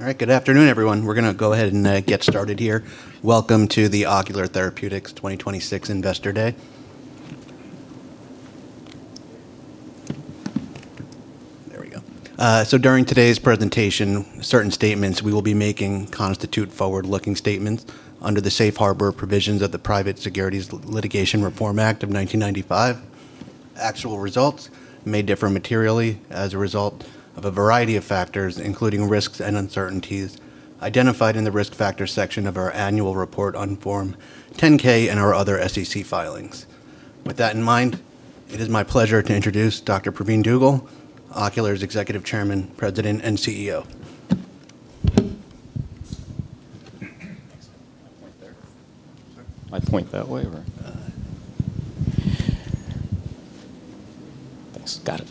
All right. Good afternoon, everyone. We're going to go ahead and get started here. Welcome to the Ocular Therapeutix 2026 Investor Day. There we go. During today's presentation, certain statements we will be making constitute forward-looking statements under the Safe Harbor provisions of the Private Securities Litigation Reform Act of 1995. Actual results may differ materially as a result of a variety of factors, including risks and uncertainties identified in the Risk Factors section of our annual report on Form 10-K and our other SEC filings. With that in mind, it is my pleasure to introduce Dr. Pravin Dugel, Ocular's Executive Chairman, President, and CEO. Point there. Sorry. I point that way or? Thanks. Got it.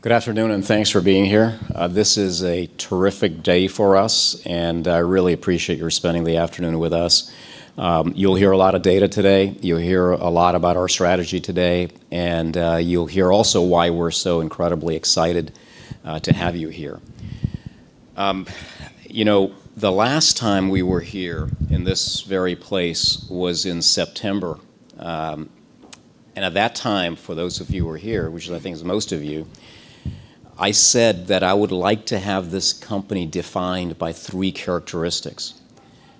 Good afternoon. Thanks for being here. This is a terrific day for us. I really appreciate your spending the afternoon with us. You'll hear a lot of data today. You'll hear a lot about our strategy today. You'll hear also why we're so incredibly excited to have you here. The last time we were here in this very place was in September. At that time, for those of you who were here, which I think is most of you, I said that I would like to have this company defined by three characteristics.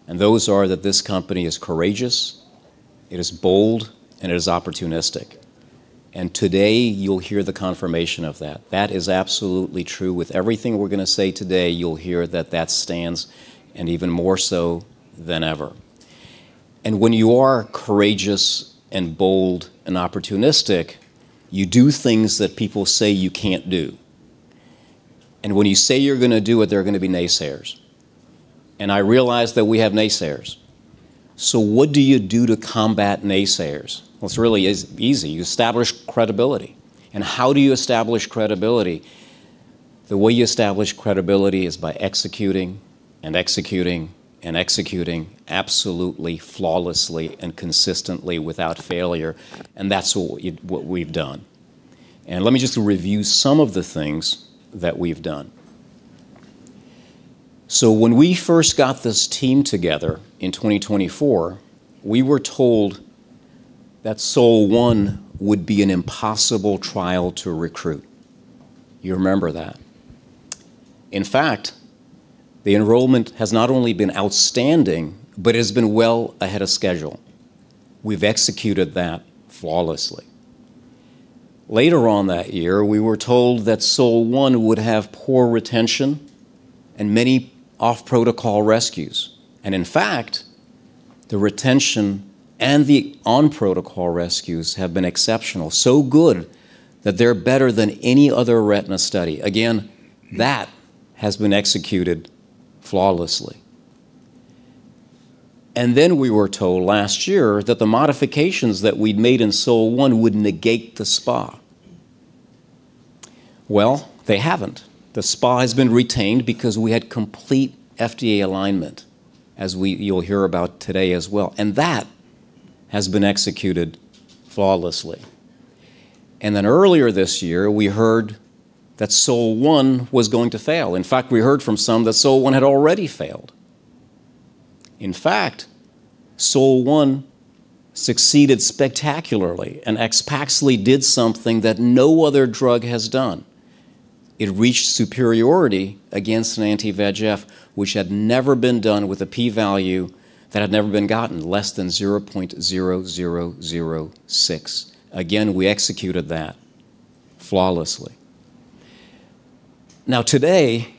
Those are that this company is courageous, it is bold, it is opportunistic. Today, you'll hear the confirmation of that. That is absolutely true. With everything we're going to say today, you'll hear that that stands, even more so than ever. When you are courageous, bold and opportunistic, you do things that people say you can't do. When you say you're going to do it, there are going to be naysayers. I realize that we have naysayers. What do you do to combat naysayers? It's really easy. You establish credibility. How do you establish credibility? The way you establish credibility is by executing and executing and executing absolutely flawlessly and consistently without failure. That's what we've done. Let me just review some of the things that we've done. When we first got this team together in 2024, we were told that SOL1 would be an impossible trial to recruit. You remember that. In fact, the enrollment has not only been outstanding, but it has been well ahead of schedule. We've executed that flawlessly. Later on that year, we were told that SOL1 would have poor retention and many off-protocol rescues. In fact, the retention and the on-protocol rescues have been exceptional. Good that they're better than any other retina study. That has been executed flawlessly. We were told last year that the modifications that we'd made in SOL1 would negate the SPA. They haven't. The SPA has been retained because we had complete FDA alignment, as you'll hear about today as well. That has been executed flawlessly. Earlier this year, we heard that SOL1 was going to fail. In fact, we heard from some that SOL1 had already failed. In fact, SOL1 succeeded spectacularly and AXPAXLI did something that no other drug has done. It reached superiority against an anti-VEGF, which had never been done with a p-value that had never been gotten, less than 0.0006. We executed that flawlessly. Today,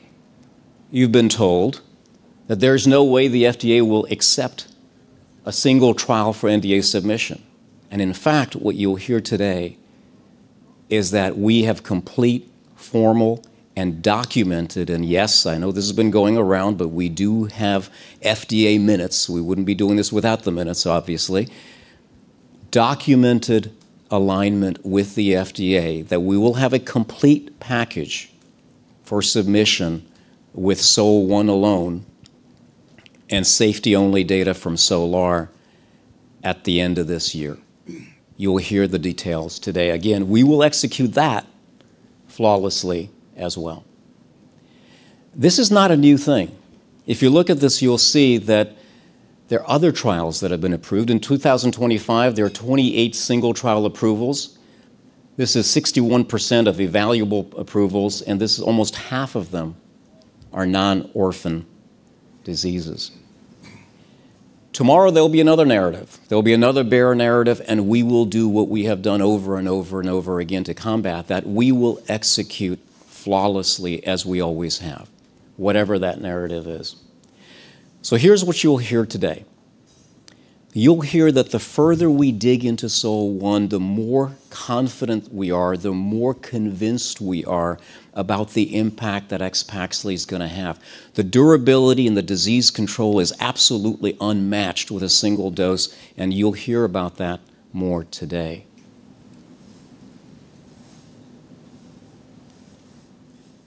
you've been told that there's no way the FDA will accept a single trial for NDA submission. In fact, what you'll hear today is that we have complete formal and documented, yes, I know this has been going around, we do have FDA minutes. We wouldn't be doing this without the minutes, obviously. Documented alignment with the FDA that we will have a complete package for submission with SOL1 alone and safety only data from SOLAR at the end of this year. You'll hear the details today. We will execute that flawlessly as well. This is not a new thing. You look at this, you'll see that there are other trials that have been approved. In 2025, there are 28 single trial approvals. This is 61% of evaluable approvals. This is almost half of them are non-orphan diseases. Tomorrow, there'll be another narrative. There'll be another bear narrative. We will do what we have done over and over and over again to combat that. We will execute flawlessly, as we always have, whatever that narrative is. Here's what you'll hear today. You'll hear that the further we dig into SOL1, the more confident we are, the more convinced we are about the impact that AXPAXLI is going to have. The durability and the disease control is absolutely unmatched with a single dose. You'll hear about that more today.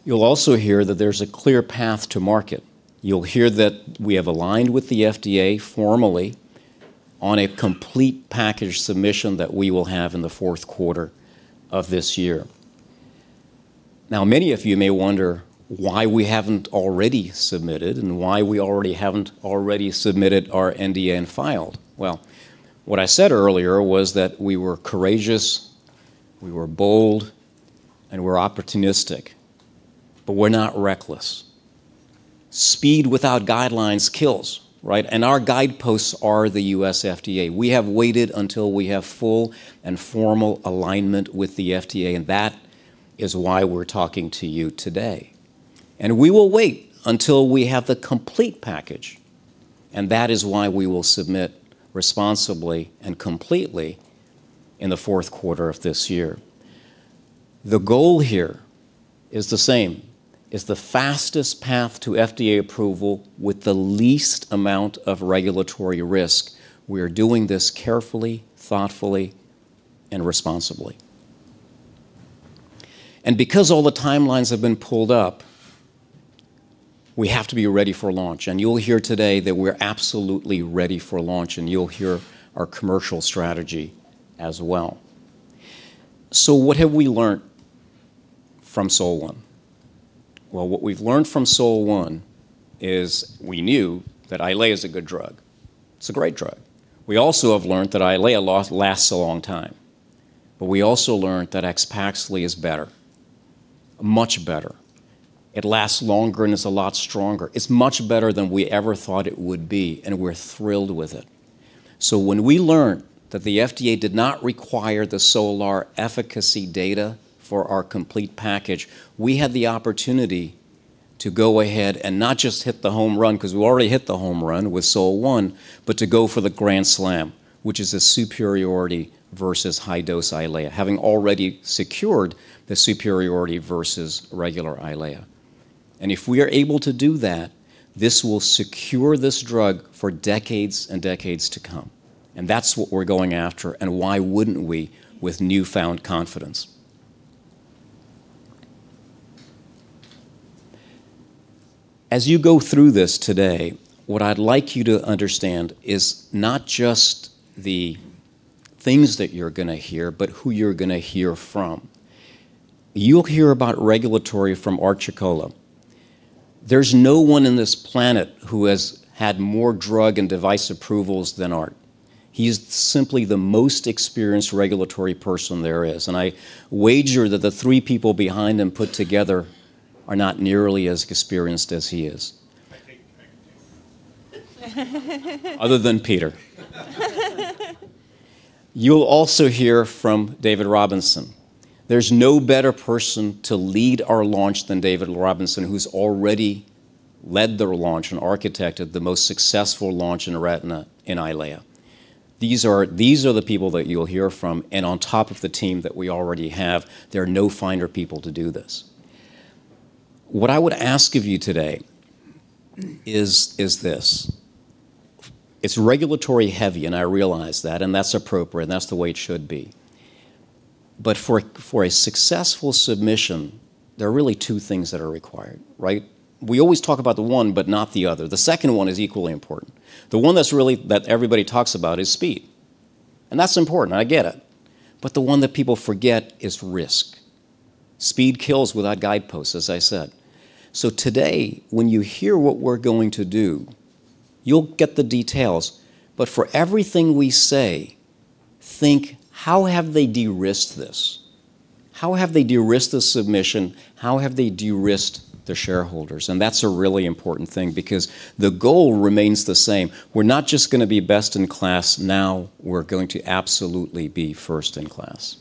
You'll also hear that there's a clear path to market. You'll hear that we have aligned with the FDA formally on a complete package submission that we will have in the fourth quarter of this year. Many of you may wonder why we haven't already submitted. Why we haven't already submitted our NDA and filed. What I said earlier was that we were courageous, we were bold. We're opportunistic, but we're not reckless. Speed without guidelines kills, right? Our guideposts are the U.S. FDA. We have waited until we have full and formal alignment with the FDA. That is why we're talking to you today. We will wait until we have the complete package. That is why we will submit responsibly and completely in the fourth quarter of this year. The goal here is the same. It's the fastest path to FDA approval with the least amount of regulatory risk. We are doing this carefully, thoughtfully, and responsibly. Because all the timelines have been pulled up, we have to be ready for launch. You'll hear today that we're absolutely ready for launch. You'll hear our commercial strategy as well. What have we learned from SOL1? What we've learned from SOL1 is we knew that Eylea is a good drug. It's a great drug. We also have learned that Eylea lasts a long time. We also learned that AXPAXLI is better. Much better. It lasts longer and is a lot stronger. It's much better than we ever thought it would be. We're thrilled with it. When we learned that the FDA did not require the SOLAR efficacy data for our complete package, we had the opportunity to go ahead and not just hit the home run, because we already hit the home run with SOL1, but to go for the grand slam, which is a superiority versus high-dose Eylea, having already secured the superiority versus regular Eylea. If we are able to do that, this will secure this drug for decades and decades to come. That's what we're going after. Why wouldn't we with newfound confidence? As you go through this today, what I'd like you to understand is not just the things that you're going to hear, but who you're going to hear from. You'll hear about regulatory from Art Ciociola. There's no one in this planet who has had more drug and device approvals than Art. He's simply the most experienced regulatory person there is. I wager that the three people behind him put together are not nearly as experienced as he is. Other than Peter. You'll also hear from David Robinson. There's no better person to lead our launch than David Robinson, who's already led the launch and architected the most successful launch in retina in Eylea. On top of the team that we already have, there are no finer people to do this. What I would ask of you today is this. It's regulatory heavy. I realize that, and that's appropriate, and that's the way it should be. For a successful submission, there are really two things that are required, right? We always talk about the one but not the other. The second one is equally important. The one that everybody talks about is speed, and that's important, I get it. The one that people forget is risk. Speed kills without guideposts, as I said. Today, when you hear what we're going to do, you'll get the details, but for everything we say, think, "How have they de-risked this? How have they de-risked the submission? How have they de-risked the shareholders?" That's a really important thing, because the goal remains the same. We're not just going to be best in class now. We're going to absolutely be first in class.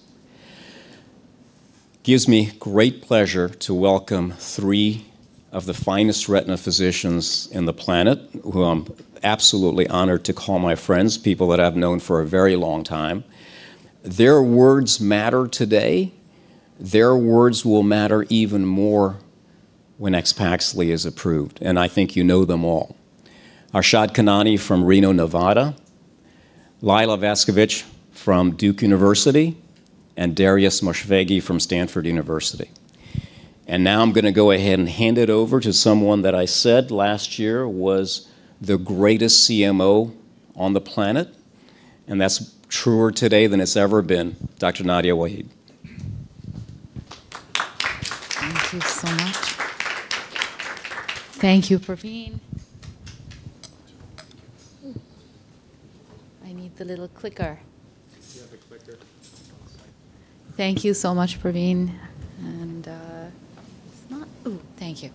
Gives me great pleasure to welcome three of the finest retina physicians in the planet, who I'm absolutely honored to call my friends, people that I've known for a very long time. Their words matter today. Their words will matter even more when AXPAXLI is approved. I think you know them all. Arshad Khanani from Reno, Nevada, Lejla Vajzovic from Duke University, and Darius Moshfeghi from Stanford University. Now I'm going to go ahead and hand it over to someone that I said last year was the greatest CMO on the planet, and that's truer today than it's ever been, Dr. Nadia Waheed. Thank you so much. Thank you, Pravin. I need the little clicker. You have the clicker on the side. Thank you so much, Pravin. Oh, thank you.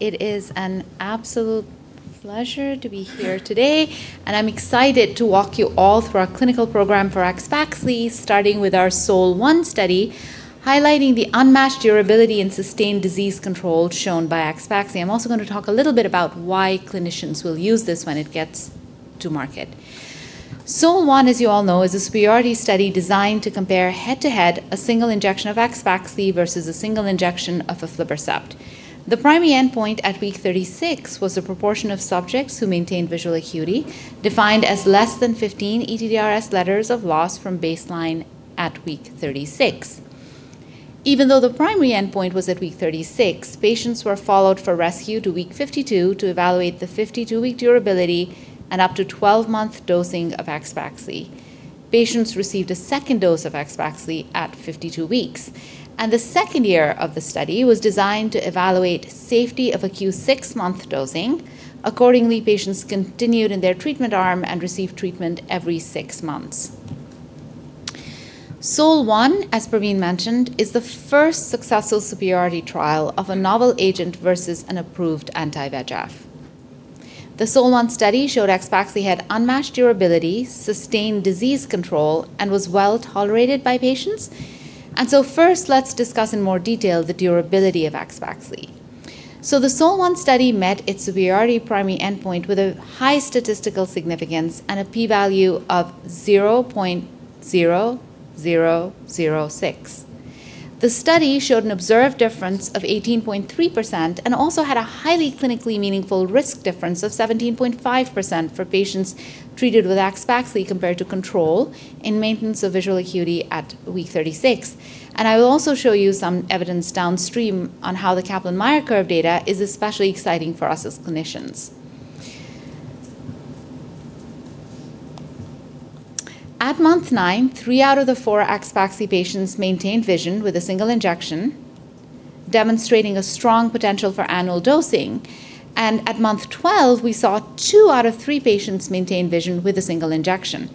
It is an absolute pleasure to be here today, and I'm excited to walk you all through our clinical program for AXPAXLI, starting with our SOL1 study, highlighting the unmatched durability and sustained disease control shown by AXPAXLI. I'm also going to talk a little bit about why clinicians will use this when it gets to market. SOL1, as you all know, is a superiority study designed to compare head to head a single injection of AXPAXLI versus a single injection of aflibercept. The primary endpoint at week 36 was the proportion of subjects who maintained visual acuity, defined as less than 15 ETDRS letters of loss from baseline at week 36. Even though the primary endpoint was at week 36, patients were followed for rescue to week 52 to evaluate the 52-week durability and up to 12-month dosing of AXPAXLI. Patients received a second dose of AXPAXLI at 52 weeks. The second year of the study was designed to evaluate safety of acute six-month dosing. Accordingly, patients continued in their treatment arm and received treatment every six months. SOL1, as Pravin mentioned, is the first successful superiority trial of a novel agent versus an approved anti-VEGF. The SOL1 study showed AXPAXLI had unmatched durability, sustained disease control, and was well-tolerated by patients. First, let's discuss in more detail the durability of AXPAXLI. The SOL1 study met its superiority primary endpoint with a high statistical significance and a P value of 0.0006. The study showed an observed difference of 18.3% and also had a highly clinically meaningful risk difference of 17.5% for patients treated with AXPAXLI compared to control in maintenance of visual acuity at week 36. I will also show you some evidence downstream on how the Kaplan-Meier curve data is especially exciting for us as clinicians. At month nine, three out of the four AXPAXLI patients maintained vision with a single injection, demonstrating a strong potential for annual dosing. At month 12, we saw two out of three patients maintain vision with a single injection.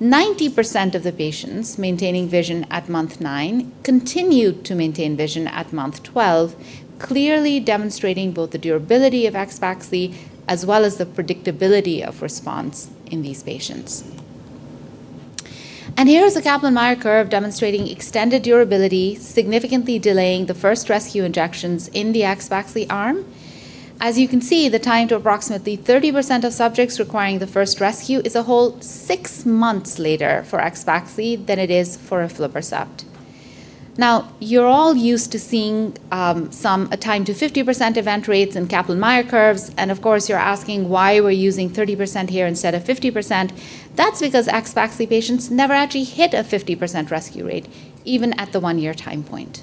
90% of the patients maintaining vision at month nine continued to maintain vision at month 12, clearly demonstrating both the durability of AXPAXLI as well as the predictability of response in these patients. Here is a Kaplan-Meier curve demonstrating extended durability, significantly delaying the first rescue injections in the AXPAXLI arm. As you can see, the time to approximately 30% of subjects requiring the first rescue is a whole six months later for AXPAXLI than it is for aflibercept. You're all used to seeing some time to 50% event rates in Kaplan-Meier curves, and of course, you're asking why we're using 30% here instead of 50%. That's because AXPAXLI patients never actually hit a 50% rescue rate, even at the one-year time point.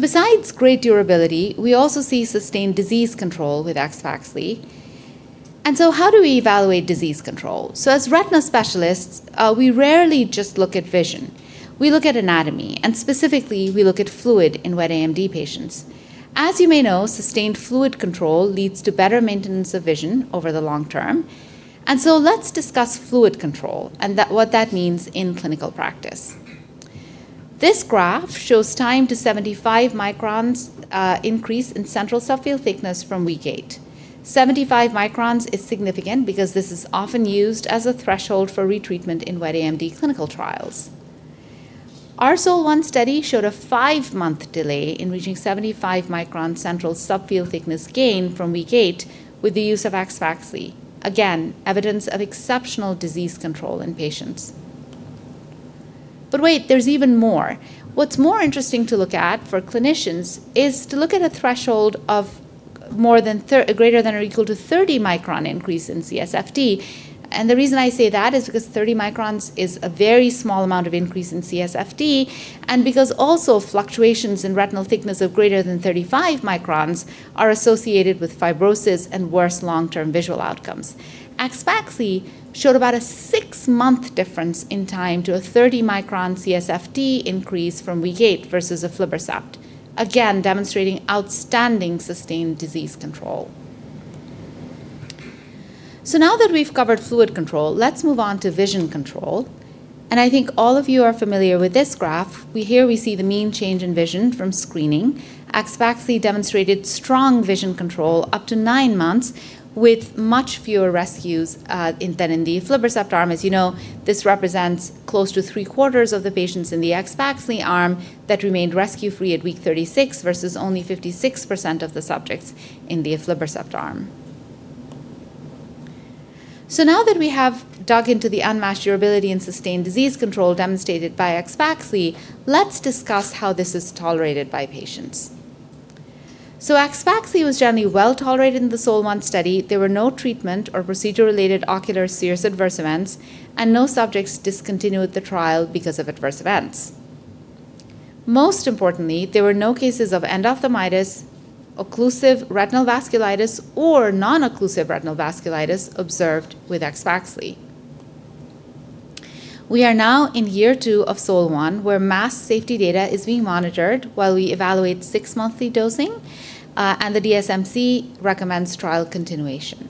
Besides great durability, we also see sustained disease control with AXPAXLI. How do we evaluate disease control? As retina specialists, we rarely just look at vision. We look at anatomy, and specifically, we look at fluid in wet AMD patients. As you may know, sustained fluid control leads to better maintenance of vision over the long term. Let's discuss fluid control and what that means in clinical practice. This graph shows time to 75 microns increase in central subfield thickness from week 8. 75 microns is significant because this is often used as a threshold for retreatment in wet AMD clinical trials. Our SOL1 study showed a five-month delay in reaching 75-micron central subfield thickness gain from week 8 with the use of AXPAXLI. Again, evidence of exceptional disease control in patients. Wait, there's even more. What's more interesting to look at for clinicians is to look at a threshold of greater than or equal to 30-micron increase in CSFT. The reason I say that is because 30 microns is a very small amount of increase in CSFT, and because also fluctuations in retinal thickness of greater than 35 microns are associated with fibrosis and worse long-term visual outcomes. AXPAXLI showed about a six-month difference in time to a 30-micron CSFT increase from week eight versus aflibercept, again demonstrating outstanding sustained disease control. Now that we've covered fluid control, let's move on to vision control. I think all of you are familiar with this graph. Here, we see the mean change in vision from screening. AXPAXLI demonstrated strong vision control up to nine months with much fewer rescues than in the aflibercept arm. As you know, this represents close to three-quarters of the patients in the AXPAXLI arm that remained rescue-free at week 36 versus only 56% of the subjects in the aflibercept arm. Now that we have dug into the unmatched durability and sustained disease control demonstrated by AXPAXLI, let's discuss how this is tolerated by patients. AXPAXLI was generally well-tolerated in the SOL1 study. There were no treatment or procedure-related ocular serious adverse events, and no subjects discontinued the trial because of adverse events. Most importantly, there were no cases of endophthalmitis, occlusive retinal vasculitis, or non-occlusive retinal vasculitis observed with AXPAXLI. We are now in year two of SOL1, where mass safety data is being monitored while we evaluate six-monthly dosing, and the DSMC recommends trial continuation.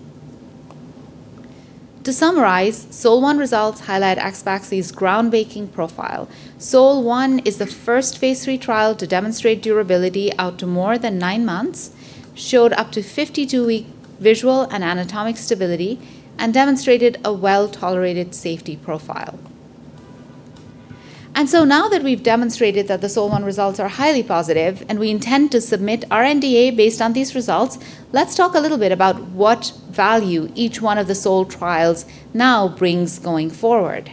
To summarize, SOL1 results highlight AXPAXLI's groundbreaking profile. SOL1 is the first phase III trial to demonstrate durability out to more than nine months, showed up to 52-week visual and anatomic stability, and demonstrated a well-tolerated safety profile. Now that we've demonstrated that the SOL1 results are highly positive and we intend to submit our NDA based on these results, let's talk a little bit about what value each one of the SOL trials now brings going forward.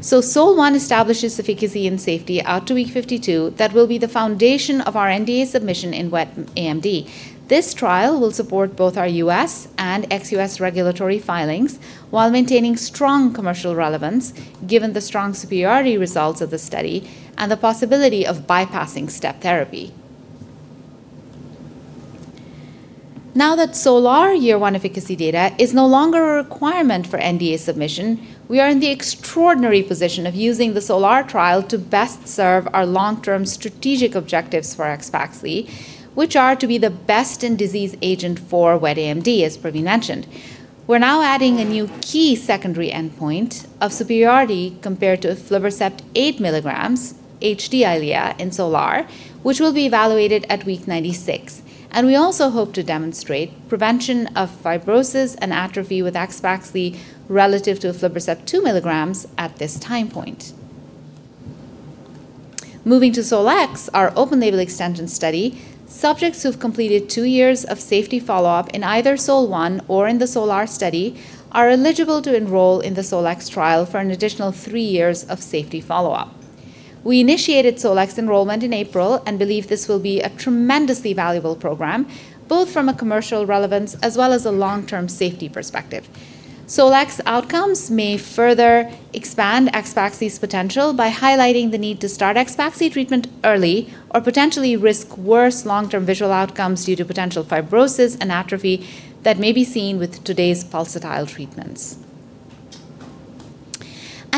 SOL1 establishes efficacy and safety out to week 52 that will be the foundation of our NDA submission in wet AMD. This trial will support both our U.S. and ex-U.S. regulatory filings while maintaining strong commercial relevance given the strong superiority results of the study and the possibility of bypassing step therapy. Now that SOLAR year one efficacy data is no longer a requirement for NDA submission, we are in the extraordinary position of using the SOLAR trial to best serve our long-term strategic objectives for AXPAXLI, which are to be the best-in-disease agent for wet AMD, as Pravin mentioned. We're now adding a new key secondary endpoint of superiority compared to aflibercept eight mgs EYLEA HD in SOLAR, which will be evaluated at week 96. We also hope to demonstrate prevention of fibrosis and atrophy with AXPAXLI relative to aflibercept two milligrams at this time point. Moving to SOLX, our open-label extension study, subjects who've completed two years of safety follow-up in either SOL1 or in the SOLAR study are eligible to enroll in the SOLX trial for an additional three years of safety follow-up. We initiated SOLX enrollment in April and believe this will be a tremendously valuable program, both from a commercial relevance as well as a long-term safety perspective. SOLX outcomes may further expand AXPAXLI's potential by highlighting the need to start AXPAXLI treatment early or potentially risk worse long-term visual outcomes due to potential fibrosis and atrophy that may be seen with today's pulsatile treatments.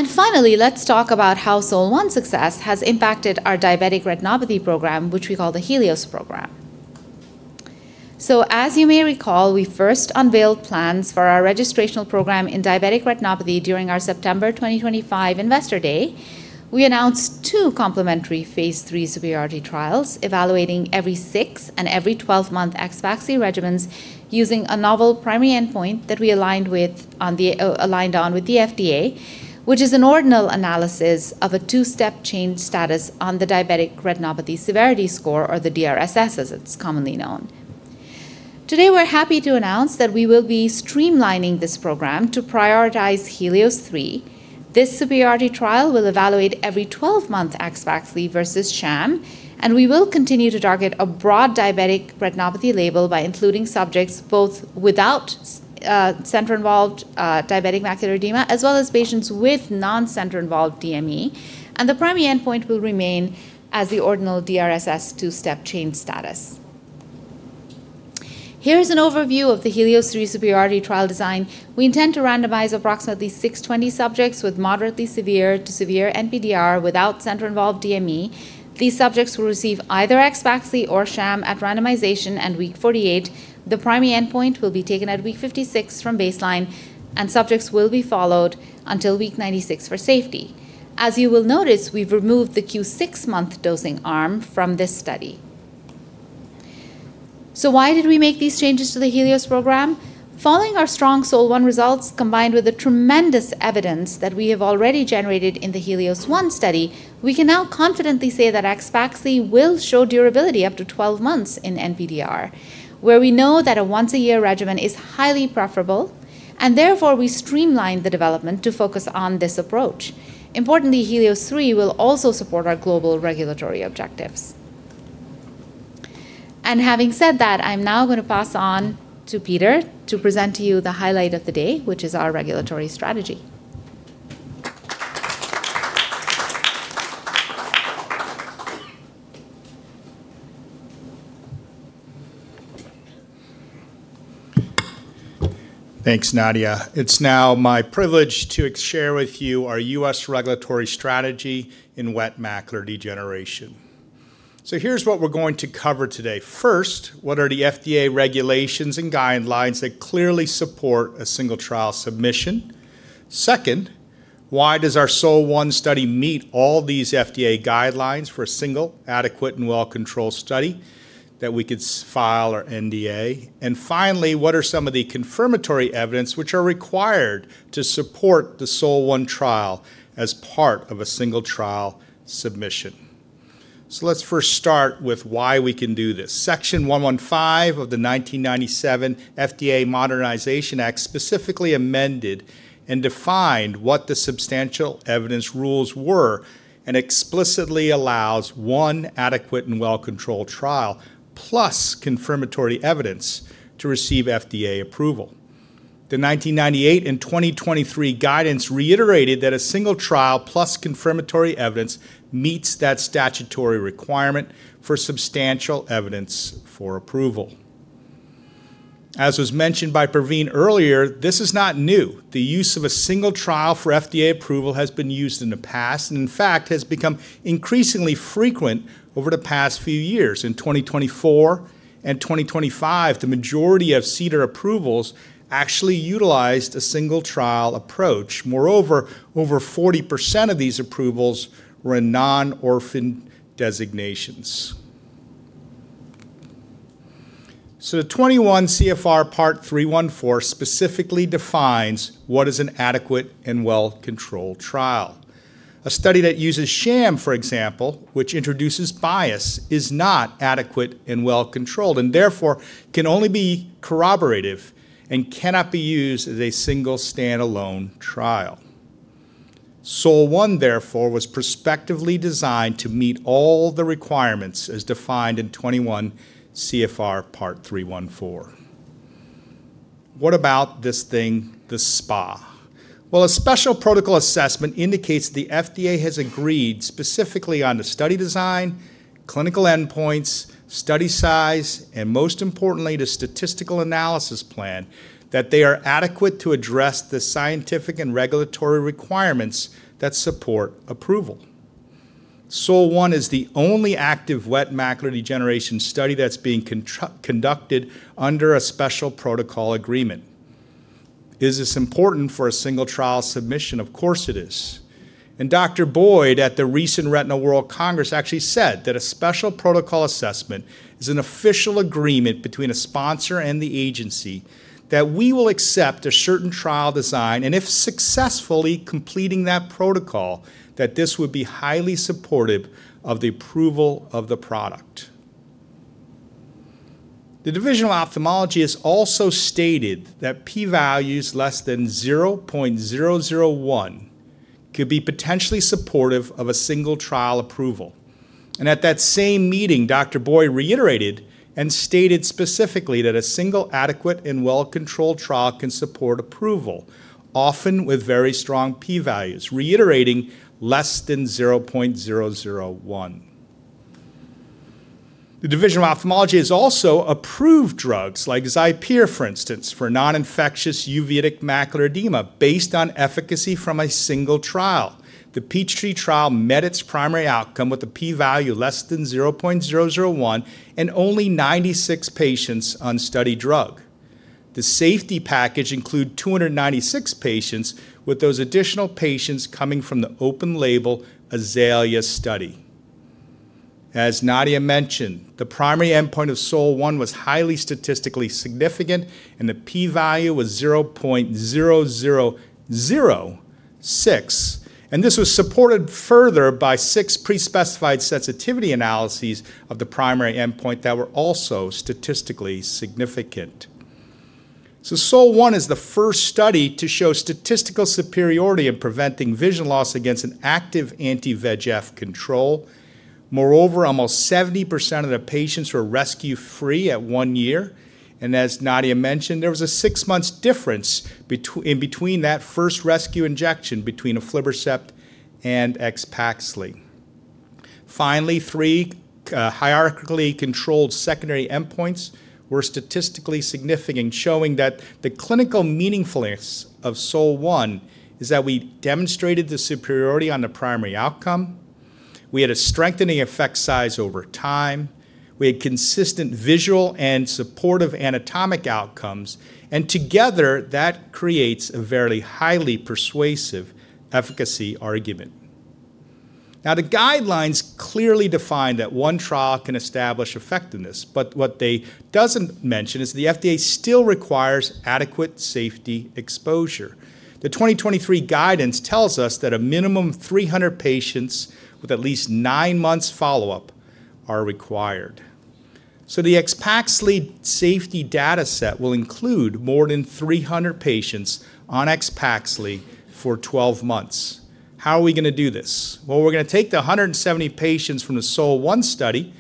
Finally, let's talk about how SOL1 success has impacted our diabetic retinopathy program, which we call the HELIOS program. As you may recall, we first unveiled plans for our registrational program in diabetic retinopathy during our September 2025 Investor Day. We announced two complementary phase III superiority trials evaluating every six and every 12-month AXPAXLI regimens using a novel primary endpoint that we aligned on with the FDA, which is an ordinal analysis of a two-step change status on the Diabetic Retinopathy Severity Score, or the DRSS, as it's commonly known. Today, we're happy to announce that we will be streamlining this program to prioritize HELIOS-3. This superiority trial will evaluate every 12-month AXPAXLI versus sham, and we will continue to target a broad diabetic retinopathy label by including subjects both without center involved diabetic macular edema, as well as patients with non-center involved DME. The primary endpoint will remain as the ordinal DRSS two-step change status. Here is an overview of the HELIOS-3 superiority trial design. We intend to randomize approximately 620 subjects with moderately severe to severe NPDR without center involved DME. These subjects will receive either AXPAXLI or sham at randomization and week 48. The primary endpoint will be taken at week 56 from baseline, and subjects will be followed until week 96 for safety. As you will notice, we've removed the Q six-month dosing arm from this study. Why did we make these changes to the HELIOS program? Following our strong SOL1 results, combined with the tremendous evidence that we have already generated in the HELIOS-1 study, we can now confidently say that AXPAXLI will show durability up to 12 months in NPDR, where we know that a once-a-year regimen is highly preferable, and therefore, we streamlined the development to focus on this approach. Importantly, HELIOS-3 will also support our global regulatory objectives. Having said that, I'm now going to pass on to Peter to present to you the highlight of the day, which is our regulatory strategy. Thanks, Nadia. It's now my privilege to share with you our U.S. regulatory strategy in wet macular degeneration. Here's what we're going to cover today. First, what are the FDA regulations and guidelines that clearly support a single trial submission? Second, why does our SOL1 study meet all these FDA guidelines for a single adequate and well-controlled study that we could file our NDA? Finally, what are some of the confirmatory evidence which are required to support the SOL1 trial as part of a single trial submission? Let's first start with why we can do this. Section 115 of the 1997 FDA Modernization Act specifically amended and defined what the substantial evidence rules were and explicitly allows one adequate and well-controlled trial plus confirmatory evidence to receive FDA approval. The 1998 and 2023 guidance reiterated that a single trial plus confirmatory evidence meets that statutory requirement for substantial evidence for approval. As was mentioned by Pravin earlier, this is not new. The use of a single trial for FDA approval has been used in the past and in fact has become increasingly frequent over the past few years. In 2024 and 2025, the majority of CDER approvals actually utilized a single trial approach. Moreover, over 40% of these approvals were in non-orphan designations. The 21 CFR Part 314 specifically defines what is an adequate and well-controlled trial. A study that uses sham, for example, which introduces bias, is not adequate and well controlled, and therefore can only be corroborative and cannot be used as a single standalone trial. SOL1, therefore, was prospectively designed to meet all the requirements as defined in 21 CFR Part 314. What about this thing, the SPA? Well, a special protocol assessment indicates the FDA has agreed specifically on the study design, clinical endpoints, study size, and most importantly, the statistical analysis plan, that they are adequate to address the scientific and regulatory requirements that support approval. SOL1 is the only active wet macular degeneration study that is being conducted under a special protocol agreement. Is this important for a single trial submission? Of course it is. Dr. Boyd at the recent Retina World Congress actually said that a special protocol assessment is an official agreement between a sponsor and the agency that we will accept a certain trial design, and if successfully completing that protocol, that this would be highly supportive of the approval of the product. The Division of Ophthalmology has also stated that p values less than 0.001 could be potentially supportive of a single trial approval. At that same meeting, Dr. Boyd reiterated and stated specifically that a single adequate and well-controlled trial can support approval, often with very strong p values, reiterating less than 0.001. The Division of Ophthalmology has also approved drugs like OZURDEX for instance, for non-infectious uveitic macular edema based on efficacy from a single trial. The PEACHTREE trial met its primary outcome with a p value less than 0.001 and only 96 patients on study drug. The safety package include 296 patients, with those additional patients coming from the open label AZALEA study. As Nadia mentioned, the primary endpoint of SOL1 was highly statistically significant, and the p value was 0.0006, and this was supported further by six pre-specified sensitivity analyses of the primary endpoint that were also statistically significant. SOL1 is the first study to show statistical superiority in preventing vision loss against an active anti-VEGF control. Moreover, almost 70% of the patients were rescue-free at one year. As Nadia mentioned, there was a six months difference in between that first rescue injection between aflibercept and AXPAXLI. Finally, three hierarchically controlled secondary endpoints were statistically significant, showing that the clinical meaningfulness of SOL1 is that we demonstrated the superiority on the primary outcome, we had a strengthening effect size over time, we had consistent visual and supportive anatomic outcomes, and together that creates a very highly persuasive efficacy argument. The guidelines clearly define that one trial can establish effectiveness, but what they doesn't mention is the FDA still requires adequate safety exposure. The 2023 guidance tells us that a minimum 300 patients with at least nine months follow-up are required. The AXPAXLI safety data set will include more than 300 patients on AXPAXLI for 12 months. How are we going to do this? Well, we're going to take the 170 patients from the SOL1 study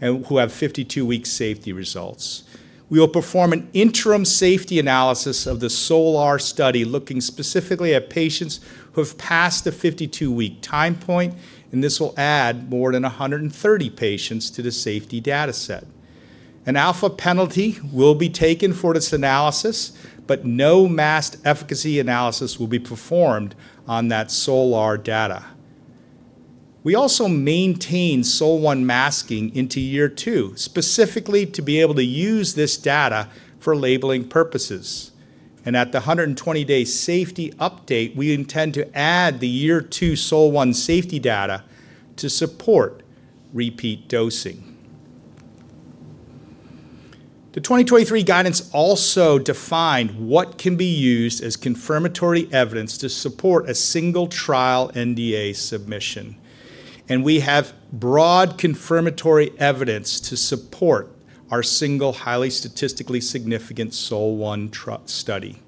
who have 52-week safety results. We will perform an interim safety analysis of the SOLAR study, looking specifically at patients who have passed the 52-week time point, and this will add more than 130 patients to the safety data set. An alpha penalty will be taken for this analysis, no masked efficacy analysis will be performed on that SOLAR data. We also maintain SOL1 masking into year two, specifically to be able to use this data for labeling purposes. At the 120-day safety update, we intend to add the year two SOL1 safety data to support repeat dosing. The 2023 guidance also defined what can be used as confirmatory evidence to support a single trial NDA submission, and we have broad confirmatory evidence to support our single, highly statistically significant SOL1 study.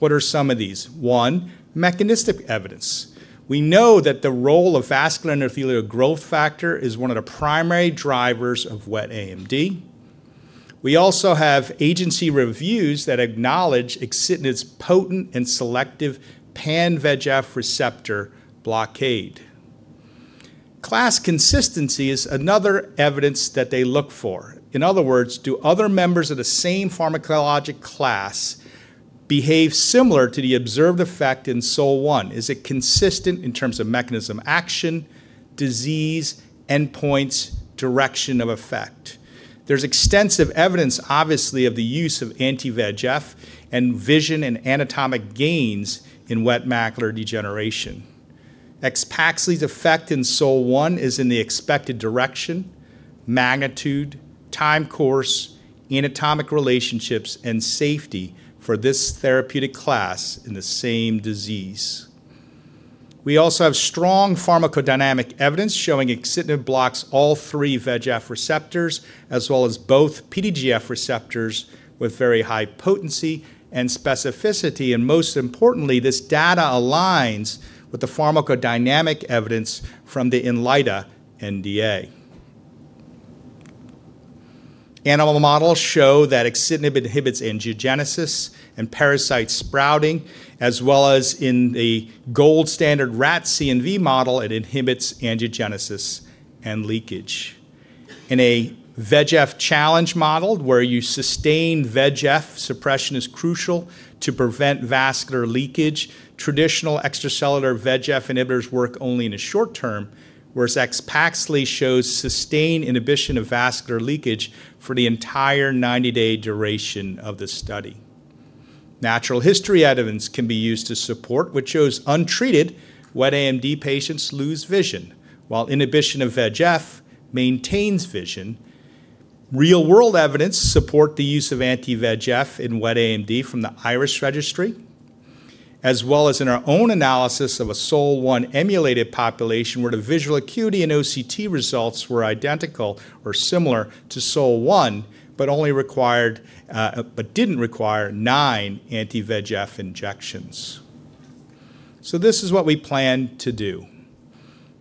What are some of these? One, mechanistic evidence. We know that the role of vascular endothelial growth factor is one of the primary drivers of wet AMD. We also have agency reviews that acknowledge axitinib's potent and selective pan-VEGF receptor blockade. Class consistency is another evidence that they look for. In other words, do other members of the same pharmacologic class behave similar to the observed effect in SOL1? Is it consistent in terms of mechanism action, disease, endpoints, direction of effect? There's extensive evidence, obviously, of the use of anti-VEGF and vision and anatomic gains in wet macular degeneration. AXPAXLI's effect in SOL1 is in the expected direction, magnitude, time course, anatomic relationships, and safety for this therapeutic class in the same disease. We also have strong pharmacodynamic evidence showing axitinib blocks all three VEGF receptors, as well as both PDGF receptors with very high potency and specificity. Most importantly, this data aligns with the pharmacodynamic evidence from the INLYTA NDA. Animal models show that axitinib inhibits angiogenesis and parasite sprouting, as well as in the gold standard rat CNV model, it inhibits angiogenesis and leakage. In a VEGF challenge model where you sustain VEGF, suppression is crucial to prevent vascular leakage. Traditional extracellular VEGF inhibitors work only in the short term, whereas AXPAXLI shows sustained inhibition of vascular leakage for the entire 90-day duration of the study. Natural history evidence can be used to support, which shows untreated wet AMD patients lose vision, while inhibition of VEGF maintains vision. Real-world evidence support the use of anti-VEGF in wet AMD from the IRIS registry, as well as in our own analysis of a SOL1 emulated population where the visual acuity and OCT results were identical or similar to SOL1, but didn't require nine anti-VEGF injections. This is what we plan to do.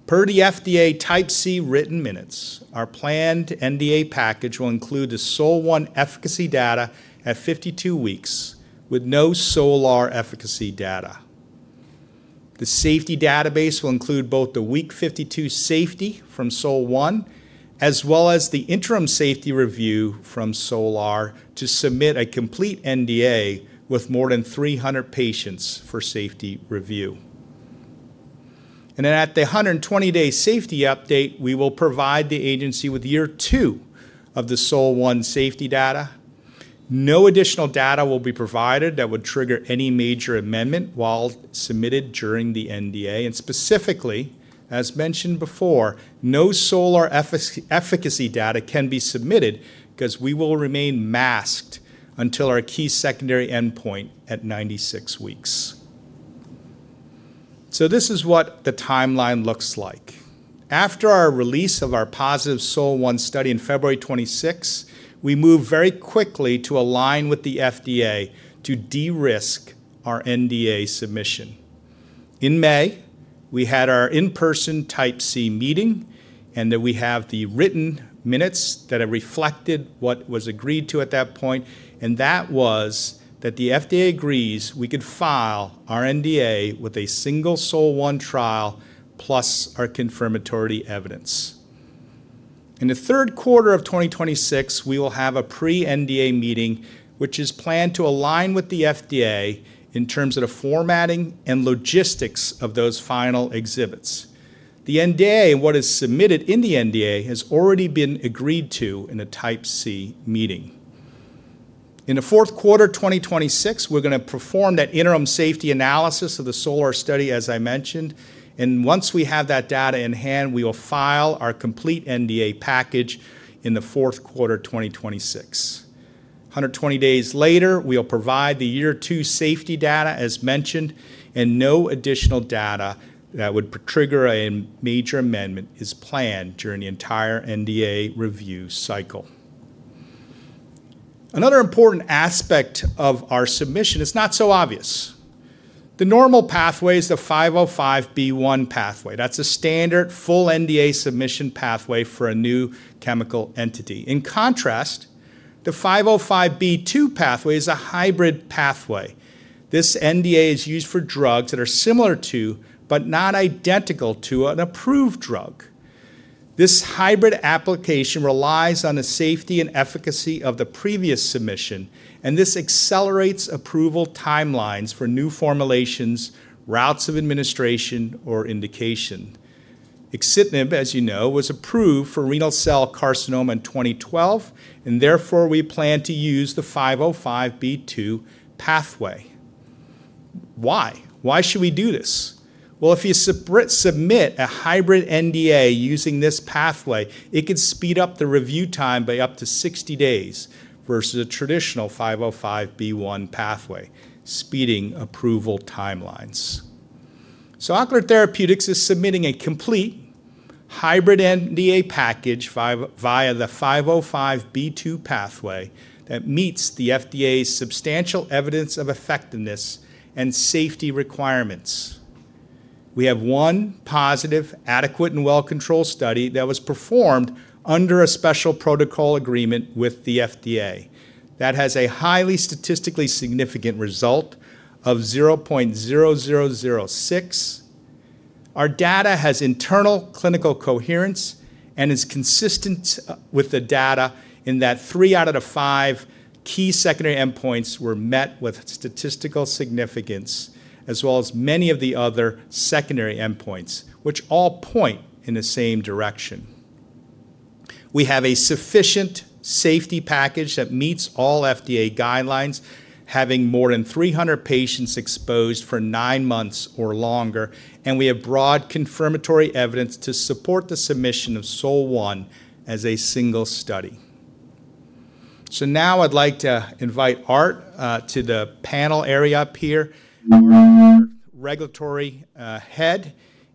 Per the FDA type C written minutes, our planned NDA package will include the SOL1 efficacy data at 52 weeks with no SOLAR efficacy data. The safety database will include both the week 52 safety from SOL1, as well as the interim safety review from SOLAR to submit a complete NDA with more than 300 patients for safety review. At the 120-day safety update, we will provide the agency with year two of the SOL1 safety data. No additional data will be provided that would trigger any major amendment while submitted during the NDA. Specifically, as mentioned before, no SOLAR efficacy data can be submitted because we will remain masked until our key secondary endpoint at 96 weeks. This is what the timeline looks like. After our release of our positive SOL1 study on February 26, we moved very quickly to align with the FDA to de-risk our NDA submission. In May, we had our in-person type C meeting. We have the written minutes that have reflected what was agreed to at that point, and that was that the FDA agrees we could file our NDA with a single SOL1 trial plus our confirmatory evidence. In the third quarter of 2026, we will have a pre-NDA meeting, which is planned to align with the FDA in terms of the formatting and logistics of those final exhibits. The NDA and what is submitted in the NDA has already been agreed to in a type C meeting. In the fourth quarter 2026, we're going to perform that interim safety analysis of the SOLAR study, as I mentioned. Once we have that data in hand, we will file our complete NDA package in the fourth quarter 2026. 120 days later, we will provide the year two safety data as mentioned. No additional data that would trigger a major amendment is planned during the entire NDA review cycle. Another important aspect of our submission is not so obvious. The normal pathway is the 505(b)(1) pathway. That's a standard full NDA submission pathway for a new chemical entity. In contrast, the 505(b)(2) pathway is a hybrid pathway. This NDA is used for drugs that are similar to, but not identical to, an approved drug. This hybrid application relies on the safety and efficacy of the previous submission, and this accelerates approval timelines for new formulations, routes of administration, or indication. Axitinib, as you know, was approved for renal cell carcinoma in 2012. Therefore, we plan to use the 505(b)(2) pathway. Why? Why should we do this? Well, if you submit a hybrid NDA using this pathway, it could speed up the review time by up to 60 days versus a traditional 505(b)(1) pathway, speeding approval timelines. Ocular Therapeutix is submitting a complete hybrid NDA package via the 505(b)(2) pathway that meets the FDA's substantial evidence of effectiveness and safety requirements. We have one positive, adequate, and well-controlled study that was performed under a special protocol agreement with the FDA that has a highly statistically significant result of 0.0006. Our data has internal clinical coherence and is consistent with the data in that three out of the five key secondary endpoints were met with statistical significance, as well as many of the other secondary endpoints, which all point in the same direction. We have a sufficient safety package that meets all FDA guidelines, having more than 300 patients exposed for nine months or longer. We have broad confirmatory evidence to support the submission of SOL1 as a single study. Now I'd like to invite Art to the panel area up here. Our regulatory head,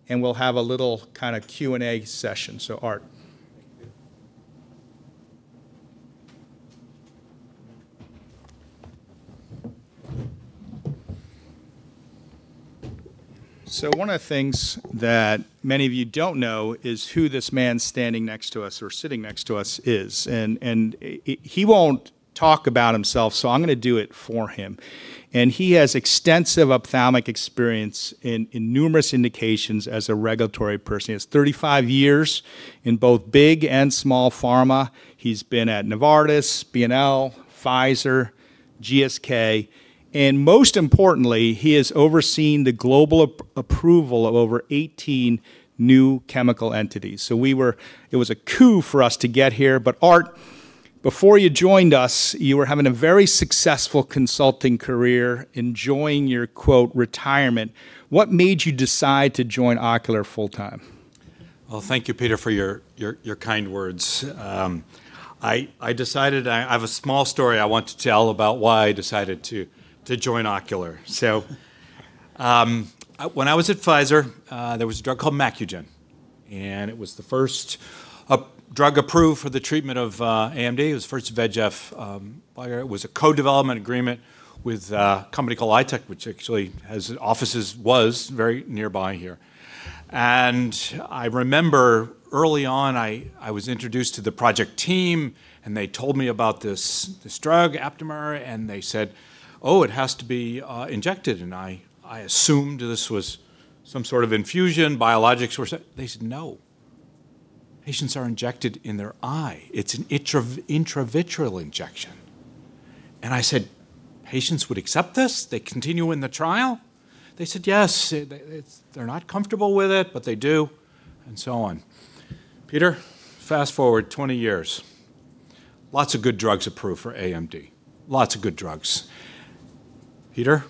we'll have a little Q&A session. Art. Thank you. One of the things that many of you don't know is who this man standing next to us, or sitting next to us is. He won't talk about himself, so I'm going to do it for him. He has extensive ophthalmic experience in numerous indications as a regulatory person. He has 35 years in both big and small pharma. He's been at Novartis, BNL, Pfizer, GSK, and most importantly, he has overseen the global approval of over 18 new chemical entities. It was a coup for us to get here. Art Ciociola, before you joined us, you were having a very successful consulting career, enjoying your "retirement." What made you decide to join Ocular full time? Thank you, Peter, for your kind words. I have a small story I want to tell about why I decided to join Ocular. When I was at Pfizer, there was a drug called Macugen, and it was the first drug approved for the treatment of AMD. It was the first VEGF. It was a co-development agreement with a company called Eyetech, which actually has offices, was very nearby here. I remember early on, I was introduced to the project team, and they told me about this drug aptamer, and they said, "Oh, it has to be injected." I assumed this was some sort of infusion, biologics or such. They said, "No. Patients are injected in their eye. It's an intravitreal injection." I said, "Patients would accept this? They continue in the trial?" They said, "Yes. They're not comfortable with it, but they do," and so on. Peter, fast-forward 20 years. Lots of good drugs approved for AMD. Lots of good drugs. Peter,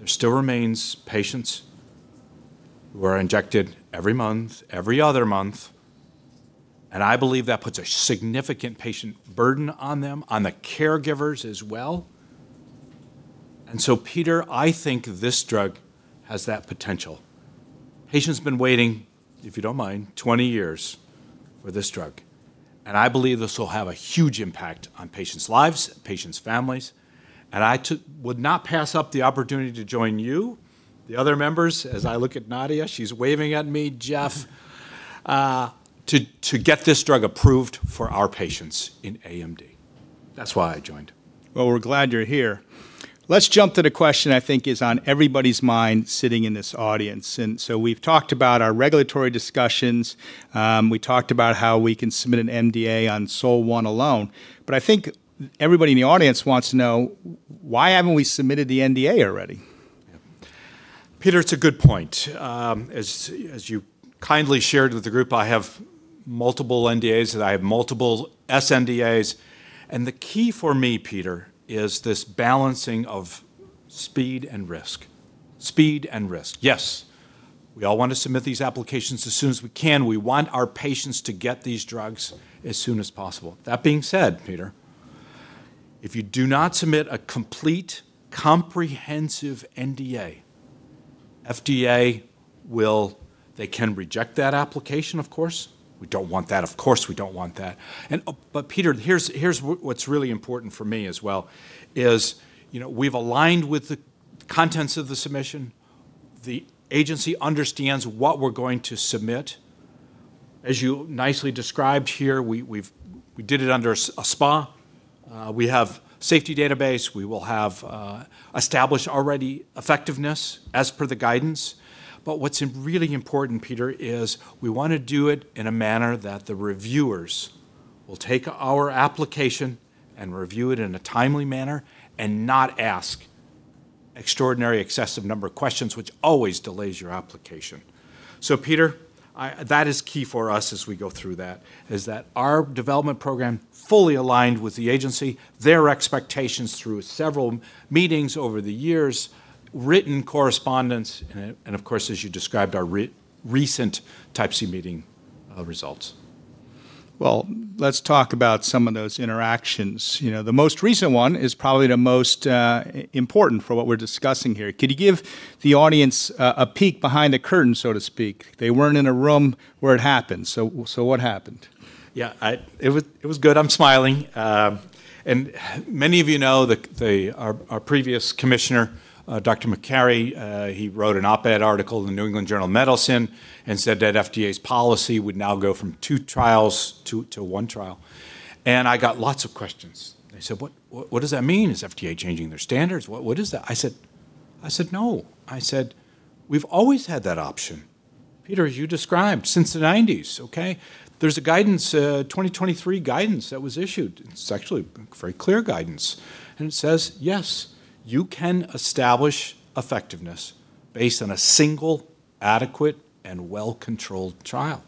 there still remains patients who are injected every month, every other month, and I believe that puts a significant patient burden on them, on the caregivers as well. Peter, I think this drug has that potential. Patients been waiting, if you don't mind, 20 years for this drug, and I believe this will have a huge impact on patients' lives, patients' families, and I would not pass up the opportunity to join you, the other members, as I look at Nadia, she's waving at me, Jeff, to get this drug approved for our patients in AMD. That's why I joined. We're glad you're here. Let's jump to the question I think is on everybody's mind sitting in this audience. We've talked about our regulatory discussions. We talked about how we can submit an NDA on SOL1 alone. I think everybody in the audience wants to know, why haven't we submitted the NDA already? Peter, it's a good point. As you kindly shared with the group, I have multiple NDAs, and I have multiple sNDAs. The key for me, Peter, is this balancing of speed and risk. Speed and risk. Yes, we all want to submit these applications as soon as we can. We want our patients to get these drugs as soon as possible. That being said, Peter, if you do not submit a complete, comprehensive NDA, FDA can reject that application, of course. We don't want that. Of course, we don't want that. Peter, here's what's really important for me as well, is we've aligned with the contents of the submission. The agency understands what we're going to submit. As you nicely described here, we did it under a SPA. We have safety database. We will have established already effectiveness as per the guidance. What's really important, Peter, is we want to do it in a manner that the reviewers will take our application and review it in a timely manner and not ask extraordinary excessive number of questions, which always delays your application. Peter, that is key for us as we go through that, is that our development program fully aligned with the agency, their expectations through several meetings over the years, written correspondence, and of course, as you described, our recent Type C meeting results. Well, let's talk about some of those interactions. The most recent one is probably the most important for what we're discussing here. Could you give the audience a peek behind the curtain, so to speak? They weren't in a room where it happened. What happened? Yeah. It was good. I'm smiling. Many of you know our previous Commissioner, Dr. Marty Makary, he wrote an op-ed article in the New England Journal of Medicine and said that FDA's policy would now go from two trials to one trial. I got lots of questions. They said, "What does that mean? Is FDA changing their standards? What is that?" I said, "No." I said, "We've always had that option." Peter, as you described, since the '90s, okay? There's a guidance, 2023 guidance that was issued. It's actually very clear guidance. It says, yes, you can establish effectiveness based on a single adequate and well-controlled trial.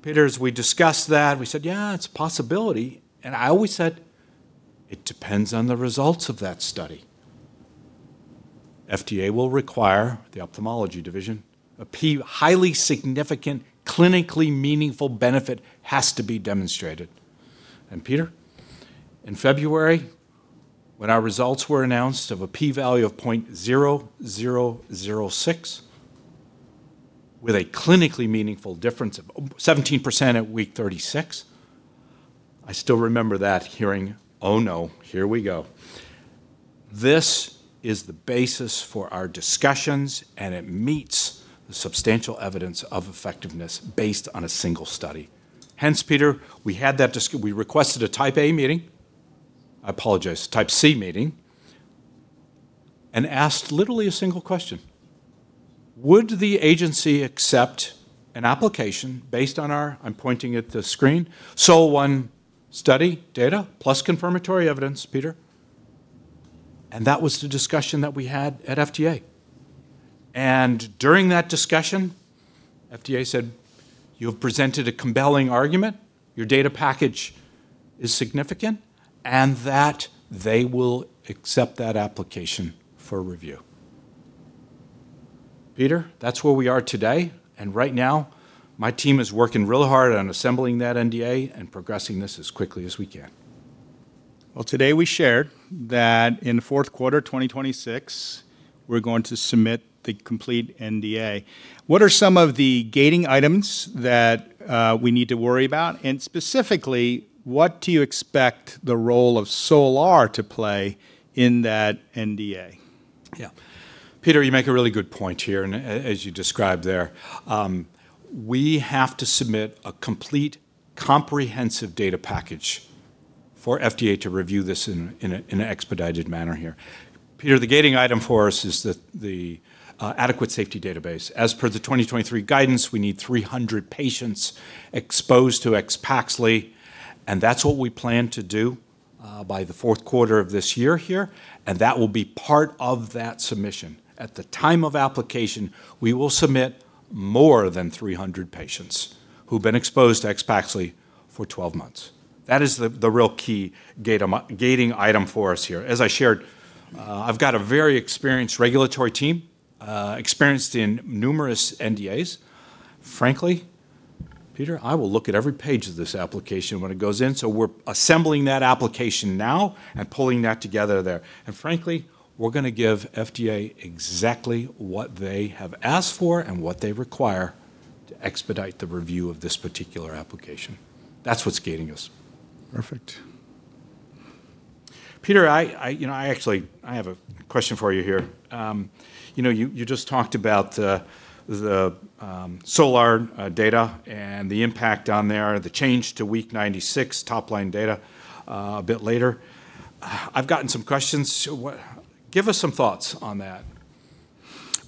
Peter, as we discussed that, we said, "Yeah, it's a possibility." I always said, "It depends on the results of that study." FDA will require the Division of Ophthalmology, a highly significant, clinically meaningful benefit has to be demonstrated. Peter, in February, when our results were announced of a p-value of 0.0006. With a clinically meaningful difference of 17% at week 36. I still remember that, hearing, "Oh, no, here we go." This is the basis for our discussions, and it meets the substantial evidence of effectiveness based on a single study. Hence, Peter, we requested a Type A meeting. I apologize, Type C meeting, and asked literally a single question. Would the agency accept an application based on our, I'm pointing at the screen, SOL1 study data plus confirmatory evidence, Peter? That was the discussion that we had at FDA. During that discussion, FDA said, "You have presented a compelling argument. Your data package is significant," and that they will accept that application for review. Peter, that's where we are today. Right now, my team is working real hard on assembling that NDA and progressing this as quickly as we can. Well, today we shared that in the fourth quarter 2026, we're going to submit the complete NDA. What are some of the gating items that we need to worry about? Specifically, what do you expect the role of SOLAR to play in that NDA? Peter, you make a really good point here. As you described there, we have to submit a complete, comprehensive data package for FDA to review this in an expedited manner here. Peter, the gating item for us is the adequate safety database. As per the 2023 guidance, we need 300 patients exposed to AXPAXLI. That's what we plan to do by the fourth quarter of this year here. That will be part of that submission. At the time of application, we will submit more than 300 patients who've been exposed to AXPAXLI for 12 months. That is the real key gating item for us here. As I shared, I've got a very experienced regulatory team, experienced in numerous NDAs. Frankly, Peter, I will look at every page of this application when it goes in. We're assembling that application now and pulling that together there. Frankly, we're going to give FDA exactly what they have asked for and what they require to expedite the review of this particular application. That's what's gating us. Perfect. Peter, I have a question for you here. You just talked about the SOLAR data and the impact on there, the change to week 96 top-line data a bit later. I've gotten some questions. Give us some thoughts on that.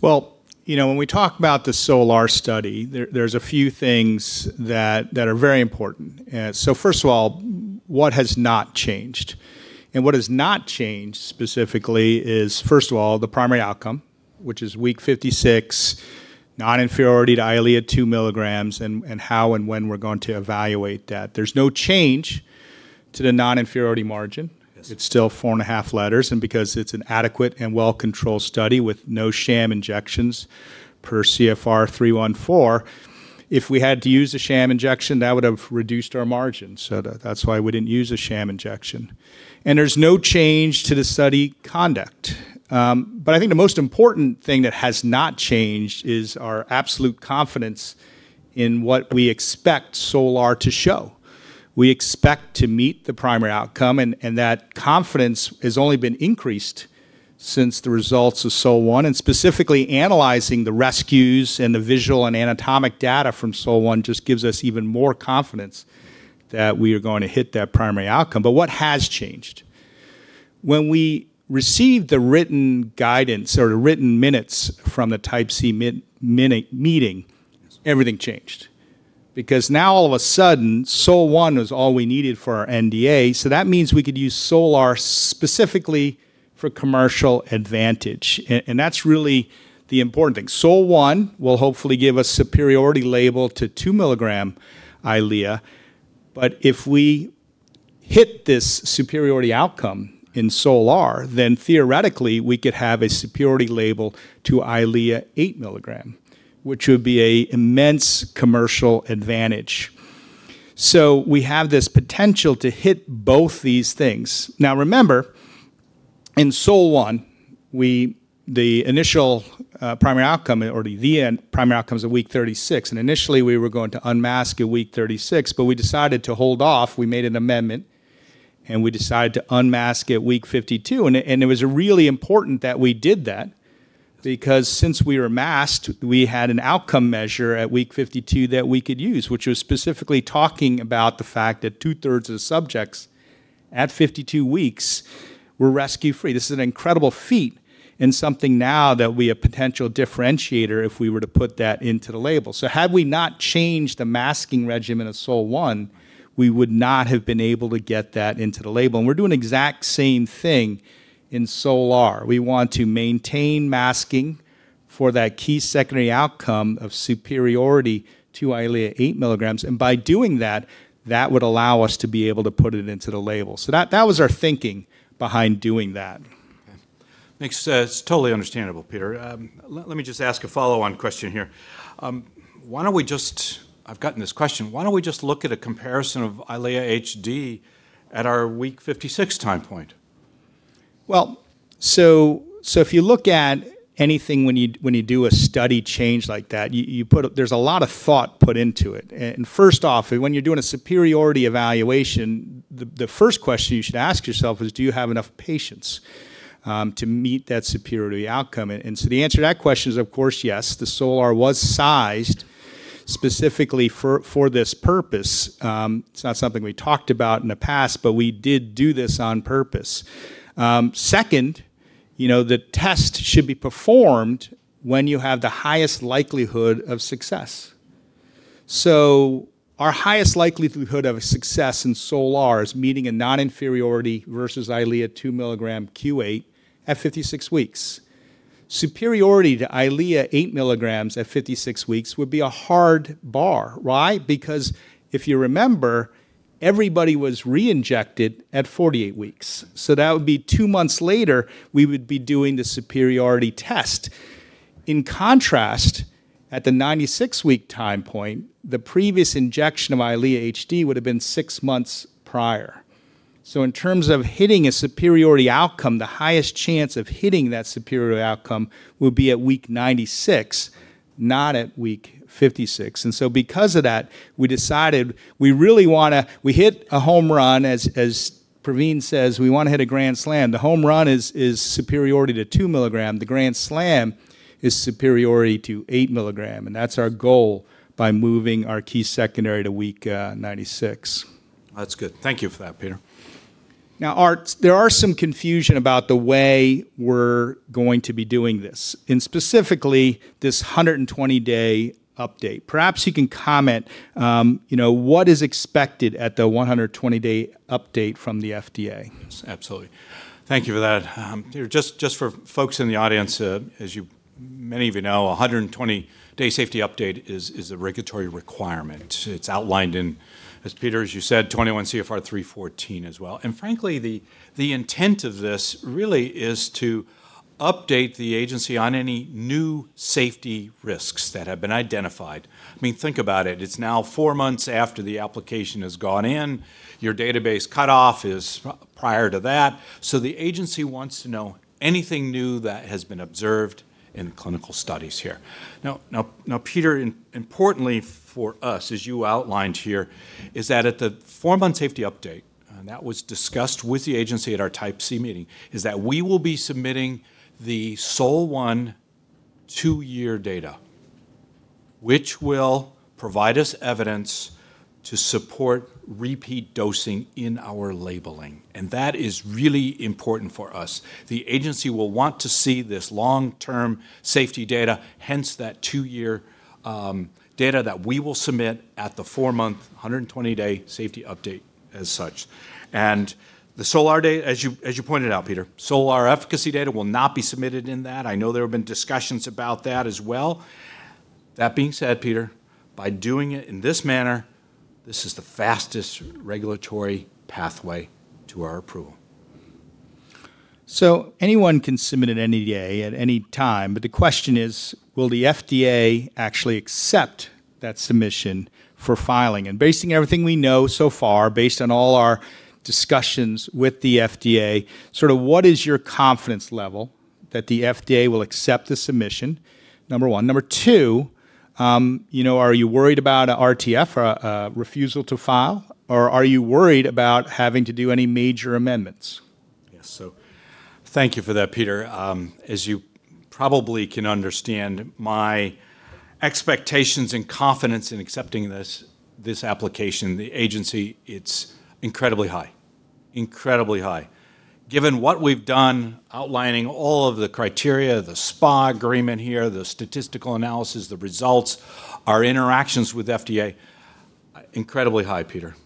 When we talk about the SOLAR study, there's a few things that are very important. First of all, what has not changed? What has not changed specifically is, first of all, the primary outcome, which is week 56, non-inferiority to EYLEA 2 mgs, and how and when we're going to evaluate that. There's no change to the non-inferiority margin. It's still four and a half letters, and because it's an adequate and well-controlled study with no sham injections per CFR 314, if we had to use a sham injection, that would have reduced our margin. That's why we didn't use a sham injection. There's no change to the study conduct. I think the most important thing that has not changed is our absolute confidence in what we expect SOLAR to show. We expect to meet the primary outcome, and that confidence has only been increased since the results of SOL1. Specifically analyzing the rescues and the visual and anatomic data from SOL1 just gives us even more confidence that we are going to hit that primary outcome. What has changed? When we received the written guidance or the written minutes from the Type C meeting, everything changed. Now all of a sudden, SOL1 was all we needed for our NDA, that means we could use SOLAR specifically for commercial advantage. That's really the important thing. SOL1 will hopefully give a superiority label to 2 mg EYLEA, if we hit this superiority outcome in SOLAR, theoretically, we could have a superiority label to EYLEA 8 milligram, which would be an immense commercial advantage. We have this potential to hit both these things. Remember, in SOL1, the initial primary outcome, or the end primary outcome is at week 36. Initially, we were going to unmask at week 36, we decided to hold off. We made an amendment, we decided to unmask at week 52. It was really important that we did that, because since we were masked, we had an outcome measure at week 52 that we could use, which was specifically talking about the fact that two-thirds of the subjects at 52 weeks were rescue-free. This is an incredible feat and something now that we have potential differentiator if we were to put that into the label. Had we not changed the masking regimen of SOL1, we would not have been able to get that into the label. We're doing the exact same thing in SOLAR. We want to maintain masking for that key secondary outcome of superiority to EYLEA 8 mgs. By doing that would allow us to be able to put it into the label. That was our thinking behind doing that. Okay. Makes sense. Totally understandable, Peter. Let me just ask a follow-on question here. I've gotten this question. Why don't we just look at a comparison of EYLEA HD at our week 56 time point? If you look at anything when you do a study change like that, there's a lot of thought put into it. First off, when you're doing a superiority evaluation, the first question you should ask yourself is: do you have enough patients to meet that superiority outcome? The answer to that question is, of course, yes. The SOLAR was sized specifically for this purpose. It's not something we talked about in the past, we did do this on purpose. Second, the test should be performed when you have the highest likelihood of success. Our highest likelihood of success in SOLAR is meeting a non-inferiority versus EYLEA two milligram Q8 at 56 weeks. Superiority to EYLEA eight milligrams at 56 weeks would be a hard bar. Why? If you remember, everybody was reinjected at 48 weeks. So that would be two months later, we would be doing the superiority test. In contrast, at the 96-week time point, the previous injection of EYLEA HD would have been six months prior. So in terms of hitting a superiority outcome, the highest chance of hitting that superiority outcome would be at week 96, not at week 56. Because of that, we decided we hit a home run as Pravin says, we want to hit a grand slam. The home run is superiority to 2 mg. The grand slam is superiority to 8 mg, and that's our goal by moving our key secondary to week 96. That's good. Thank you for that, Peter. Art, there are some confusion about the way we're going to be doing this, and specifically this 120-day update. Perhaps you can comment what is expected at the 120-day update from the FDA. Yes, absolutely. Thank you for that. Just for folks in the audience, as many of you know, 120-day safety update is a regulatory requirement. It's outlined in, as Peter, as you said, 21 CFR 314 as well. Frankly, the intent of this really is to update the agency on any new safety risks that have been identified. Think about it. It's now four months after the application has gone in. Your database cut-off is prior to that. The agency wants to know anything new that has been observed in clinical studies here. Importantly for us, as you outlined here, is that at the four-month safety update, and that was discussed with the agency at our Type C meeting, is that we will be submitting the SOL1 two-year data, which will provide us evidence to support repeat dosing in our labeling, and that is really important for us. The agency will want to see this long-term safety data, hence that two-year data that we will submit at the four-month, 120-day safety update as such. The SOLAR data, as you pointed out, Peter, SOLAR efficacy data will not be submitted in that. I know there have been discussions about that as well. That being said, Peter, by doing it in this manner, this is the fastest regulatory pathway to our approval. Anyone can submit an NDA at any time, but the question is: will the FDA actually accept that submission for filing? Basing everything we know so far, based on all our discussions with the FDA, what is your confidence level that the FDA will accept the submission? Number one. Number two, are you worried about a RTF, a refusal to file? Are you worried about having to do any major amendments? Yes. Thank you for that, Peter. As you probably can understand, my expectations and confidence in accepting this application, the agency, it's incredibly high. Given what we've done, outlining all of the criteria, the SPA agreement here, the statistical analysis, the results, our interactions with FDA, incredibly high, Peter.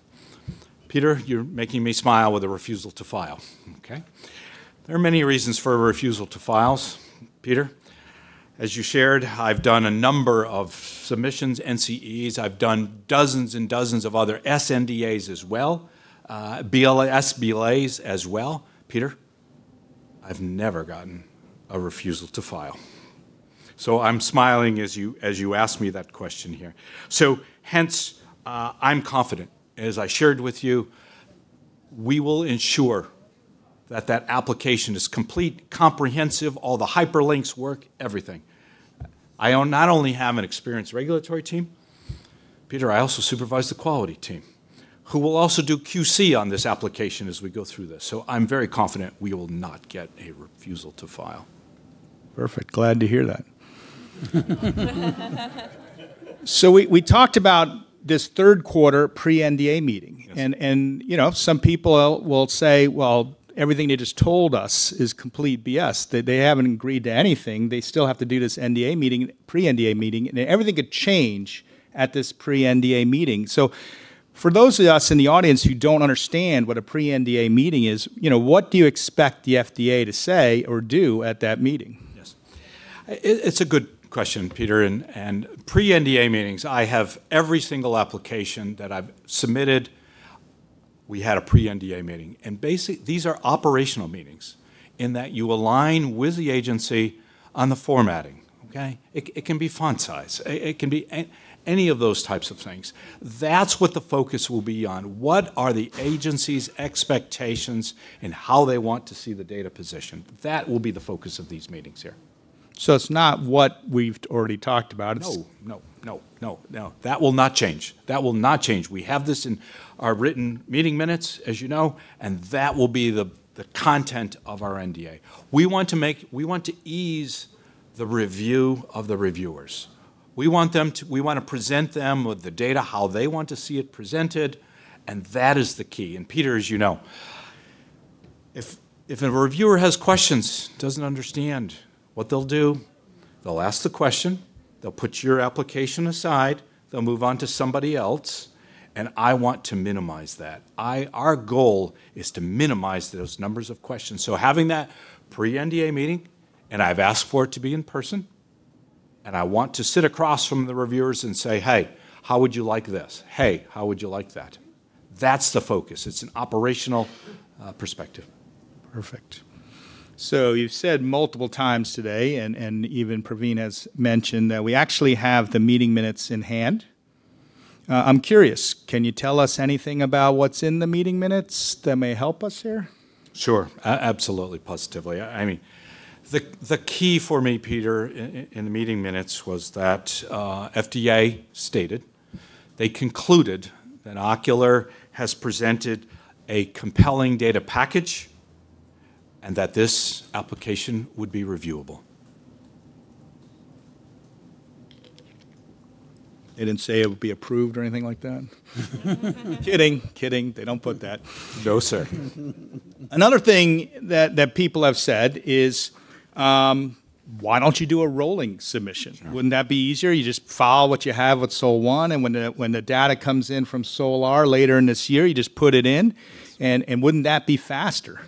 Peter, you're making me smile with a refusal to file, okay? There are many reasons for refusal to files, Peter. As you shared, I've done a number of submissions, NCEs. I've done dozens and dozens of other sNDAs as well, BLAs as well. Peter, I've never gotten a refusal to file. I'm smiling as you ask me that question here. Hence, I'm confident. As I shared with you, we will ensure that that application is complete, comprehensive, all the hyperlinks work, everything. I not only have an experienced regulatory team, Peter, I also supervise the quality team, who will also do QC on this application as we go through this. I'm very confident we will not get a refusal to file. Perfect. Glad to hear that. We talked about this third quarter pre-NDA meeting. Some people will say, "Well, everything they just told us is complete BS. They haven't agreed to anything. They still have to do this pre-NDA meeting, and everything could change at this pre-NDA meeting." For those of us in the audience who don't understand what a pre-NDA meeting is, what do you expect the FDA to say or do at that meeting? Yes. It's a good question, Peter, and pre-NDA meetings, I have every single application that I've submitted, we had a pre-NDA meeting. Basically, these are operational meetings in that you align with the agency on the formatting Okay. It can be font size. It can be any of those types of things. That's what the focus will be on. What are the agency's expectations in how they want to see the data positioned? That will be the focus of these meetings here. It's not what we've already talked about. No, that will not change. We have this in our written meeting minutes, as you know, and that will be the content of our NDA. We want to ease the review of the reviewers. We want to present them with the data how they want to see it presented, and that is the key. Peter, as you know, if a reviewer has questions, doesn't understand, what they'll do, they'll ask the question, they'll put your application aside, they'll move on to somebody else, and I want to minimize that. Our goal is to minimize those numbers of questions. Having that pre-NDA meeting, I've asked for it to be in person, I want to sit across from the reviewers and say, "Hey, how would you like this? Hey, how would you like that?" That's the focus. It's an operational perspective. Perfect. You've said multiple times today, and even Pravin has mentioned, that we actually have the meeting minutes in hand. I'm curious, can you tell us anything about what's in the meeting minutes that may help us here? Sure. Absolutely, positively. The key for me, Peter, in the meeting minutes was that FDA stated they concluded that Ocular has presented a compelling data package, and that this application would be reviewable. They didn't say it would be approved or anything like that? Kidding. They don't put that. No, sir. Another thing that people have said is why don't you do a rolling submission? Wouldn't that be easier? You just file what you have with SOL-1, when the data comes in from SOL-R later in this year, you just put it in, wouldn't that be faster?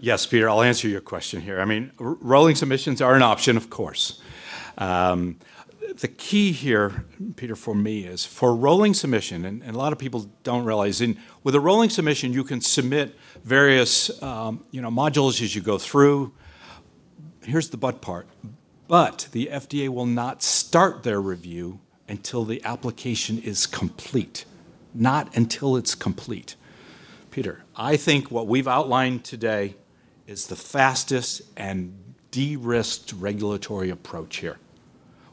Yes, Peter, I'll answer your question here. Rolling submissions are an option, of course. The key here, Peter, for me, is for rolling submission, a lot of people don't realize, with a rolling submission, you can submit various modules as you go through. Here's the but part. The FDA will not start their review until the application is complete. Not until it's complete. Peter, I think what we've outlined today is the fastest and de-risked regulatory approach here.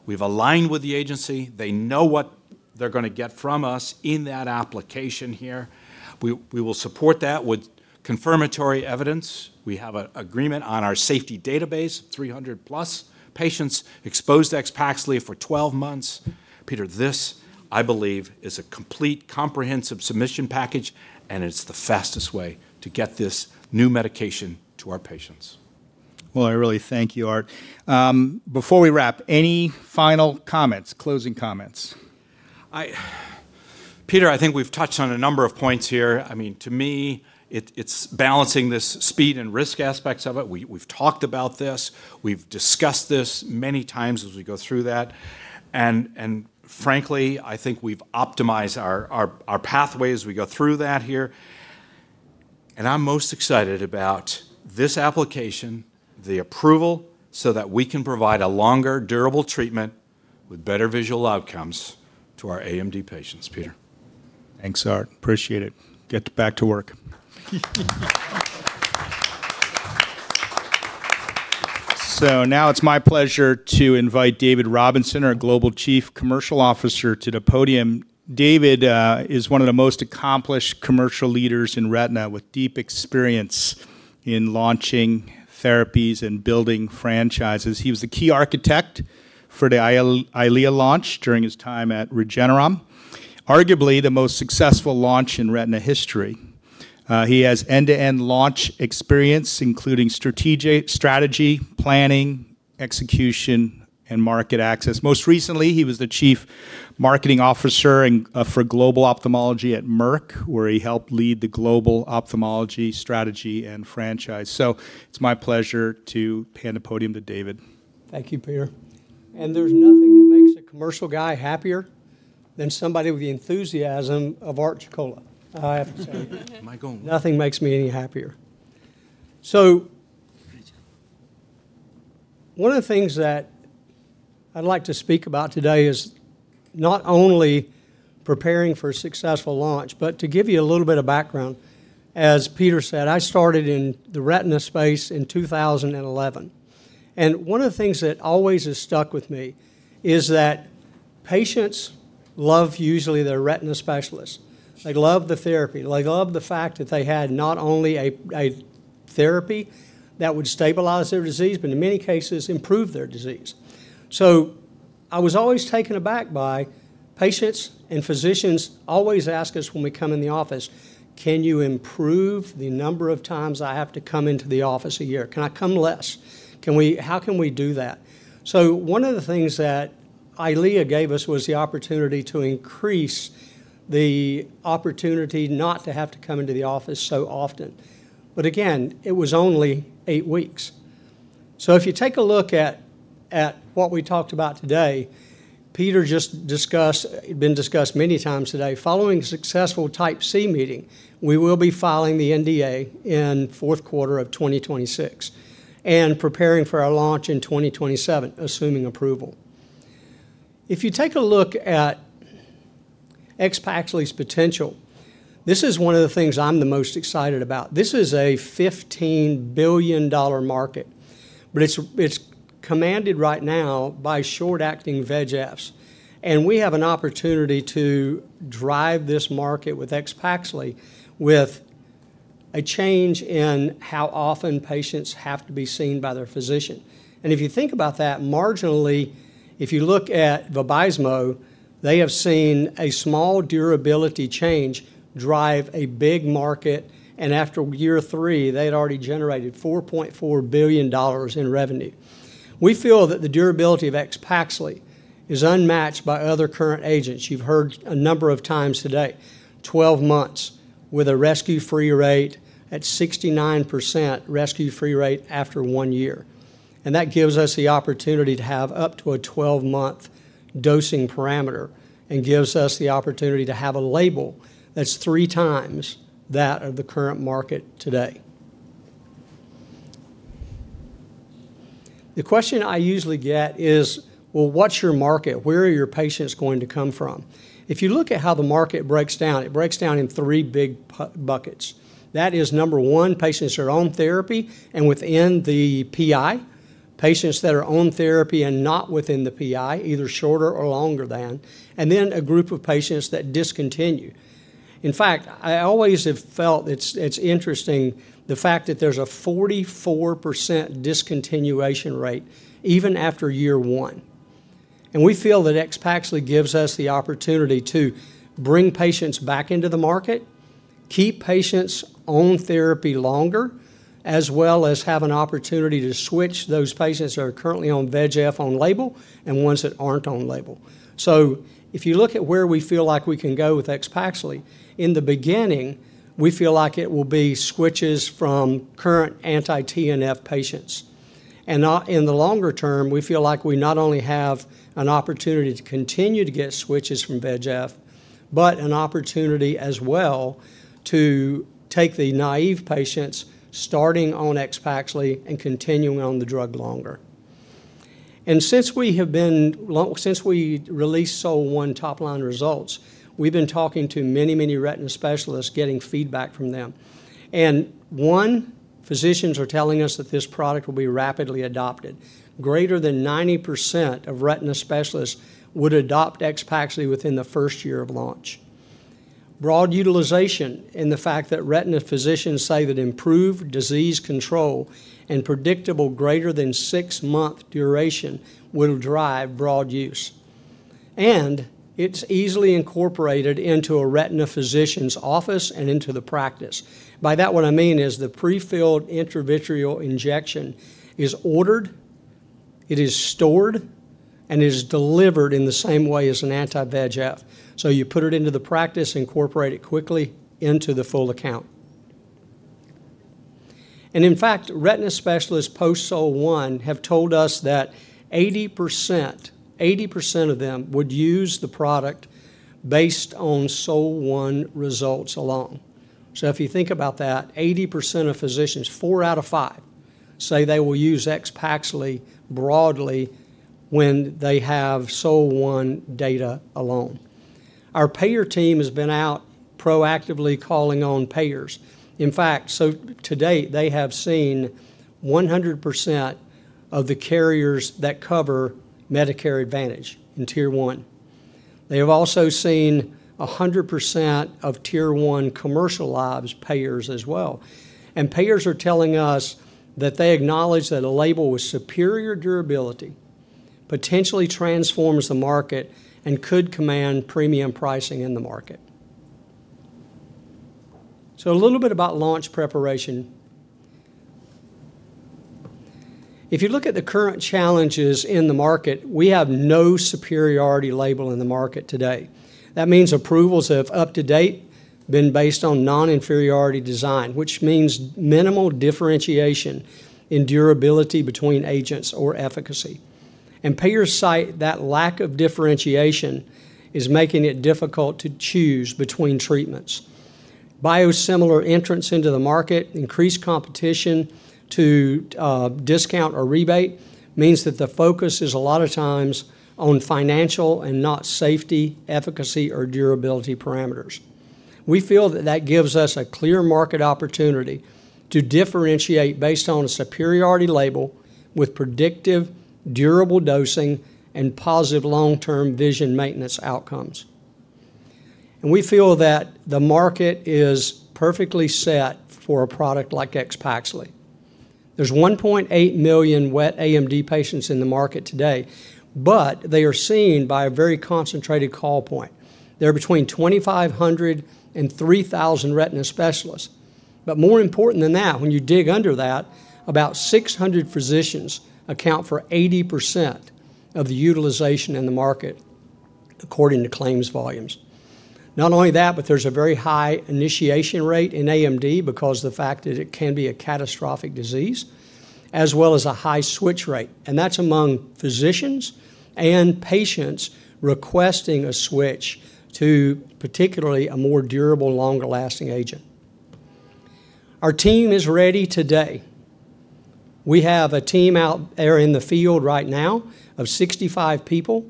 We've aligned with the agency. They know what they're going to get from us in that application here. We will support that with confirmatory evidence. We have an agreement on our safety database, 300-plus patients exposed to AXPAXLI for 12 months. Peter, this, I believe, is a complete comprehensive submission package, it's the fastest way to get this new medication to our patients. Well, I really thank you, Art. Before we wrap, any final comments, closing comments? Peter, I think we've touched on a number of points here. To me, it's balancing the speed and risk aspects of it. We've talked about this. We've discussed this many times as we go through that, frankly, I think we've optimized our pathway as we go through that here. I'm most excited about this application, the approval, so that we can provide a longer durable treatment with better visual outcomes to our AMD patients, Peter. Thanks, Art. Appreciate it. Get back to work. Now it's my pleasure to invite David Robinson, our Global Chief Commercial Officer, to the podium. David is one of the most accomplished commercial leaders in retina, with deep experience in launching therapies and building franchises. He was the key architect for the EYLEA launch during his time at Regeneron, arguably the most successful launch in retina history. He has end-to-end launch experience, including strategy, planning, execution, and market access. Most recently, he was the Chief Marketing Officer for global ophthalmology at Merck, where he helped lead the global ophthalmology strategy and franchise. It's my pleasure to hand the podium to David. Thank you, Peter. There's nothing that makes a commercial guy happier than somebody with the enthusiasm of Art Ciociola. I have to say. Nothing makes me any happier. One of the things that I'd like to speak about today is not only preparing for a successful launch, but to give you a little bit of background. As Peter said, I started in the retina space in 2011. One of the things that always has stuck with me is that patients love usually their retina specialist. They love the therapy. They love the fact that they had not only a therapy that would stabilize their disease, but in many cases, improve their disease. I was always taken aback by patients and physicians always ask us when we come in the office, "Can you improve the number of times I have to come into the office a year? Can I come less? How can we do that?" One of the things that Eylea gave us was the opportunity to increase the opportunity not to have to come into the office so often. Again, it was only eight weeks. If you take a look at what we talked about today, Peter just discussed, been discussed many times today, following successful Type C meeting, we will be filing the NDA in fourth quarter of 2026 and preparing for our launch in 2027, assuming approval. If you take a look at AXPAXLI's potential, this is one of the things I'm the most excited about. This is a $15 billion market, but it's commanded right now by short-acting VEGFs. We have an opportunity to drive this market with AXPAXLI with a change in how often patients have to be seen by their physician. If you think about that marginally, if you look at Vabysmo, they have seen a small durability change drive a big market. After year three, they had already generated $4.4 billion in revenue. We feel that the durability of AXPAXLI is unmatched by other current agents. You've heard a number of times today, 12 months with a rescue-free rate at 69% rescue-free rate after one year. That gives us the opportunity to have up to a 12-month dosing parameter and gives us the opportunity to have a label that's three times that of the current market today. The question I usually get is, "Well, what's your market? Where are your patients going to come from?" If you look at how the market breaks down, it breaks down in three big buckets. That is, number one, patients that are on therapy and within the PI, patients that are on therapy and not within the PI, either shorter or longer than, then a group of patients that discontinue. In fact, I always have felt it's interesting the fact that there's a 44% discontinuation rate even after year one. We feel that AXPAXLI gives us the opportunity to bring patients back into the market, keep patients on therapy longer, as well as have an opportunity to switch those patients that are currently on VEGF-on label and ones that aren't on label. If you look at where we feel like we can go with AXPAXLI, in the beginning, we feel like it will be switches from current anti-VEGF patients. In the longer term, we feel like we not only have an opportunity to continue to get switches from VEGF, but an opportunity as well to take the naive patients starting on AXPAXLI and continuing on the drug longer. Since we released SOL1 top-line results, we've been talking to many, many retina specialists getting feedback from them. One, physicians are telling us that this product will be rapidly adopted. Greater than 90% of retina specialists would adopt AXPAXLI within the first year of launch. Broad utilization in the fact that retina physicians say that improved disease control and predictable greater than six-month duration will drive broad use. It's easily incorporated into a retina physician's office and into the practice. By that, what I mean is the prefilled intravitreal injection is ordered, it is stored, and is delivered in the same way as an anti-VEGF. You put it into the practice, incorporate it quickly into the full account. In fact, retina specialists post SOL1 have told us that 80% of them would use the product based on SOL1 results alone. If you think about that, 80% of physicians, four out of five, say they will use AXPAXLI broadly when they have SOL1 data alone. Our payer team has been out proactively calling on payers. In fact, to date, they have seen 100% of the carriers that cover Medicare Advantage in Tier 1. They have also seen 100% of Tier 1 commercial lives payers as well. Payers are telling us that they acknowledge that a label with superior durability potentially transforms the market and could command premium pricing in the market. A little bit about launch preparation. If you look at the current challenges in the market, we have no superiority label in the market today. That means approvals have up to date been based on non-inferiority design, which means minimal differentiation in durability between agents or efficacy. Payers cite that lack of differentiation is making it difficult to choose between treatments. Biosimilar entrants into the market, increased competition to discount or rebate means that the focus is a lot of times on financial and not safety, efficacy, or durability parameters. We feel that that gives us a clear market opportunity to differentiate based on a superiority label with predictive, durable dosing, and positive long-term vision maintenance outcomes. We feel that the market is perfectly set for a product like AXPAXLI. There's 1.8 million wet AMD patients in the market today, but they are seen by a very concentrated call point. There are between 2,500 and 3,000 retina specialists. More important than that, when you dig under that, about 600 physicians account for 80% of the utilization in the market. According to claims volumes. Not only that, there's a very high initiation rate in AMD because of the fact that it can be a catastrophic disease, as well as a high switch rate, and that's among physicians and patients requesting a switch to particularly a more durable, longer-lasting agent. Our team is ready today. We have a team out there in the field right now of 65 people,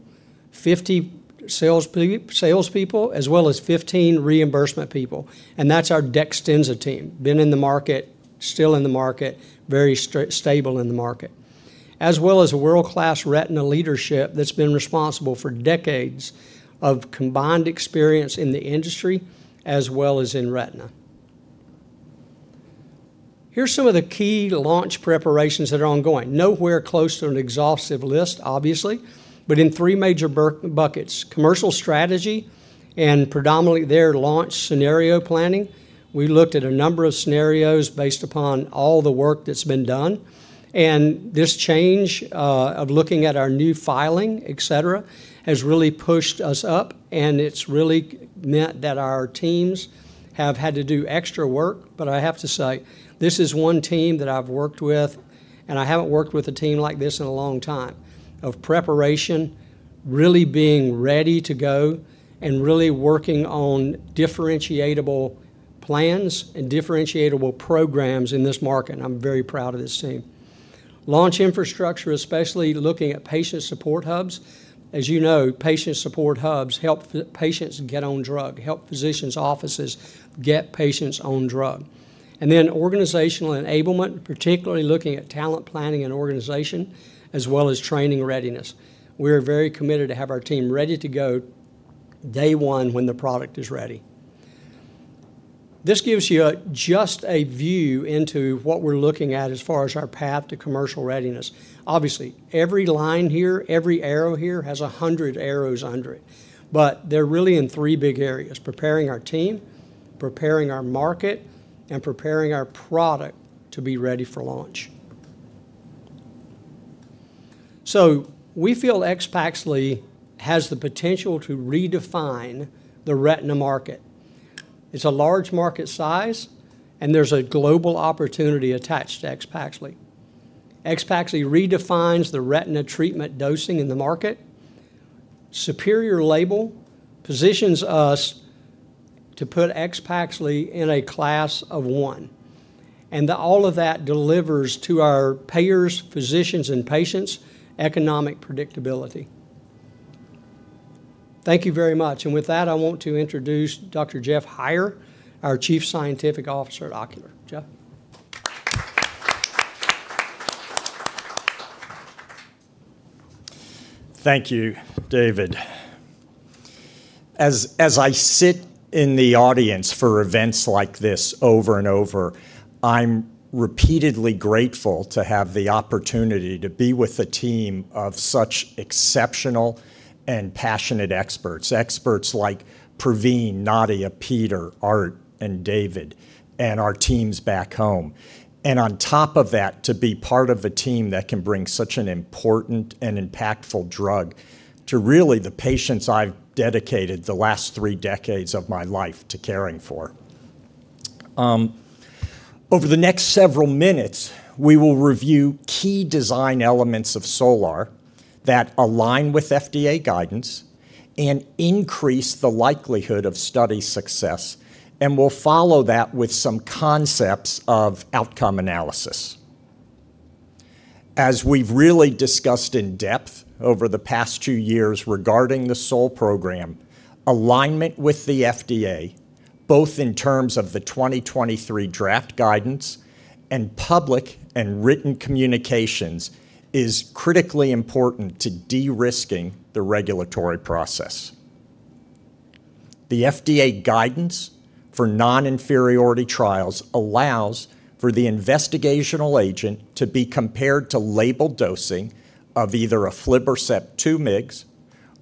50 salespeople, as well as 15 reimbursement people. That's our DEXTENZA team. Been in the market, still in the market, very stable in the market. As well as a world-class retina leadership that's been responsible for decades of combined experience in the industry, as well as in retina. Here's some of the key launch preparations that are ongoing. Nowhere close to an exhaustive list, obviously, but in three major buckets. Commercial strategy, predominantly there, launch scenario planning. We looked at a number of scenarios based upon all the work that's been done. This change of looking at our new filing, et cetera, has really pushed us up, and it's really meant that our teams have had to do extra work. I have to say, this is one team that I've worked with, and I haven't worked with a team like this in a long time, of preparation, really being ready to go, and really working on differentiatable plans and differentiatable programs in this market, and I'm very proud of this team. Launch infrastructure, especially looking at patient support hubs. As you know, patient support hubs help patients get on drug, help physicians' offices get patients on drug. Organizational enablement, particularly looking at talent planning and organization, as well as training readiness. We are very committed to have our team ready to go day one when the product is ready. This gives you just a view into what we're looking at as far as our path to commercial readiness. Obviously, every line here, every arrow here, has 100 arrows under it. They're really in three big areas: preparing our team, preparing our market, and preparing our product to be ready for launch. We feel AXPAXLI has the potential to redefine the retina market. It's a large market size, and there's a global opportunity attached to AXPAXLI. AXPAXLI redefines the retina treatment dosing in the market. Superior label positions us to put AXPAXLI in a class of one, all of that delivers to our payers, physicians, and patients economic predictability. Thank you very much. With that, I want to introduce Dr. Jeff Heier, our Chief Scientific Officer at Ocular. Jeff. Thank you, David. As I sit in the audience for events like this over and over, I'm repeatedly grateful to have the opportunity to be with a team of such exceptional and passionate experts. Experts like Pravin, Nadia, Peter, Art, and David, and our teams back home. On top of that, to be part of a team that can bring such an important and impactful drug to really the patients I've dedicated the last three decades of my life to caring for. Over the next several minutes, we will review key design elements of SOLAR that align with FDA guidance and increase the likelihood of study success, we'll follow that with some concepts of outcome analysis. As we've really discussed in depth over the past two years regarding the SOL program, alignment with the FDA, both in terms of the 2023 draft guidance and public and written communications, is critically important to de-risking the regulatory process. The FDA guidance for non-inferiority trials allows for the investigational agent to be compared to label dosing of either aflibercept two mg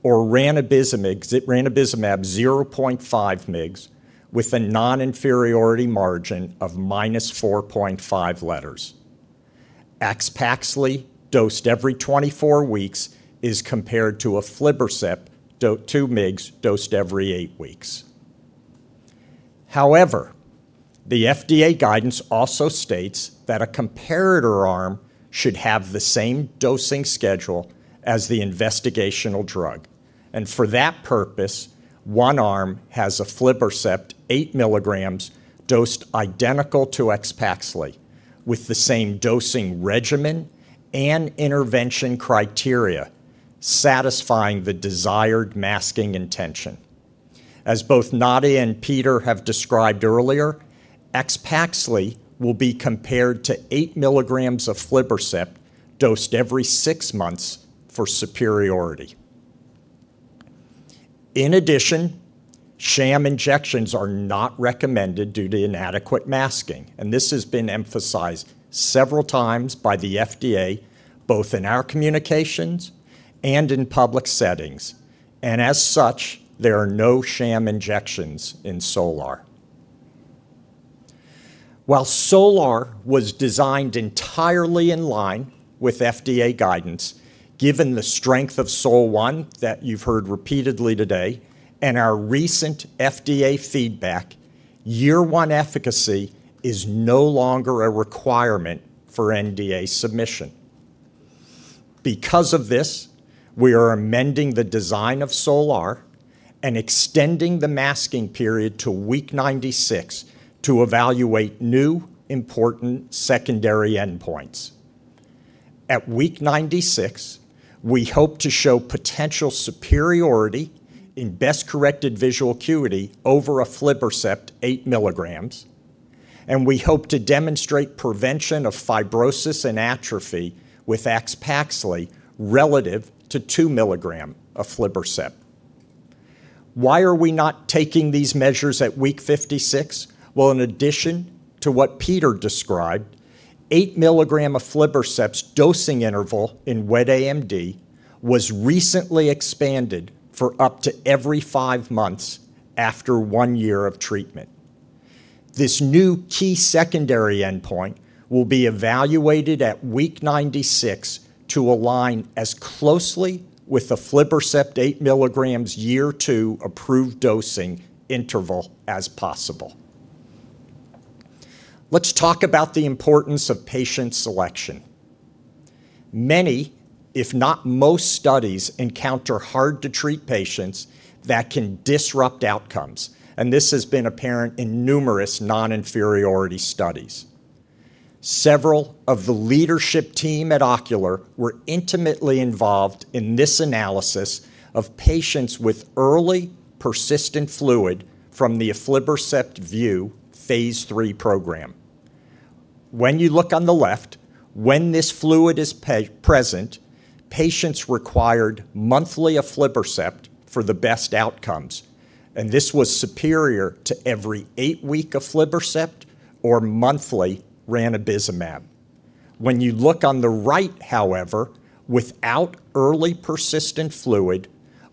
or ranibizumab 0.5 mg with a non-inferiority margin of minus 4.5 letters. AXPAXLI dosed every 24 weeks is compared to aflibercept two mg dosed every eight weeks. However, the FDA guidance also states that a comparator arm should have the same dosing schedule as the investigational drug. For that purpose, one arm has aflibercept eight mg dosed identical to AXPAXLI with the same dosing regimen and intervention criteria, satisfying the desired masking intention. As both Nadia and Peter have described earlier, AXPAXLI will be compared to eight mg of aflibercept dosed every six months for superiority. In addition, sham injections are not recommended due to inadequate masking, this has been emphasized several times by the FDA, both in our communications and in public settings. As such, there are no sham injections in SOLAR. While SOLAR was designed entirely in line with FDA guidance, given the strength of SOL1 that you've heard repeatedly today, our recent FDA feedback, year one efficacy is no longer a requirement for NDA submission. Because of this, we are amending the design of SOLAR and extending the masking period to week 96 to evaluate new important secondary endpoints. At week 96, we hope to show potential superiority in best-corrected visual acuity over aflibercept eight mg, we hope to demonstrate prevention of fibrosis and atrophy with AXPAXLI relative to two mg of aflibercept. Why are we not taking these measures at week 56? Well, in addition to what Peter described, eight mg of aflibercept's dosing interval in wet AMD was recently expanded for up to every five months after one year of treatment. This new key secondary endpoint will be evaluated at week 96 to align as closely with the aflibercept eight mg year two approved dosing interval as possible. Let's talk about the importance of patient selection. Many, if not most studies, encounter hard-to-treat patients that can disrupt outcomes, this has been apparent in numerous non-inferiority studies. Several of the leadership team at Ocular were intimately involved in this analysis of patients with early persistent fluid from the aflibercept VIEW phase III program. When you look on the left, when this fluid is present, patients required monthly aflibercept for the best outcomes, and this was superior to every eight-week aflibercept or monthly ranibizumab. When you look on the right, however, without early persistent fluid,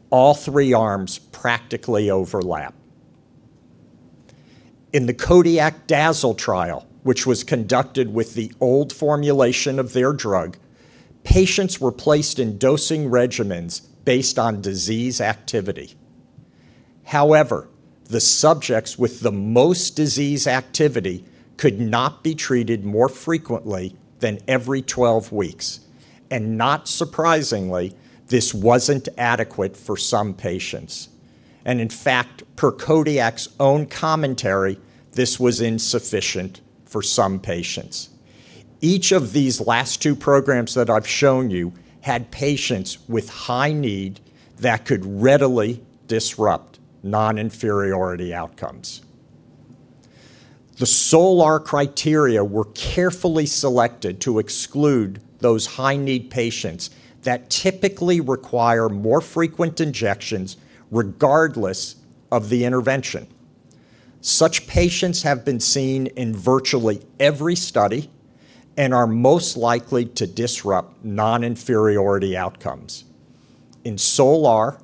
all three arms practically overlap. In the Kodiak DAZZLE trial, which was conducted with the old formulation of their drug, patients were placed in dosing regimens based on disease activity. Not surprisingly, this wasn't adequate for some patients. In fact, per Kodiak's own commentary, this was insufficient for some patients. Each of these last two programs that I've shown you had patients with high need that could readily disrupt non-inferiority outcomes. The SOLAR criteria were carefully selected to exclude those high-need patients that typically require more frequent injections regardless of the intervention. Such patients have been seen in virtually every study and are most likely to disrupt non-inferiority outcomes. In SOLAR,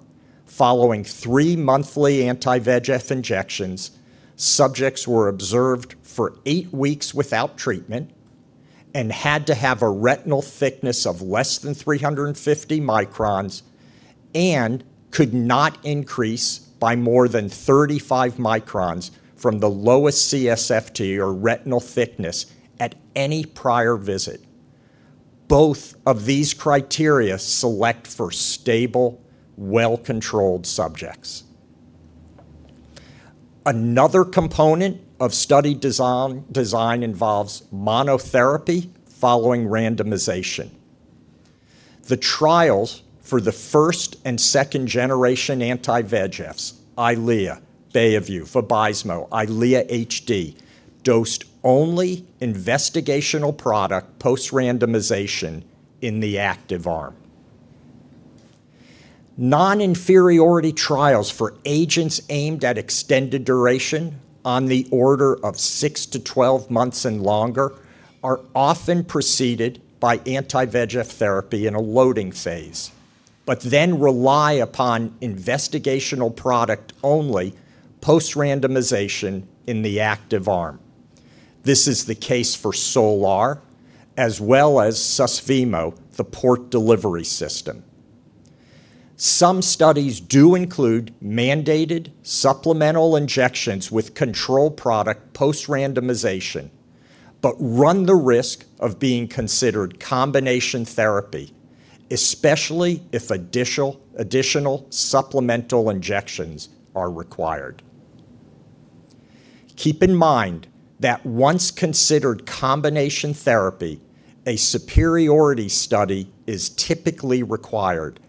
following three monthly anti-VEGF injections, subjects were observed for eight weeks without treatment and had to have a retinal thickness of less than 350 microns and could not increase by more than 35 microns from the lowest CSFT or retinal thickness at any prior visit. Both of these criteria select for stable, well-controlled subjects. Another component of study design involves monotherapy following randomization. The trials for the first and second-generation anti-VEGFs, Eylea, Beovu, Vabysmo, EYLEA HD, dosed only investigational product post-randomization in the active arm. Non-inferiority trials for agents aimed at extended duration on the order of 6-12 months and longer are often preceded by anti-VEGF therapy in a loading phase, but then rely upon investigational product only post-randomization in the active arm. This is the case for SOLAR, as well as Susvimo, the port delivery system. Some studies do include mandated supplemental injections with control product post-randomization, but run the risk of being considered combination therapy, especially if additional supplemental injections are required. Keep in mind that once considered combination therapy, a superiority study is typically required,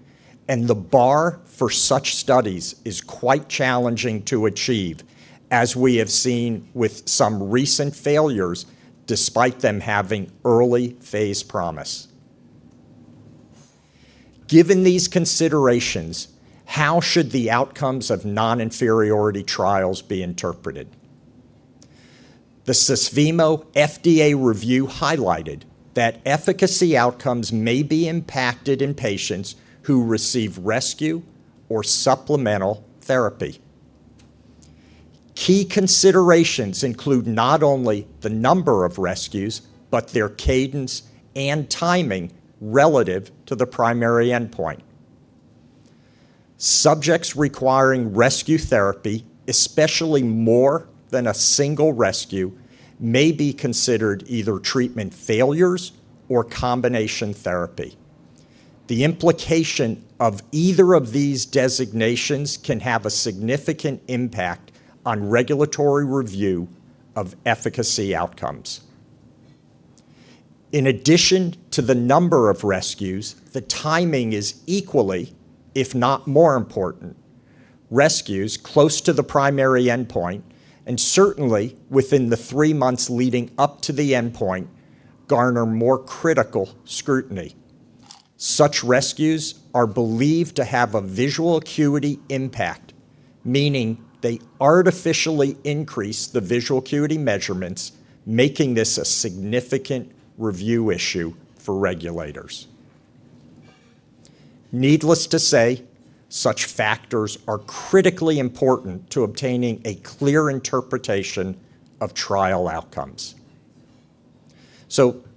and the bar for such studies is quite challenging to achieve, as we have seen with some recent failures, despite them having early phase promise. Given these considerations, how should the outcomes of non-inferiority trials be interpreted? The Susvimo FDA review highlighted that efficacy outcomes may be impacted in patients who receive rescue or supplemental therapy. Key considerations include not only the number of rescues, but their cadence and timing relative to the primary endpoint. Subjects requiring rescue therapy, especially more than a single rescue, may be considered either treatment failures or combination therapy. The implication of either of these designations can have a significant impact on regulatory review of efficacy outcomes. In addition to the number of rescues, the timing is equally, if not more important. Rescues close to the primary endpoint, and certainly within the 3 months leading up to the endpoint, garner more critical scrutiny. Such rescues are believed to have a visual acuity impact, meaning they artificially increase the visual acuity measurements, making this a significant review issue for regulators. Needless to say, such factors are critically important to obtaining a clear interpretation of trial outcomes.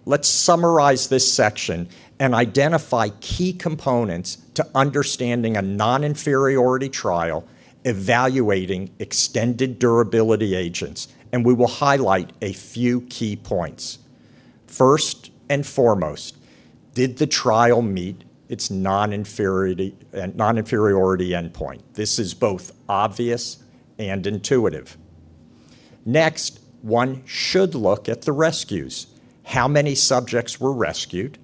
Let's summarize this section and identify key components to understanding a non-inferiority trial evaluating extended durability agents. We will highlight a few key points. First and foremost, did the trial meet its non-inferiority endpoint? This is both obvious and intuitive. One should look at the rescues. How many subjects were rescued?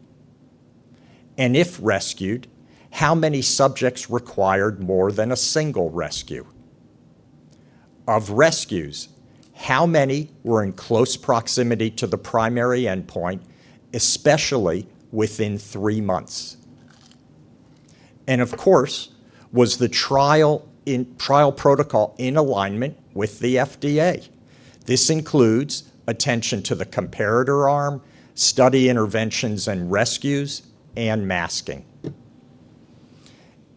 If rescued, how many subjects required more than a single rescue? Of rescues, how many were in close proximity to the primary endpoint, especially within three months? Of course, was the trial protocol in alignment with the FDA? This includes attention to the comparator arm, study interventions and rescues, and masking.